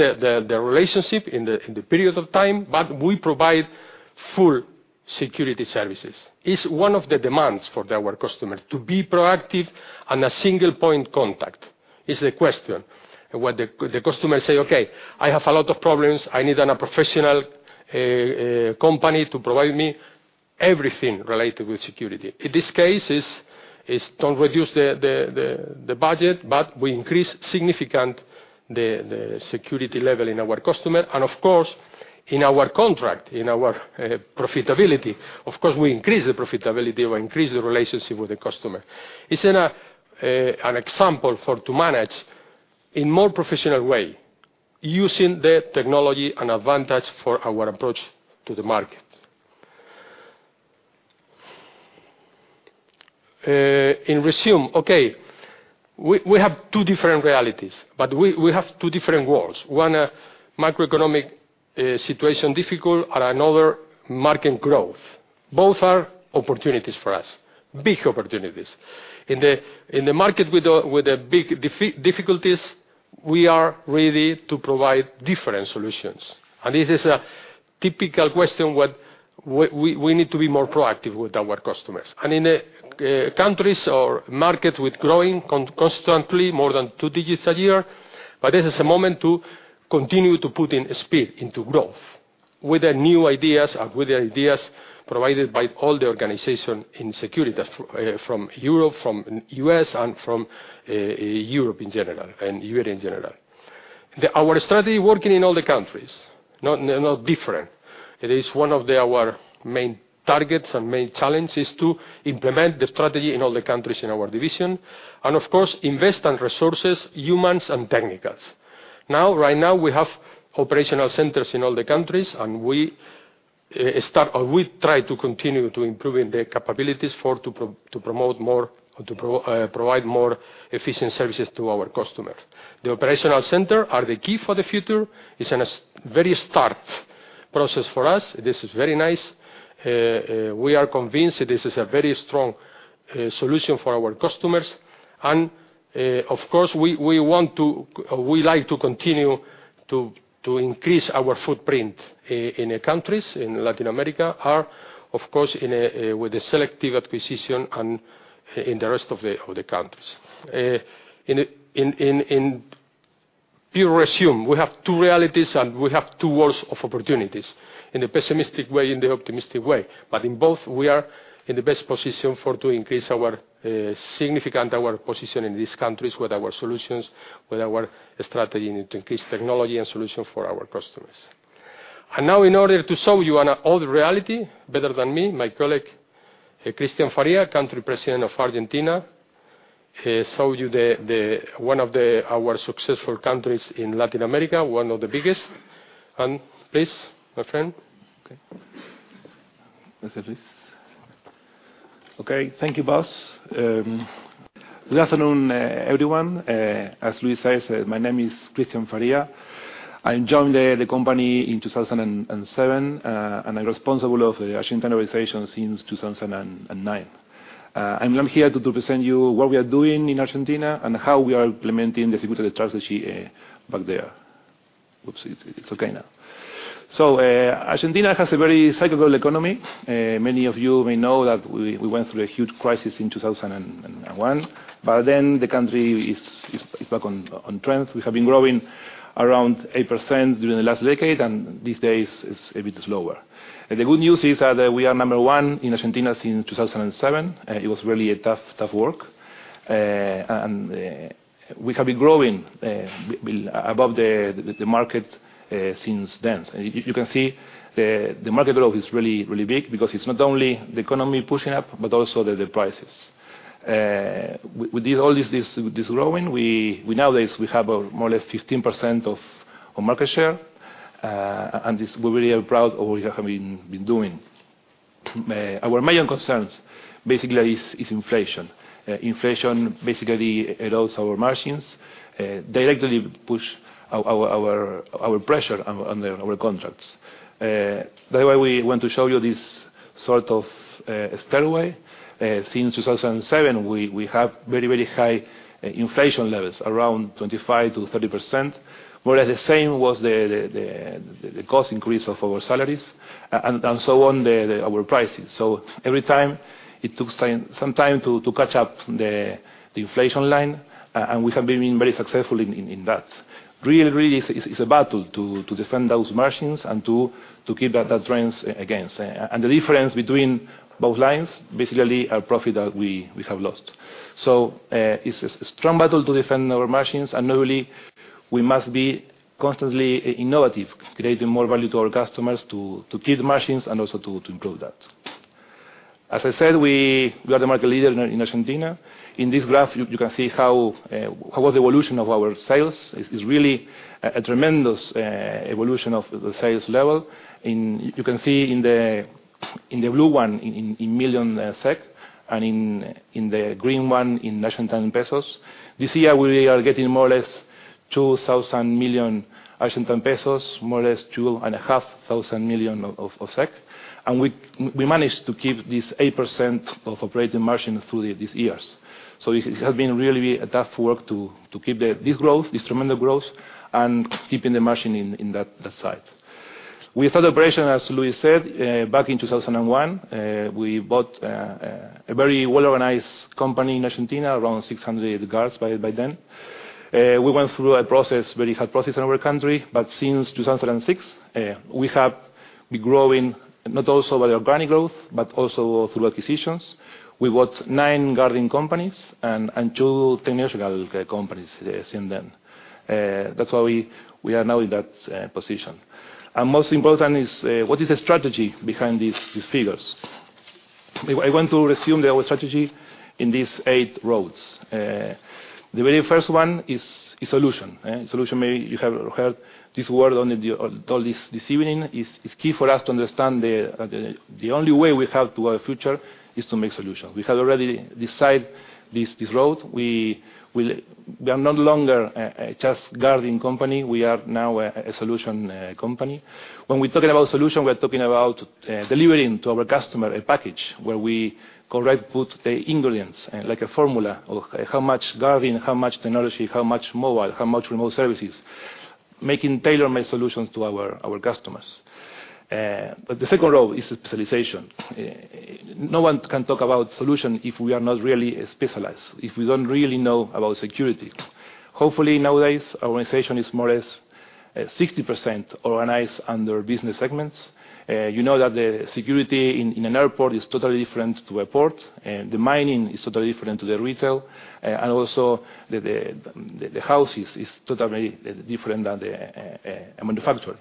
resume, okay, we have two different realities, but we have two different worlds. One, a macroeconomic situation, difficult, and another, market growth. Both are opportunities for us, big opportunities. In the market with the big difficulties, we are ready to provide different solutions. This is a typical question what... We need to be more proactive with our customers. In countries or market with growing constantly, more than two digits a year, but this is a moment to continue to put in speed into growth, with the new ideas and with the ideas provided by all the organization in Securitas, from Europe, from U.S., and from Europe in general, and Europe in general. Our strategy working in all the countries, not different. It is one of the our main targets and main challenges, is to implement the strategy in all the countries in our division, and of course, invest on resources, humans, and technicals. Now, right now, we have operational centers in all the countries, and we try to continue to improving the capabilities for to provide more efficient services to our customers. The operational center are the key for the future. It's in a very start process for us. This is very nice. We are convinced I'm here to present you what we are doing in Argentina and how we are implementing the security strategy back there. Oops, it's okay now. So, Argentina has a very cyclical economy. Many of you may know that we went through a huge crisis in 2001, but then the country is back on trend. We have been growing around 8% during the last decade, and these days, it's a bit slower. And the good news is that we are number one in Argentina since 2007; it was really a tough work. And we have been growing above the market since then. You can see the market growth is really, really big because it's not only the economy pushing up, but also the prices. With all this growing, we nowadays have a more or less 15% of market share, and this we really are proud of we have been doing. Our main concerns basically is inflation. Inflation basically erodes our margins directly push our pressure on our contracts. That way, we want to show you this sort of stairway. Since 2007, we have very, very high inflation levels, around 25%-30%, whereas the same was the cost increase of our salaries and so on our prices. So every time, it took some time to catch up the inflation line, and we have been very successful in that. Really, it is a battle to defend those margins and to keep that trends against. And the difference between both lines, basically, our profit that we have lost. So, it's a strong battle to defend our margins, and not only, we must be constantly innovative, creating more value to our customers, to keep the margins and also to improve that. As I said, we are the market leader in Argentina. In this graph, you can see how was the evolution of our sales. It is really a tremendous evolution of the sales level. And you can see in the blue one, in millions SEK, and in the green one, in Argentine pesos. This year, we are getting more or less 2,000 million Argentine pesos, more or less 2,500 million, and we managed to keep this 8% operating margin through these years. So it has been really a tough work to keep this growth, this tremendous growth, and keeping the margin in that side. We started operation, as Luis said, back in 2001. We bought a very well-organized company in Argentina, around 600 guards by then. We went through a process, a very hard process in our country, but since 2006, we have been growing, not only by organic growth, but also through acquisitions. We bought nine guarding companies and two technological companies since then. That's why we are now in that position. Most important is what is the strategy behind these figures? I want to resume our strategy in these eight roads. The very first one is solution. Solution, maybe you have heard this word during all this evening. Solution is key for us to understand the only way we have to our future is to make solutions. We have already decided this road. We will. We are no longer a just guarding company, we are now a solution company. When we're talking about solution, we're talking about delivering to our customer a package where we correct put the ingredients, like a formula of how much guarding, how much technology, how much mobile, how much remote services, making tailor-made solutions to our customers. But the second role is specialization. No one can talk about solution if we are not really specialized, if we don't really know about security. Hopefully, nowadays, our organization is more or less 60% organized under business segments. You know that the security in an airport is totally different to a port, and the mining is totally different to the retail, and also the houses is totally different than a manufacturer.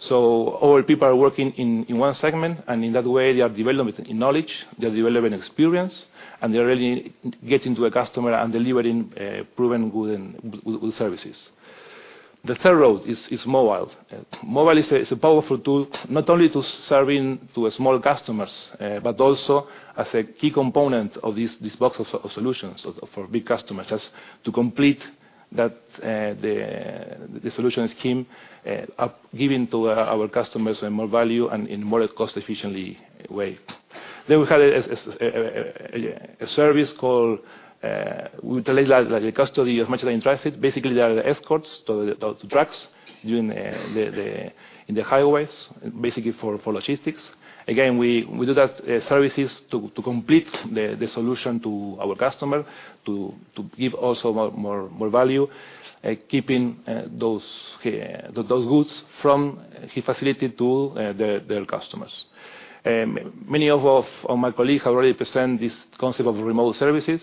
So our people are working in one segment, and in that way, they are developing knowledge, they are developing experience, and they're really getting to a customer and delivering proven good and good, good services. The third road is mobile. Mobile is a powerful tool, not only to serving to small customers, but also as a key component of this box of solutions for big customers. As to complete that, the solution scheme, up-giving to our customers a more value and in more cost-efficiently way. Then we have a service called we delay like a custody of merchandise in transit. Basically, they are the escorts to trucks during the in the highways, basically for logistics. Again, we do that services to complete the solution to our customer, to give also more value, keeping those goods from his facility to their customers. Many of my colleagues have already presented this concept of remote services.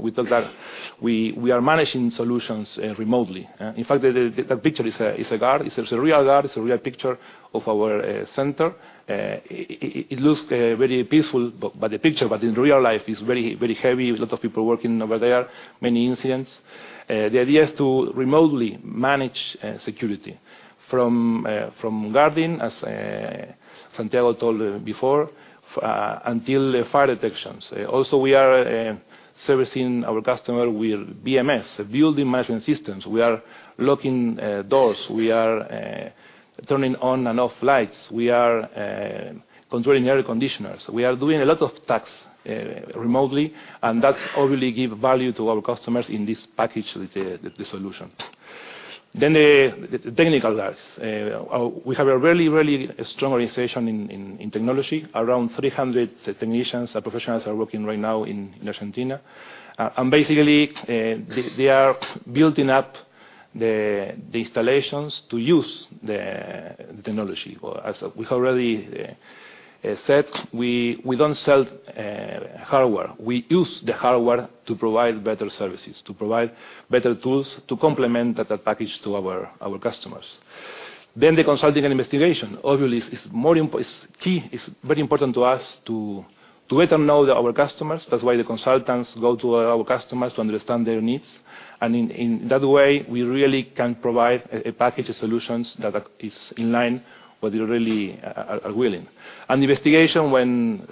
We talk that we are managing solutions remotely. In fact, that picture is a guard. It's a real guard, it's a real picture of our center. It looks very peaceful, but the picture, but in real life, it's very heavy. There's a lot of people working over there, many incidents. The idea is to remotely manage security from guarding, as Santiago told before, until fire detections. Also, we are servicing our customer with BMS, building management systems. We are locking doors. We are turning on and off lights. We are controlling air conditioners. We are doing a lot of tasks remotely, and that's really give value to our customers in this package with the solution. Then the technical guys. We have a really, really strong organization in technology. Around 300 technicians and professionals are working right now in Argentina. And basically, they are building up the installations to use the technology. Or as we have already said, we don't sell hardware. We use the hardware to provide better services, to provide better tools to complement the package to our customers. Then the consulting and investigation. Obviously, it's key, it's very important to us to get to know our customers. That's why the consultants go to our customers to understand their needs. And in that way, we really can provide a package of solutions that is in line what they really are willing. And investigation when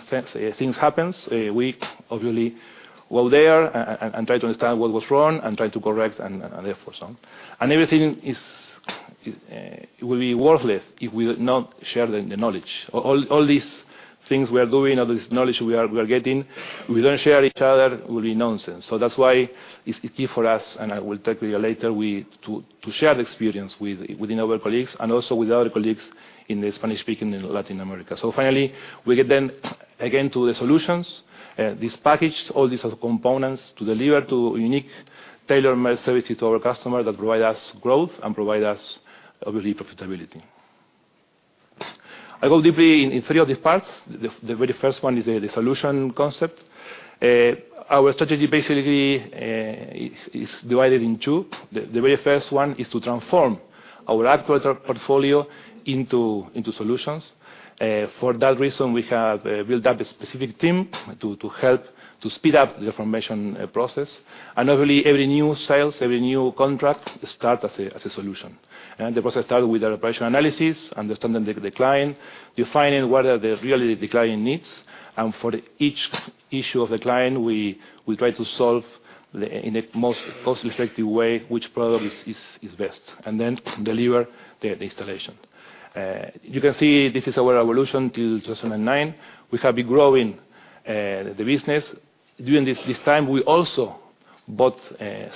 things happens, we obviously go there and try to understand what was wrong and try to correct and therefore so on. And everything is, it will be worthless if we not share the knowledge. All these things we are doing, all this knowledge we are getting, we don't share each other, will be nonsense. So that's why it's key for us, and I will talk to you later to share the experience within our colleagues and also with our colleagues in the Spanish-speaking in Latin America. So finally, we get then, again, to the solutions, this package, all these components, to deliver unique tailor-made services to our customers that provide us growth and provide us, obviously, profitability. I go deeply in three of these parts. The very first one is the solution concept. Our strategy basically is divided in two. The very first one is to transform our operator portfolio into solutions. For that reason, we have built up a specific team to help to speed up the transformation process. And obviously, every new sales, every new contract, start as a solution. The process starts with our operational analysis, understanding the client, defining what are really the client needs. And for each issue of the client, we try to solve in a most cost-effective way, which product is best, and then deliver the installation. You can see this is our evolution to 2009. We have been growing the business. During this time, we also bought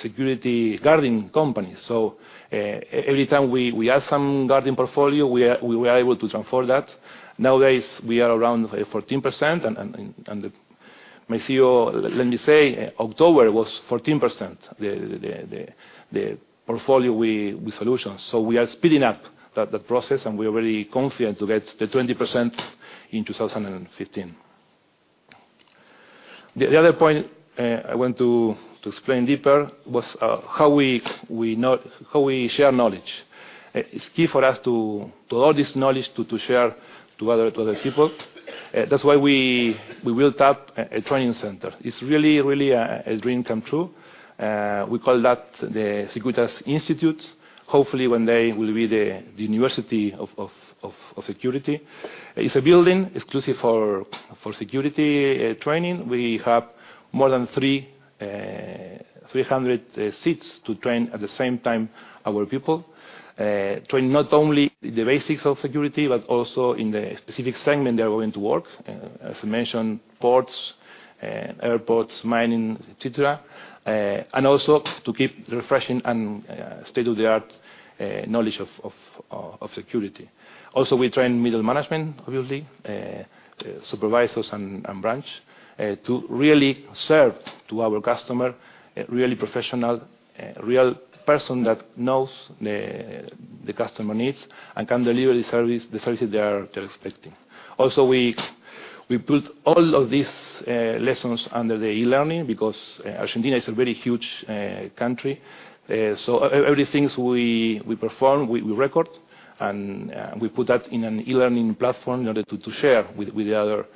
security guarding companies. So every time we have some guarding portfolio, we were able to transform that. Nowadays, we are around 14%, and my CEO, let me say, October was 14%, the portfolio with solutions. So we are speeding up the process, and we are very confident to get the 20% in 2015. The other point I want to explain deeper was how we share knowledge. It's key for us to share all this knowledge to other people. That's why we built up a training center. It's really a dream come true. We call that the Securitas Institute. Hopefully, one day it will be the University of Security. It's a building exclusive for security training. We have more than 300 seats to train, at the same time, our people. Train not only the basics of security, but also in the specific segment they are going to work, as I mentioned, ports, airports, mining, et cetera. Also, to keep refreshing and state-of-the-art knowledge of security. Also, we train middle management, obviously, supervisors and branch to really serve to our customer, a really professional real person that knows the customer needs and can deliver the service they're expecting. Also, we put all of these lessons under the e-learning, because Argentina is a very huge country. So everything we perform, we record, and we put that in an e-learning platform in order to share with the other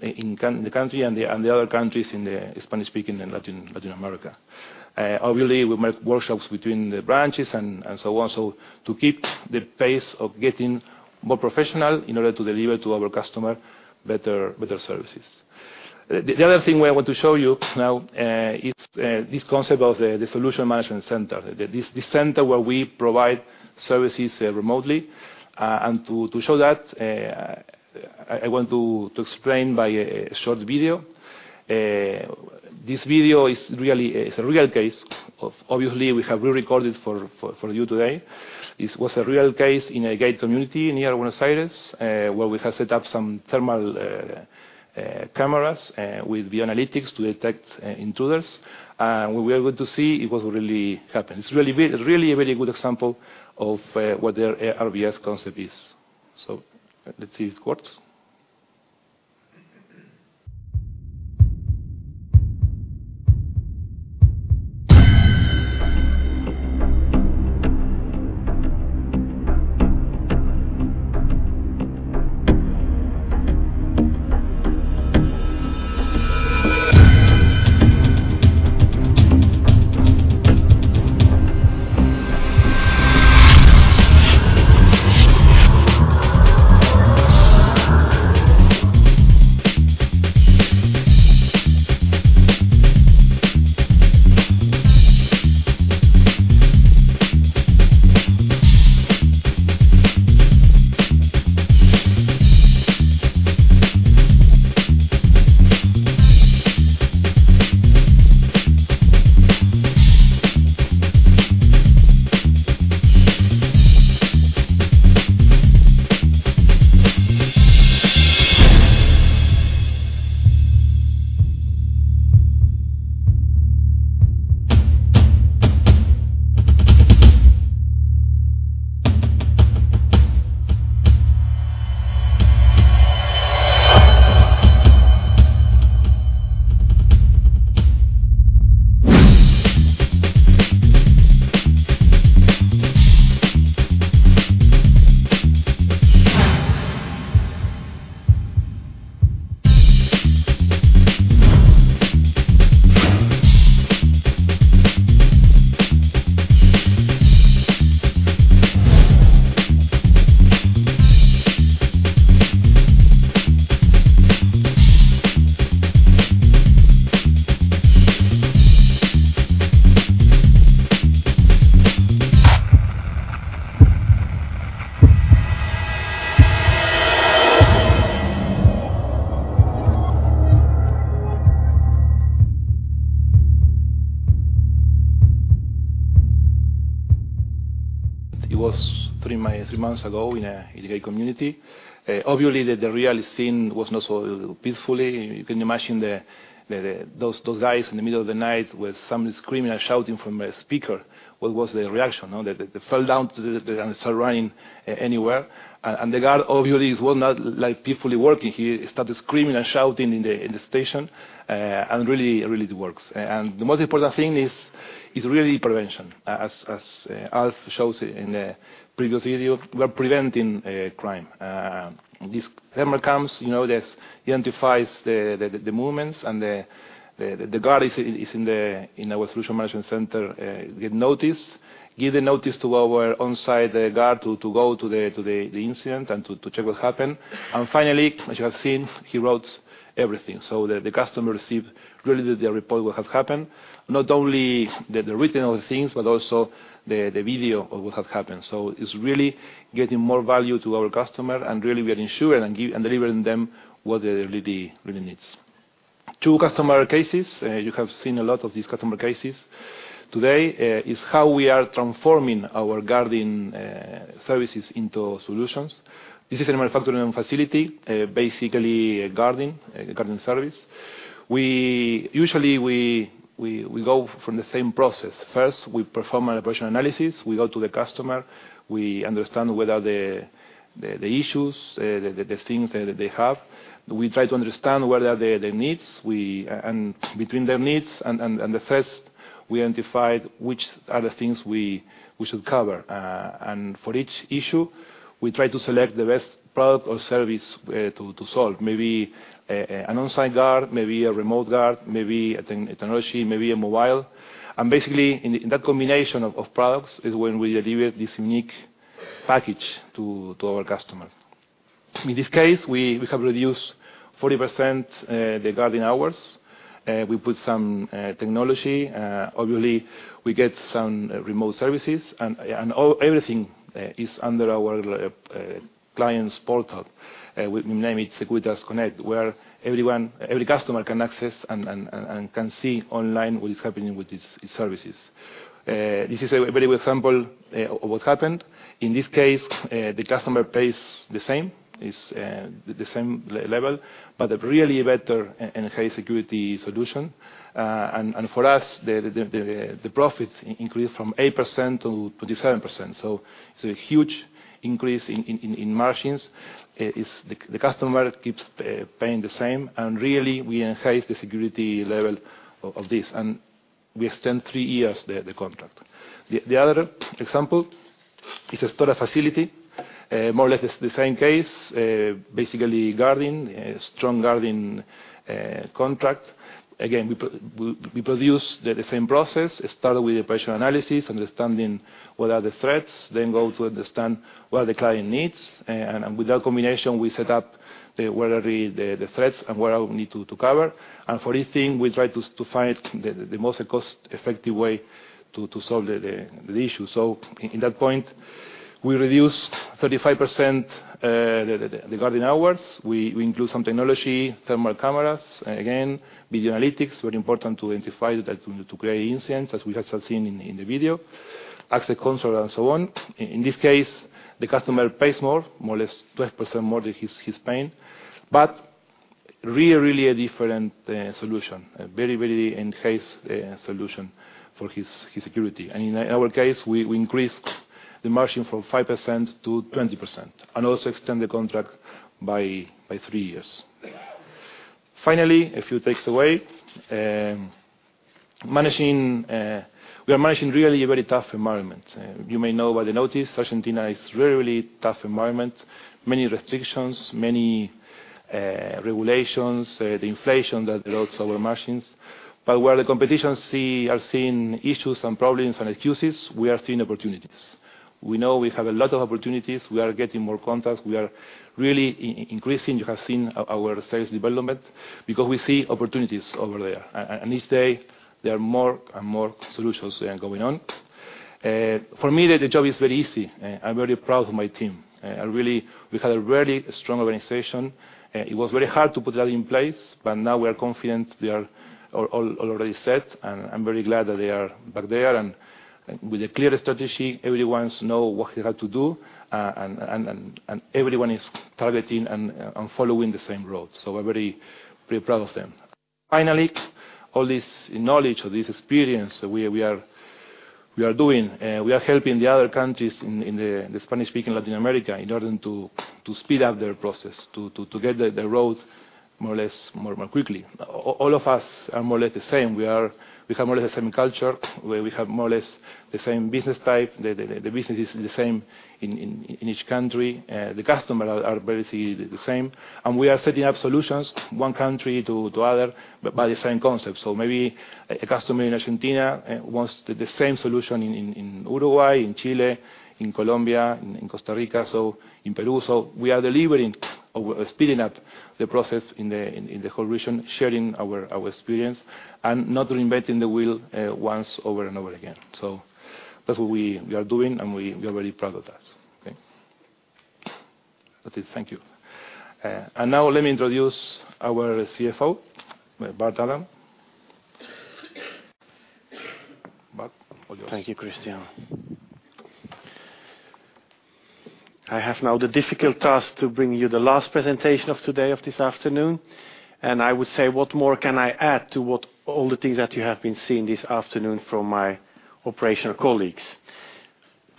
in the country and the other countries in the Spanish-speaking and Latin America. Obviously, we make workshops between the branches and so on, so to keep the pace of getting more professional in order to deliver to our customer better services. The other thing I want to show you now, it's this concept of the Solution Management Center. This center where we provide services remotely. And to show that, I want to explain by a short video. This video is really a real case of... Obviously, we have re-recorded for you today. This was a real case in a gated community near Buenos Aires, where we have set up some thermal cameras with the analytics to detect intruders. And we were able to see it was really happened. It's really really a very good example of what the RVS concept is. So let's see it works. It was three months ago in a community. Obviously, the real scene was not so peacefully. You can imagine the those guys in the middle of the night with some screaming and shouting from a speaker, what was their reaction? Oh, they fell down to the and start running anywhere. And the guard, obviously, was not like peacefully working. He started screaming and shouting in the station. And really really it works. And the most important thing is really prevention. As Alf shows in the previous video, we are preventing crime. These thermal cameras, you know, that identifies the movements and the guard is in our solution management center, get notice, give the notice to our on-site guard to go to the incident and to check what happened. And finally, as you have seen, he wrote everything. So the customer received really the report what have happened, not only the written of the things, but also the video of what have happened. So it's really getting more value to our customer, and really we are ensuring and delivering them what they really, really needs. Two customer cases, you have seen a lot of these customer cases. Today is how we are transforming our guarding services into solutions. This is a manufacturing facility, basically, a guarding service. We usually go from the same process. First, we perform an operational analysis. We go to the customer, we understand what are the issues, the things that they have. We try to understand what are their needs. And between their needs and the first, we identify which are the things we should cover. And for each issue, we try to select the best product or service to solve. Maybe an on-site guard, maybe a remote guard, maybe a technology, maybe a mobile. And basically, in that combination of products is when we deliver this unique package to our customer. In this case, we have reduced 40% the guarding hours. We put some technology, obviously. We get some remote services, and everything is under our clients' portal. We name it Securitas Connect, where every customer can access and can see online what is happening with these services. This is a very good example of what happened. In this case, the customer pays the same, is the same level, but a really better and enhanced Security Solution. And for us, the profit increased from 8% to 27%. So it's a huge increase in margins. The customer keeps paying the same, and really we enhance the security level of this, and we extend three years, the contract. The other example is a storage facility, more or less the same case. Basically, guarding, strong guarding contract. Again, we produce the same process. It started with the operational analysis, understanding what are the threats, then go to understand what the client needs. And with that combination, we set up where are the threats and where I will need to cover. And for this thing, we try to find the most cost-effective way to solve the issue. So in that point, we reduce 35%, the guarding hours. We include some technology, thermal cameras, again, video analytics, very important to identify that, to create incidents, as we have seen in the video, access control and so on. In this case, the customer pays more or less 12% more than he's paying, but really a different solution, a very enhanced solution for his security. And in our case, we increased the margin from 5% to 20% and also extend the contract by three years. Finally, a few takeaways. Managing, we are managing really a very tough environment. You may know by the news, Argentina is really a tough environment. Many restrictions, many regulations, the inflation that lowers our margins. But where the competition are seeing issues and problems and excuses, we are seeing opportunities. We know we have a lot of opportunities. We are getting more contracts. We are really increasing. You have seen our sales development because we see opportunities over there. And each day, there are more and more solutions that are going on. For me, the job is very easy, and I'm very proud of my team. Really, we have a very strong organization, and it was very hard to put that in place, but now we are confident we are all already set, and I'm very glad that they are back there. And with a clear strategy, everyone knows what they have to do, and everyone is targeting and following the same road. So I'm very proud of them. Finally, all this knowledge, all this experience that we are doing, we are helping the other countries in the Spanish-speaking Latin America in order to get the road more or less more quickly. All of us are more or less the same. We have more or less the same culture, where we have more or less the same business type. The business is the same in each country. The customer are basically the same, and we are setting up solutions one country to other, but by the same concept. So maybe a customer in Argentina wants the same solution in Uruguay, in Chile, in Colombia, in Costa Rica, so in Peru. So we are delivering or we are speeding up the process in the whole region, sharing our experience, and not reinventing the wheel once over and over again. So that's what we are doing, and we are very proud of that. Okay. That is thank you. Now let me introduce our CFO, Bart Adam. Bart, all yours. Thank you, Christian. I have now the difficult task to bring you the last presentation of today, of this afternoon. And I would say, what more can I add to what all the things that you have been seeing this afternoon from my operational colleagues?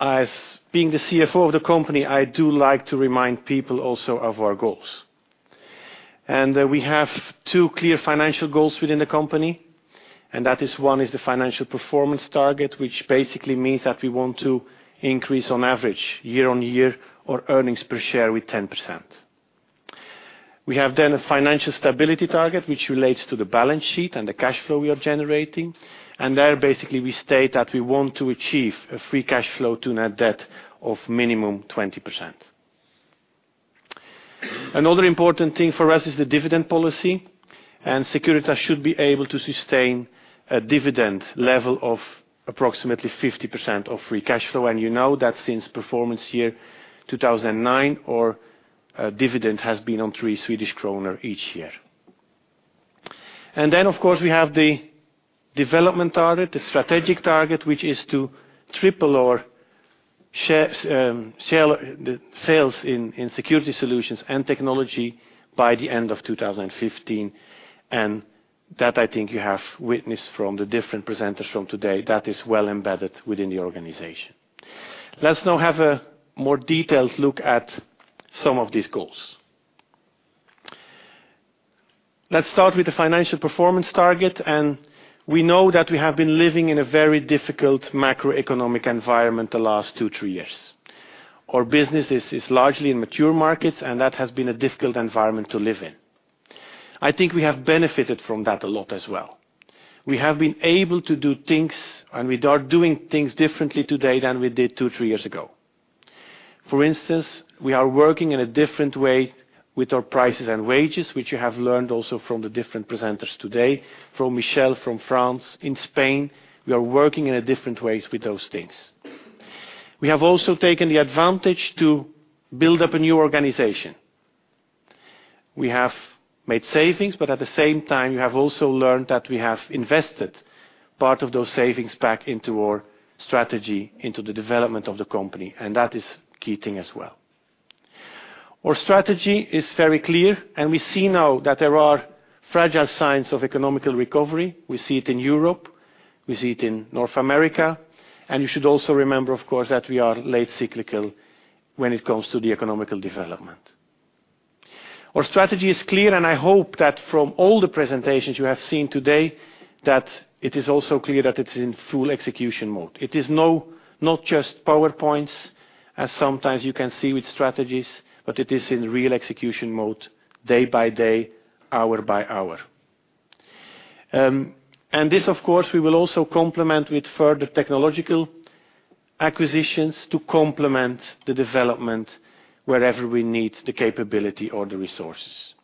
As being the CFO of the company, I do like to remind people also of our goals. And we have two clear financial goals within the company, and that is one, is the financial performance target, which basically means that we want to increase on average, year-on-year, our earnings per share with 10%. We have then a financial stability target, which relates to the balance sheet and the cash flow we are generating. And there, basically, we state that we want to achieve a free cash flow to net debt of minimum 20%. Another important thing for us is the dividend policy, and Securitas should be able to sustain a dividend level of approximately 50% of free cash flow. You know that since performance year 2009, our dividend has been on 3 Swedish kronor each year. Then, of course, we have the development target, the strategic target, which is to triple our shares, sale, the sales in Security Solutions and technology by the end of 2015. That, I think, you have witnessed from the different presenters from today. That is well embedded within the organization. Let's now have a more detailed look at some of these goals. Let's start with the financial performance target, and we know that we have been living in a very difficult macroeconomic environment the last two, three years. Our business is largely in mature markets, and that has been a difficult environment to live in. I think we have benefited from that a lot as well. We have been able to do things, and we are doing things differently today than we did two, three years ago. For instance, we are working in a different way with our prices and wages, which you have learned also from the different presenters today, from Michel, from France. In Spain, we are working in a different ways with those things. We have also taken the advantage to build up a new organization. We have made savings, but at the same time, we have also learned that we have invested part of those savings back into our strategy, into the development of the company, and that is key thing as well. Our strategy is very clear, and we see now that there are fragile signs of economic recovery. We see it in Europe. We see it in North America. And you should also remember, of course, that we are late cyclical when it comes to the economic development. Our strategy is clear, and I hope that from all the presentations you have seen today, that it is also clear that it's in full execution mode. It is not just PowerPoints, as sometimes you can see with strategies, but it is in real execution mode, day by day, hour by hour. And this, of course, we will also complement with further technological acquisitions to complement the development wherever we need the capability or the resources.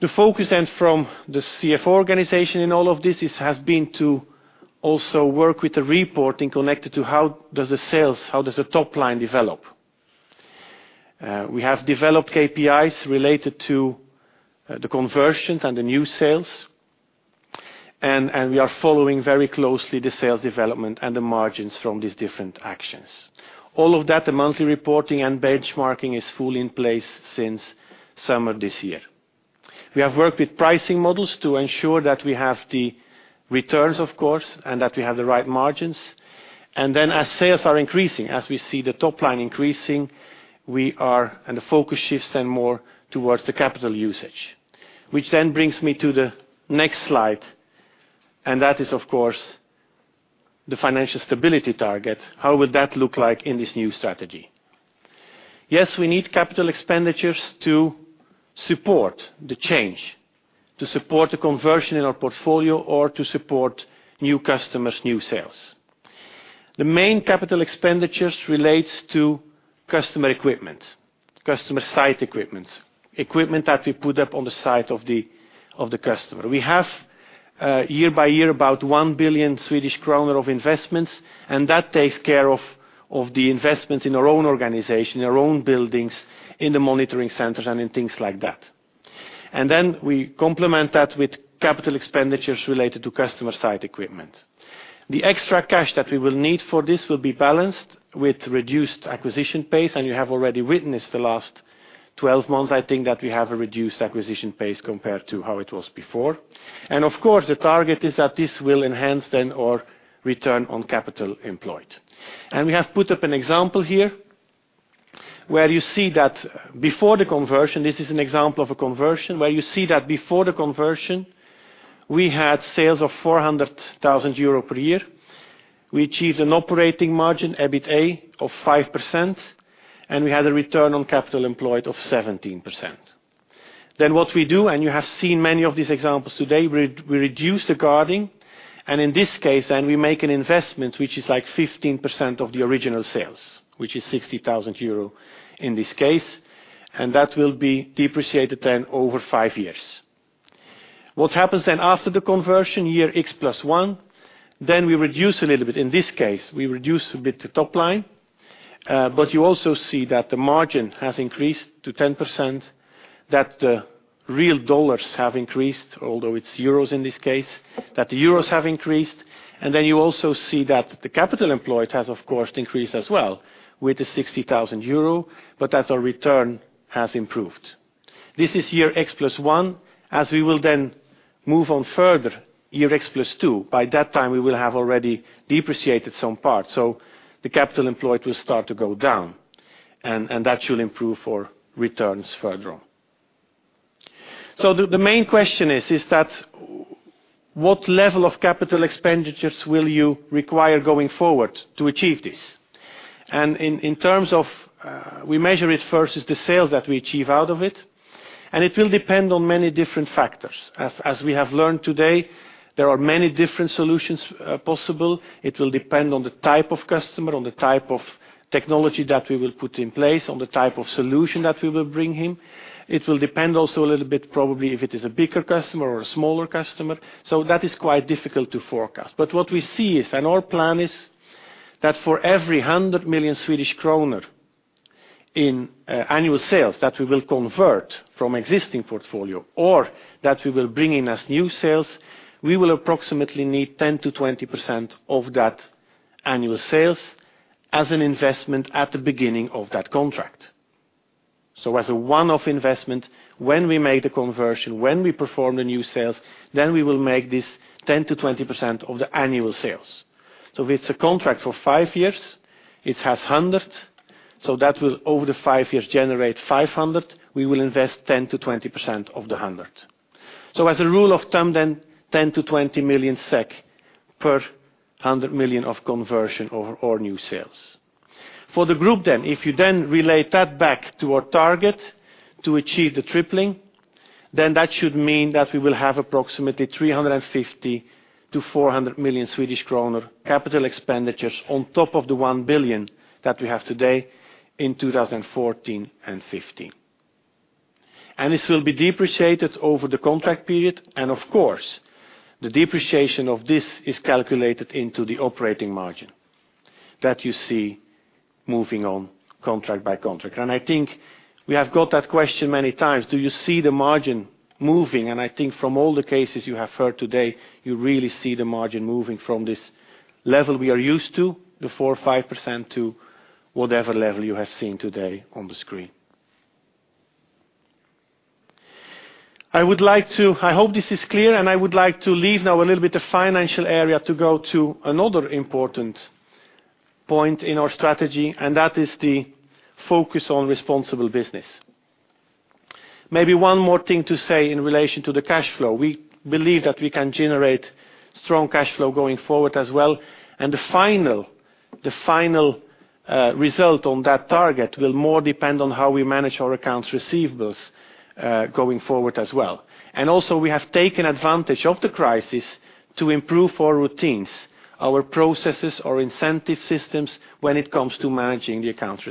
The focus then from the CFO organization in all of this is—has been to also work with the reporting connected to how does the sales, how does the top line develop? We have developed KPIs related to the conversions and the new sales, and we are following very closely the sales development and the margins from these different actions. All of that, the monthly reporting and benchmarking, is fully in place since summer this year. We have worked with pricing models to ensure that we have the returns, of course, and that we have the right margins. And then, as sales are increasing, as we see the top line increasing, we are—and the focus shifts then more towards the capital usage, which then brings me to the next slide, and that is, of course, the financial stability target. How would that look like in this new strategy? Yes, we need capital expenditures to support the change, to support the conversion in our portfolio, or to support new customers, new sales. The main capital expenditures relates to customer equipment.... customer site equipments. Equipment that we put up on the site of the, of the customer. We have, year by year, about 1 billion Swedish kronor of investments, and that takes care of, of the investment in our own organization, our own buildings, in the monitoring centers, and in things like that. And then we complement that with capital expenditures related to customer site equipment. The extra cash that we will need for this will be balanced with reduced acquisition pace, and you have already witnessed the last 12 months, I think, that we have a reduced acquisition pace compared to how it was before. Of course, the target is that this will enhance then our return on capital employed. We have put up an example here, where you see that before the conversion, this is an example of a conversion, where you see that before the conversion, we had sales of 400,000 euro per year. We achieved an operating margin, EBITA, of 5%, and we had a return on capital employed of 17%. Then what we do, and you have seen many of these examples today, we reduce the guarding, and in this case, then we make an investment, which is, like, 15% of the original sales, which is 60,000 euro in this case, and that will be depreciated then over five years. What happens then after the conversion, year X plus one, then we reduce a little bit. In this case, we reduce a bit the top line, but you also see that the margin has increased to 10%, that the real dollars have increased, although it's euros in this case, that the euros have increased. And then you also see that the capital employed has, of course, increased as well with the 60,000 euro, but that our return has improved. This is year X plus one. As we will then move on further, year X plus two, by that time, we will have already depreciated some parts, so the capital employed will start to go down, and that should improve our returns further on. So the main question is, is that what level of capital expenditures will you require going forward to achieve this? In terms of, we measure it first is the sales that we achieve out of it, and it will depend on many different factors. As we have learned today, there are many different solutions possible. It will depend on the type of customer, on the type of technology that we will put in place, on the type of solution that we will bring him. It will depend also a little bit, probably, if it is a bigger customer or a smaller customer, so that is quite difficult to forecast. But what we see is, and our plan is, that for every 100 million Swedish kronor in annual sales that we will convert from existing portfolio or that we will bring in as new sales, we will approximately need 10%-20% of that annual sales as an investment at the beginning of that contract. So as a one-off investment, when we make the conversion, when we perform the new sales, then we will make this 10%-20% of the annual sales. So if it's a contract for five years, it has 100, so that will, over the five years, generate 500. We will invest 10%-20% of the 100. So as a rule of thumb, then, 10 million-20 million SEK per 100 million of conversion or new sales. For the group then, if you then relate that back to our target to achieve the tripling, then that should mean that we will have approximately 350 million-400 million Swedish krona capital expenditures on top of the 1 billion that we have today in 2014 and 2015. This will be depreciated over the contract period, and of course, the depreciation of this is calculated into the operating margin that you see moving on contract by contract. I think we have got that question many times: Do you see the margin moving? And I think from all the cases you have heard today, you really see the margin moving from this level we are used to, the 4% or 5%, to whatever level you have seen today on the screen. I would like to—I hope this is clear, and I would like to leave now a little bit of the financial area to go to another important point in our strategy, and that is the focus on responsible business. Maybe one more thing to say in relation to the cash flow; we believe that we can generate strong cash flow going forward as well. And the final result on that target will more depend on how we manage our accounts receivables going forward as well. And also, we have taken advantage of the crisis to improve our routines, our processes, our incentive systems, when it comes to managing the accounts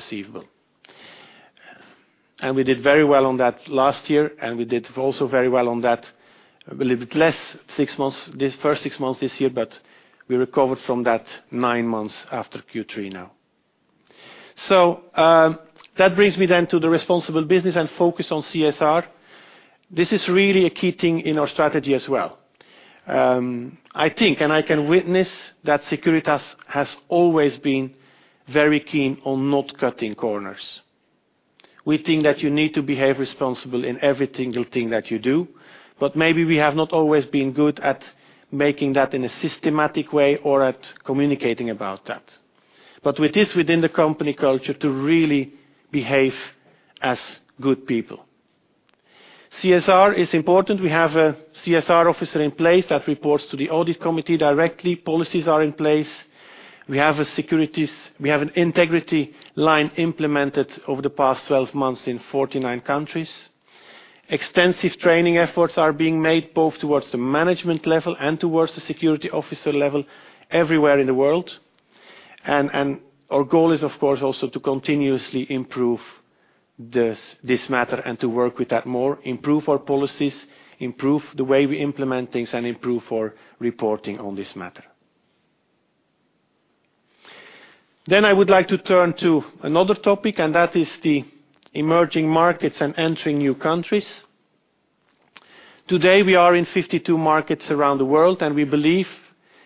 receivable. We did very well on that last year, and we did also very well on that, a little bit less six months, this first six months this year, but we recovered from that nine months after Q3 now. That brings me then to the responsible business and focus on CSR. This is really a key thing in our strategy as well. I think, and I can witness, that Securitas has always been very keen on not cutting corners. We think that you need to behave responsible in every single thing that you do, but maybe we have not always been good at making that in a systematic way or at communicating about that. It is within the company culture to really behave as good people. CSR is important. We have a CSR officer in place that reports to the audit committee directly. Policies are in place. We have an Integrity Line implemented over the past 12 months in 49 countries. Extensive training efforts are being made, both towards the management level and towards the security officer level, everywhere in the world. Our goal is, of course, also to continuously improve this matter and to work with that more, improve our policies, improve the way we implement things, and improve our reporting on this matter. I would like to turn to another topic, and that is the emerging markets and entering new countries. Today, we are in 52 markets around the world, and we believe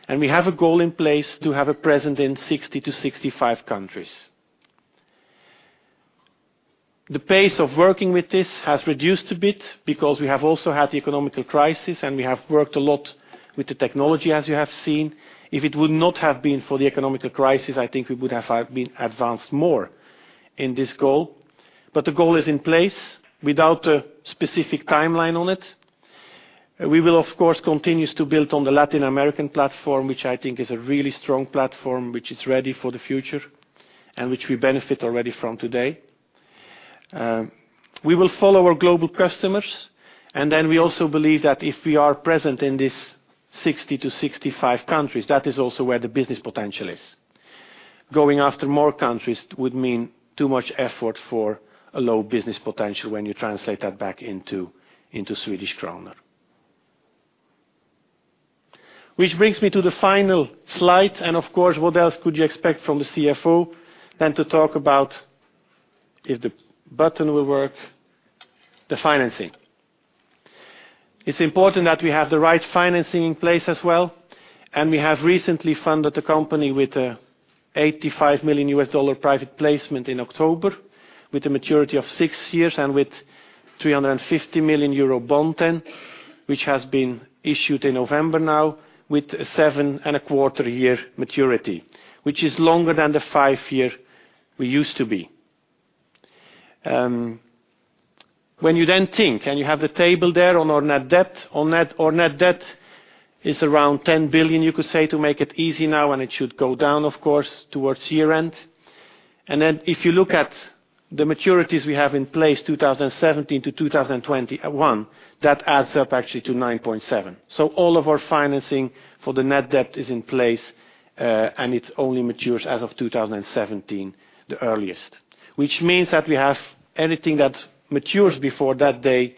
we have a goal in place to have a presence in 60-65 countries. The pace of working with this has reduced a bit because we have also had the economic crisis, and we have worked a lot with the technology, as you have seen. If it would not have been for the economic crisis, I think we would have been advanced more in this goal. But the goal is in place without a specific timeline on it. We will, of course, continue to build on the Latin American platform, which I think is a really strong platform, which is ready for the future and which we benefit already from today. We will follow our global customers, and then we also believe that if we are present in these 60-65 countries, that is also where the business potential is. Going after more countries would mean too much effort for a low business potential when you translate that back into Swedish krona. Which brings me to the final slide, and of course, what else could you expect from the CFO than to talk about, if the button will work, the financing? It's important that we have the right financing in place as well, and we have recently funded the company with a $85 million private placement in October, with a maturity of six years and with 350 million Eurobond then, which has been issued in November now, with seven and a quarter-year maturity, which is longer than the five-year we used to be. When you then think, and you have the table there on our net debt, our net debt is around 10 billion, you could say, to make it easy now, and it should go down, of course, towards year-end. Then if you look at the maturities we have in place, 2017-2021, that adds up actually to 9.7 billion. So all of our financing for the net debt is in place, and it only matures as of 2017, the earliest. Which means that we have anything that matures before that day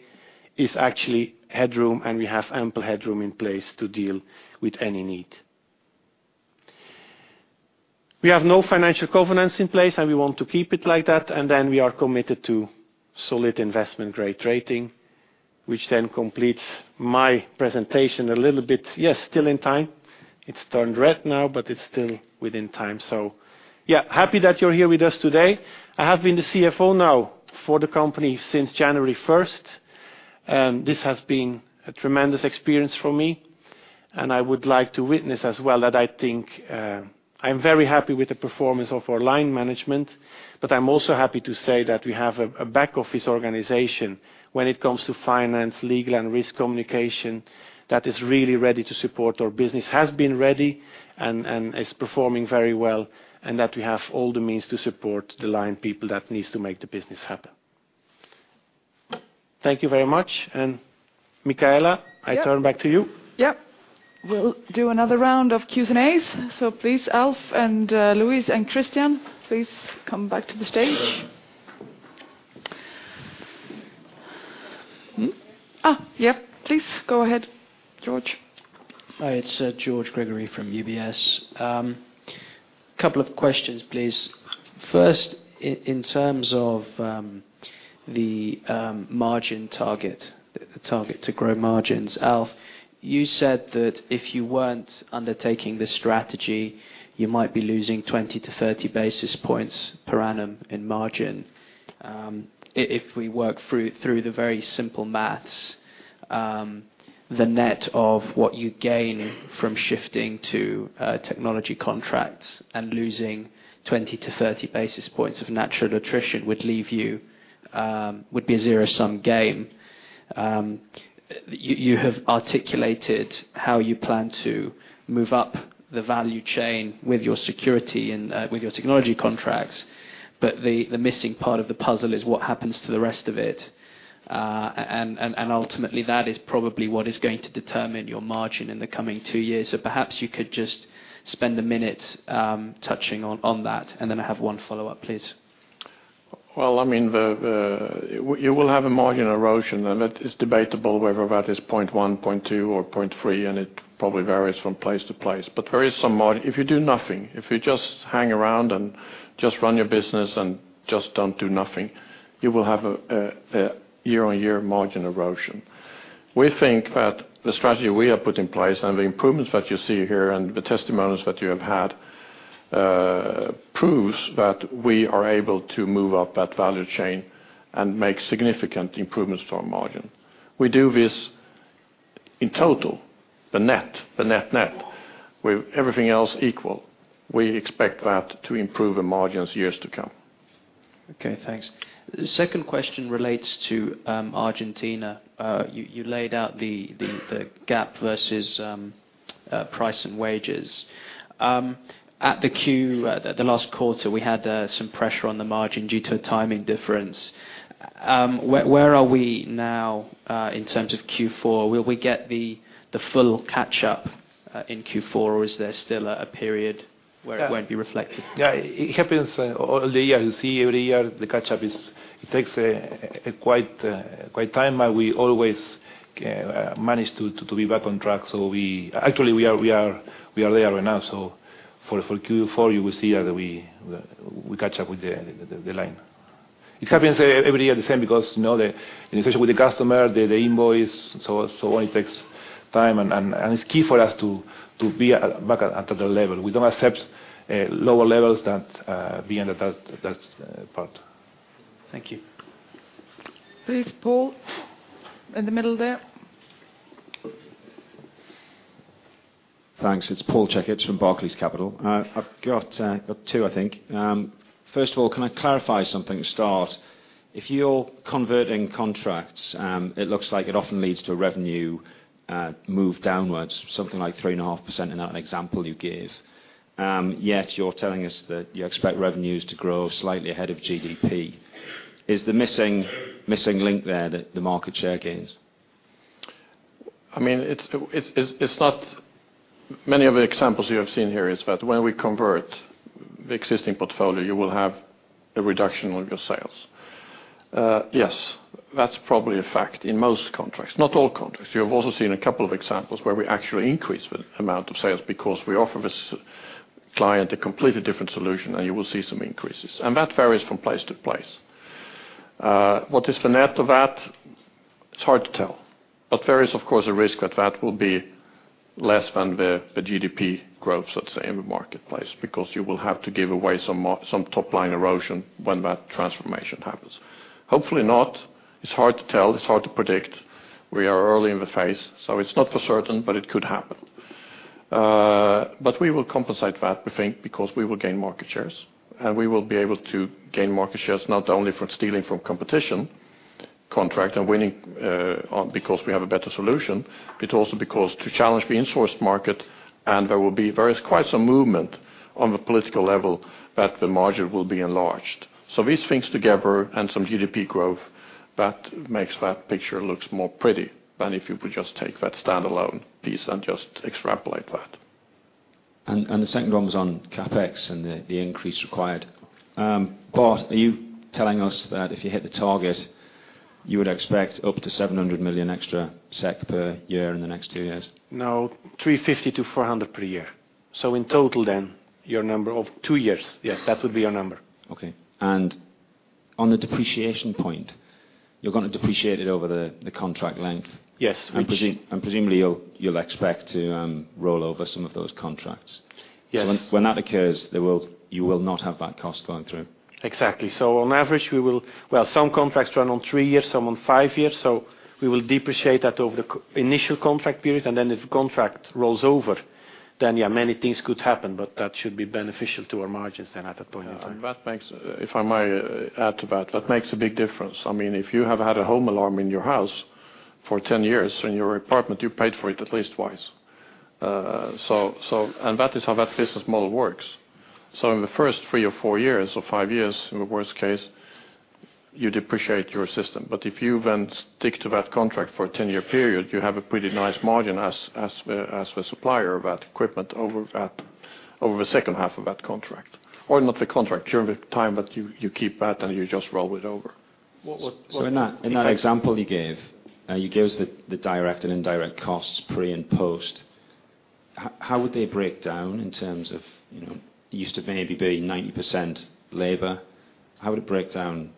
is actually headroom, and we have ample headroom in place to deal with any need. We have no financial covenants in place, and we want to keep it like that, and then we are committed to solid investment-grade rating, which then completes my presentation a little bit. Yes, still in time. It's turned red now, but it's still within time. So yeah, happy that you're here with us today. I have been the CFO now for the company since January first, and this has been a tremendous experience for me, and I would like to witness as well that I think, I'm very happy with the performance of our line management. But I'm also happy to say that we have a back office organization when it comes to finance, legal, and risk communication that is really ready to support our business, has been ready and is performing very well, and that we have all the means to support the line people that needs to make the business happen. Thank you very much, and Micaela, I turn back to you. Yep. We'll do another round of Q&A. So please, Alf and Luis and Christian, please come back to the stage. Yep, please go ahead, George. Hi, it's George Gregory from UBS. Couple of questions, please. First, in terms of the margin target, the target to grow margins. Alf, you said that if you weren't undertaking this strategy, you might be losing 20-30 basis points per annum in margin. If we work through the very simple math, the net of what you gain from shifting to technology contracts and losing 20-30 basis points of natural attrition would leave you, would be a zero-sum game. You have articulated how you plan to move up the value chain with your security and with your technology contracts, but the missing part of the puzzle is what happens to the rest of it. Ultimately, that is probably what is going to determine your margin in the coming two years. Perhaps you could just spend a minute, touching on that, and then I have one follow-up, please. Well, I mean, you will have a margin erosion, and it is debatable whether that is 0.1, 0.2, or 0.3, and it probably varies from place to place. But there is some if you do nothing, if you just hang around and just run your business and just don't do nothing, you will have a year-on-year margin erosion. We think that the strategy we have put in place and the improvements that you see here and the testimonials that you have had proves that we are able to move up that value chain and make significant improvements to our margin. We do this in total, the net, the net-net, with everything else equal, we expect that to improve the margins years to come. Okay, thanks. The second question relates to Argentina. You laid out the gap versus price and wages. At the last quarter, we had some pressure on the margin due to a timing difference. Where are we now in terms of Q4? Will we get the full catch-up in Q4, or is there still a period where it won't be reflected? Yeah, it happens all the years. You see, every year the catch-up is, it takes quite a time, but we always manage to be back on track. So actually, we are there right now. So for Q4, you will see that we catch up with the line. It happens every year the same, because, you know, the association with the customer, the invoice, so it takes time. And it's key for us to be back at the level. We don't accept lower levels than we end at that part. Thank you. Please, Paul, in the middle there. Thanks. It's Paul Checketts from Barclays Capital. I've got, two, I think. First of all, can I clarify something to start? If you're converting contracts, it looks like it often leads to a revenue move downwards, something like 3.5% in that example you gave. Yet you're telling us that you expect revenues to grow slightly ahead of GDP. Is the missing link there, the market share gains? I mean, it's not... Many of the examples you have seen here is that when we convert the existing portfolio, you will have a reduction on your sales. Yes, that's probably a fact in most contracts, not all contracts. You have also seen a couple of examples where we actually increase the amount of sales because we offer this client a completely different solution, and you will see some increases, and that varies from place to place. What is the net of that? It's hard to tell, but there is, of course, a risk that that will be less than the GDP growth, let's say, in the marketplace, because you will have to give away some more, some top-line erosion when that transformation happens. Hopefully not. It's hard to tell. It's hard to predict. We are early in the phase, so it's not for certain, but it could happen. But we will compensate that, we think, because we will gain market shares, and we will be able to gain market shares not only from stealing from competition contract and winning, because we have a better solution, but also because to challenge the insourced market, and there will be, there is quite some movement on the political level that the margin will be enlarged. So these things together and some GDP growth, that makes that picture looks more pretty than if you would just take that standalone piece and just extrapolate that. The second one was on CapEx and the increase required. Bart, are you telling us that if you hit the target, you would expect up to 700 million extra per year in the next two years? No, 350-400 per year. So in total then, your number of two years? Yes, that would be our number. Okay. And on the depreciation point, you're going to depreciate it over the contract length? Yes, which- Presumably you'll expect to roll over some of those contracts. Yes. So when that occurs, you will not have that cost going through? Exactly. So on average, we will. Well, some contracts run on three years, some on five years, so we will depreciate that over the initial contract period, and then if the contract rolls over, then, yeah, many things could happen, but that should be beneficial to our margins then at that point in time. Yeah, and that makes, if I may add to that, that makes a big difference. I mean, if you have had a home alarm in your house for 10 years, in your apartment, you paid for it at least twice. So, and that is how that business model works. So in the first three or four years, or five years, in the worst case, you depreciate your system. But if you then stick to that contract for a 10-year period, you have a pretty nice margin as the supplier of that equipment over the second half of that contract, during the time that you keep that, and you just roll it over. What, what—so in that, in that example you gave, you gave us the, the direct and indirect costs pre and post. How would they break down in terms of, you know, used to maybe be 90% labor? How would it break down?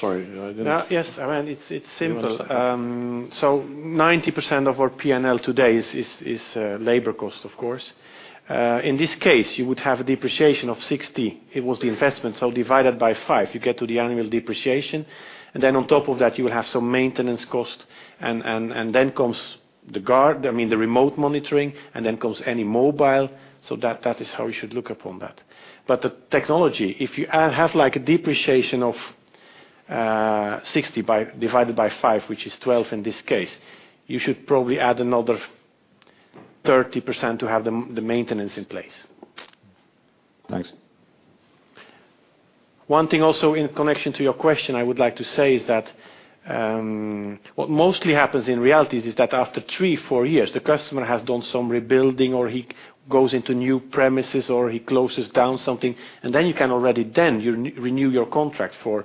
Sorry, I didn't- Yeah. Yes, I mean, it's, it's simple. You want to second? So 90% of our P&L today is labor cost, of course. In this case, you would have a depreciation of 60. It was the investment, so divided by five, you get to the annual depreciation, and then on top of that, you will have some maintenance cost, and then comes the guard, I mean, the remote monitoring, and then comes any mobile. So that is how you should look upon that. But the technology, if you have like a depreciation of 60 divided by five, which is 12 in this case, you should probably add another 30% to have the maintenance in place. Thanks. One thing also in connection to your question, I would like to say is that what mostly happens in reality is that after three or four years, the customer has done some rebuilding, or he goes into new premises, or he closes down something, and then you can already renew your contract for,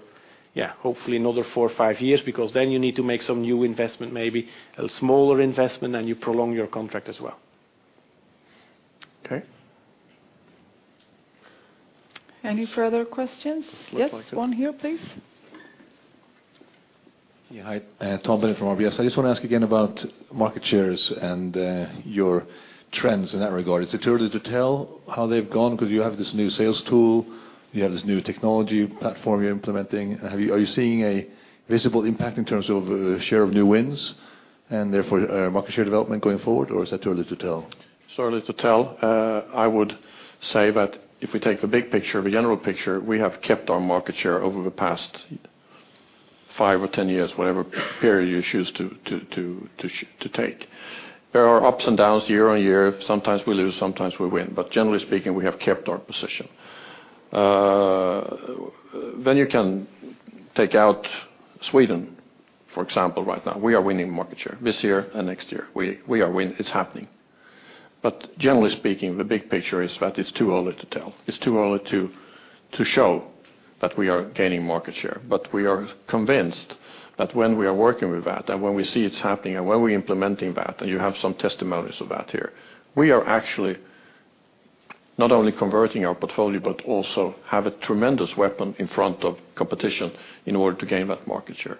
yeah, hopefully another four or five years, because then you need to make some new investment, maybe a smaller investment, and you prolong your contract as well. Okay. Any further questions? Looks like- Yes, one here, please. Yeah. Hi, Tom Bennett from RBS. I just want to ask again about market shares and your trends in that regard. Is it too early to tell how they've gone? Because you have this new sales tool, you have this new technology platform you're implementing. Are you seeing a visible impact in terms of share of new wins and therefore market share development going forward, or is that too early to tell? It's too early to tell. I would say that if we take the big picture, the general picture, we have kept our market share over the past five or 10 years, whatever period you choose to take. There are ups and downs year-on-year. Sometimes we lose, sometimes we win, but generally speaking, we have kept our position. Then you can take out Sweden, for example, right now. We are winning market share this year and next year. We are winning. It's happening. But generally speaking, the big picture is that it's too early to tell. It's too early to show that we are gaining market share. But we are convinced that when we are working with that, and when we see it's happening, and when we're implementing that, and you have some testimonies of that here, we are actually not only converting our portfolio, but also have a tremendous weapon in front of competition in order to gain that market share.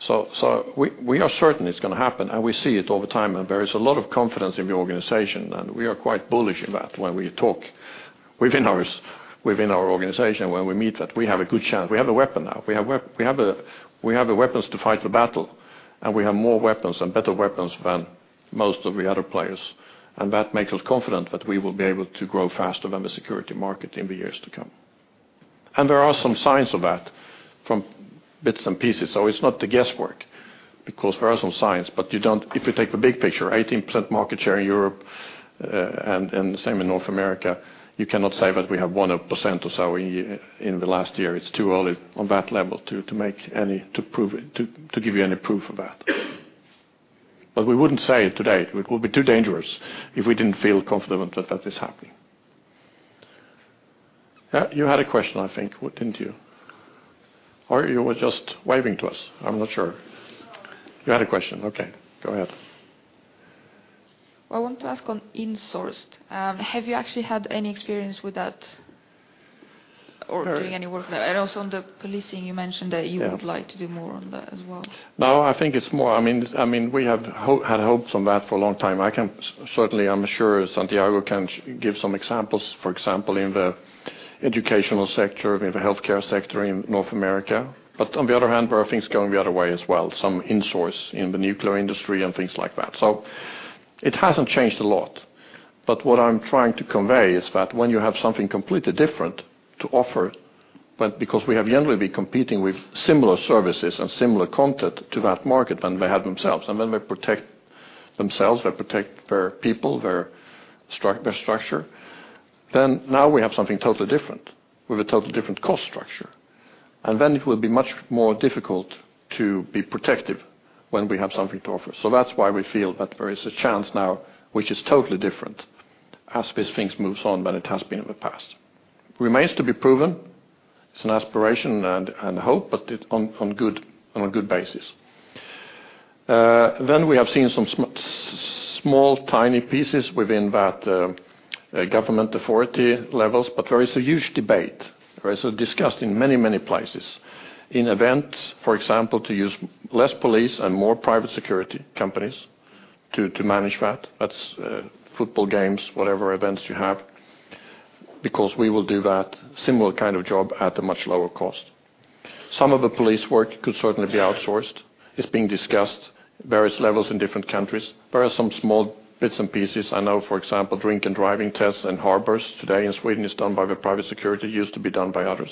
So we are certain it's gonna happen, and we see it all the time, and there is a lot of confidence in the organization, and we are quite bullish in that when we talk within our organization, when we meet, that we have a good chance. We have a weapon now. We have the weapons to fight the battle, and we have more weapons and better weapons than most of the other players. That makes us confident that we will be able to grow faster than the security market in the years to come. There are some signs of that from bits and pieces, so it's not the guesswork, because there are some signs, but you don't, if you take the big picture, 18% market share in Europe, and the same in North America, you cannot say that we have 1% or so in the last year. It's too early on that level to make any, to prove it, to give you any proof of that. But we wouldn't say it today. It would be too dangerous if we didn't feel confident that that is happening. You had a question, I think, didn't you? Or you were just waving to us, I'm not sure. You had a question, okay, go ahead. I want to ask on insourced. Have you actually had any experience with that or doing any work there? And also on the policing, you mentioned that- Yeah You would like to do more on that as well. No, I think it's more... I mean, I mean, we have had hopes on that for a long time. I can certainly, I'm sure Santiago can give some examples, for example, in the educational sector, we have a healthcare sector in North America. But on the other hand, where are things going the other way as well, some insource in the nuclear industry and things like that. So it hasn't changed a lot. But what I'm trying to convey is that when you have something completely different to offer, but because we have generally been competing with similar services and similar content to that market than they have themselves, and then they protect themselves, they protect their people, their structure, then now we have something totally different, with a totally different cost structure. Then it will be much more difficult to be protective when we have something to offer. So that's why we feel that there is a chance now, which is totally different, as these things moves on than it has been in the past. Remains to be proven. It's an aspiration and hope, but it on a good basis. Then we have seen some small, tiny pieces within that, government authority levels, but there is a huge debate, right? So discussed in many, many places. In events, for example, to use less police and more private security companies to manage that. That's football games, whatever events you have, because we will do that similar kind of job at a much lower cost. Some of the police work could certainly be outsourced. It's being discussed, various levels in different countries. There are some small bits and pieces. I know, for example, drink and driving tests and harbors today in Sweden is done by the private security, used to be done by others.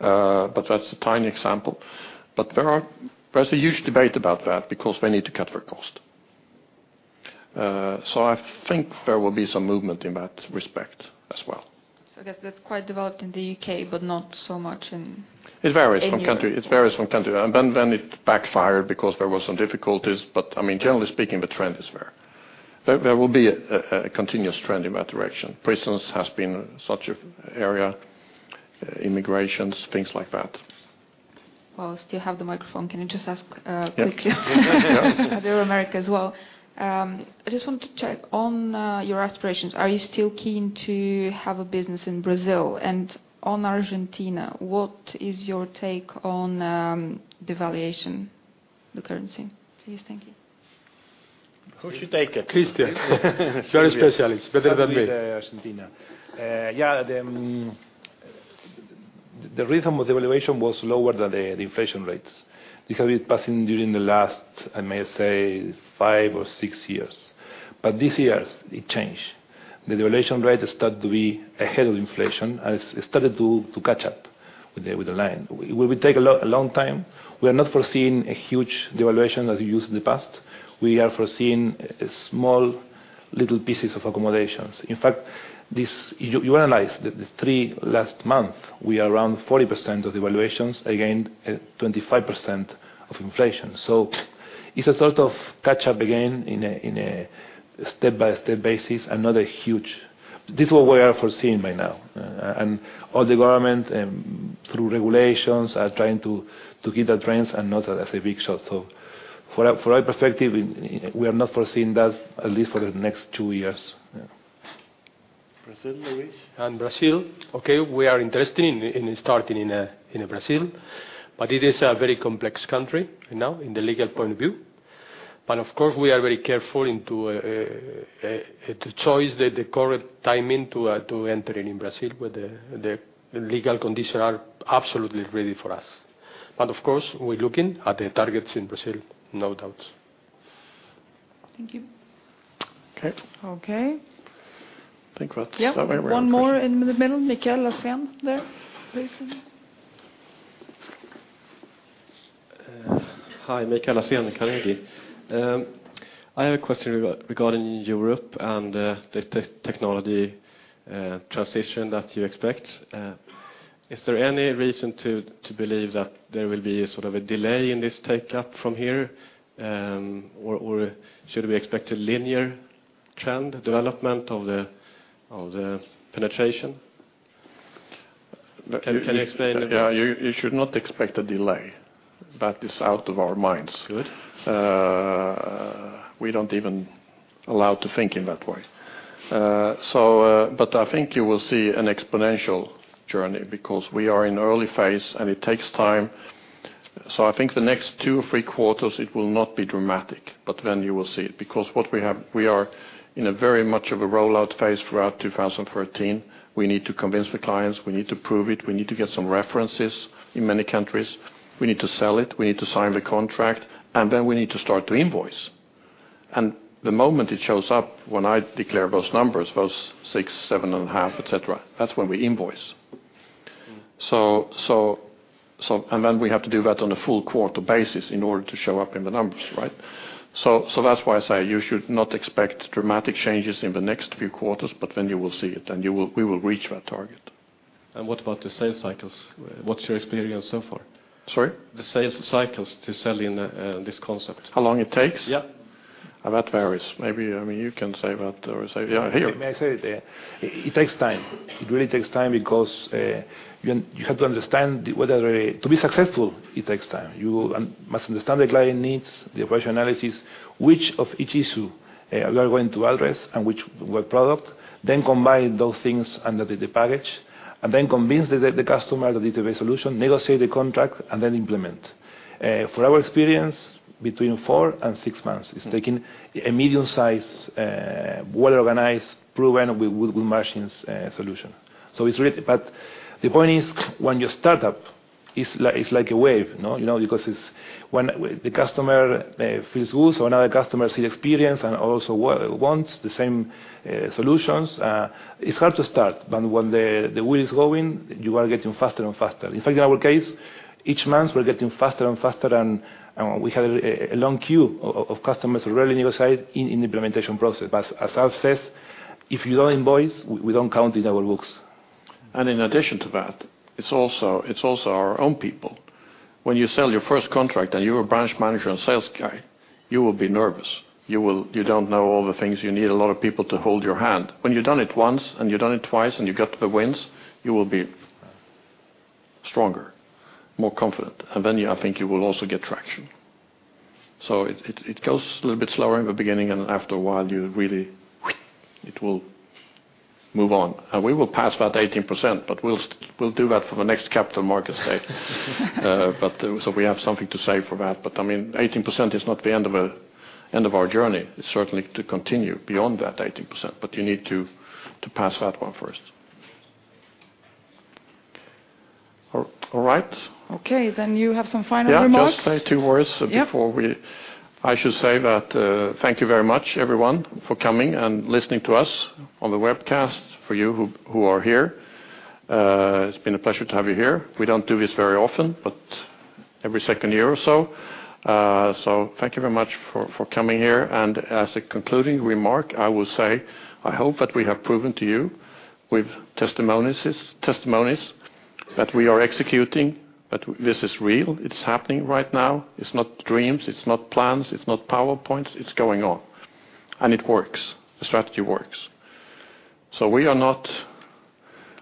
But that's a tiny example. But there's a huge debate about that because they need to cut their cost. So I think there will be some movement in that respect as well. So that, that's quite developed in the U.K., but not so much in- It varies from country- Anywhere. It varies from country. Then it backfired because there were some difficulties, but, I mean, generally speaking, the trend is there. There will be a continuous trend in that direction. Prisons has been such an area, immigrations, things like that. Well, I still have the microphone. Can you just ask, quickly? Yeah. You're America as well. I just want to check on your aspirations. Are you still keen to have a business in Brazil? And on Argentina, what is your take on the valuation, the currency? Please, thank you. Who should take it? Christian. Very specialist, better than me. Argentina. Yeah, the rhythm of the valuation was lower than the inflation rates, because it passing during the last, I may say, five or six years. But this years, it changed. The valuation rate start to be ahead of inflation, and it started to catch up with the line. We take a long time. We are not foreseeing a huge devaluation as we used in the past. We are foreseeing a small, little pieces of accommodations. In fact, you analyze the three last month, we are around 40% of the valuations, again, 25% of inflation. So it's a sort of catch up again in a step-by-step basis, another huge. This is what we are foreseeing by now. And all the government, through regulations, are trying to hit the trends and not as a big shot. So from our perspective, we are not foreseeing that, at least for the next two years. Yeah. Brazil, Luis? Brazil, okay, we are interested in starting in Brazil, but it is a very complex country now in the legal point of view. Of course, we are very careful to choose the correct timing to enter in Brazil, where the legal conditions are absolutely ready for us. Of course, we're looking at the targets in Brazil, no doubts.... Thank you. Okay. Okay. I think that's- Yep, one more in the middle, Mikael Laséen there, please. Hi, Mikael Laséen, Carnegie. I have a question regarding Europe and the technology transition that you expect. Is there any reason to believe that there will be sort of a delay in this take-up from here? Or should we expect a linear trend, development of the penetration? Can you explain? Yeah, you should not expect a delay. That is out of our minds. Good. We don't even allow to think in that way. So I think you will see an exponential journey, because we are in early phase, and it takes time. So I think the next two or three quarters, it will not be dramatic, but then you will see it. Because what we have—we are in a very much of a rollout phase throughout 2013. We need to convince the clients, we need to prove it, we need to get some references in many countries. We need to sell it, we need to sign the contract, and then we need to start to invoice. And the moment it shows up, when I declare those numbers, those six, seven and a half, etc., that's when we invoice. And then we have to do that on a full quarter basis in order to show up in the numbers, right? That's why I say you should not expect dramatic changes in the next few quarters, but then you will see it, and we will reach that target. What about the sales cycles? What's your experience so far? Sorry? The sales cycles to sell in this concept. How long it takes? Yeah. That varies. Maybe, I mean, you can say that or say... Yeah, here. May I say it? It takes time. It really takes time because you have to understand whether... To be successful, it takes time. You must understand the client needs, the operation analysis, which of each issue we are going to address, and which, what product, then combine those things under the package, and then convince the customer that it's the best solution, negotiate the contract, and then implement. For our experience, between four and six months, it's taking a medium-size, well-organized, proven, with margins, solution. So it's really. But the point is, when you start up, it's like a wave, no? You know, because it's when the customer feels good, so another customer see the experience and also wants the same solutions. It's hard to start, but when the wheel is going, you are getting faster and faster. In fact, in our case, each month we're getting faster and faster, and we have a long queue of customers already in the side, in the implementation process. But as Alf says, if you don't invoice, we don't count in our books. In addition to that, it's also our own people. When you sell your first contract, and you're a branch manager and sales guy, you will be nervous. You don't know all the things you need, a lot of people to hold your hand. When you've done it once, and you've done it twice, and you got the wins, you will be stronger, more confident, and then you, I think, you will also get traction. So it goes a little bit slower in the beginning, and after a while, you really, it will move on. And we will pass that 18%, but we'll do that for the next Capital Markets Day. But, so we have something to say for that. But, I mean, 18% is not the end of end of our journey. It's certainly to continue beyond that 18%, but you need to pass that one first. All right. Okay. Then you have some final remarks. Yeah, just say two words- Yep... Before I should say that, thank you very much, everyone, for coming and listening to us on the webcast. For you who are here, it's been a pleasure to have you here. We don't do this very often, but every second year or so. So thank you very much for coming here. And as a concluding remark, I will say, I hope that we have proven to you with testimonies that we are executing, that this is real, it's happening right now. It's not dreams, it's not plans, it's not PowerPoints, it's going on, and it works. The strategy works. So we are not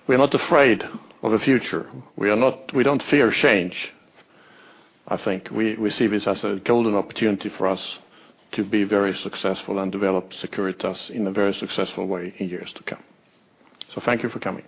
afraid of the future. We are not. We don't fear change. I think we see this as a golden opportunity for us to be very successful and develop Securitas in a very successful way in years to come. So thank you for coming.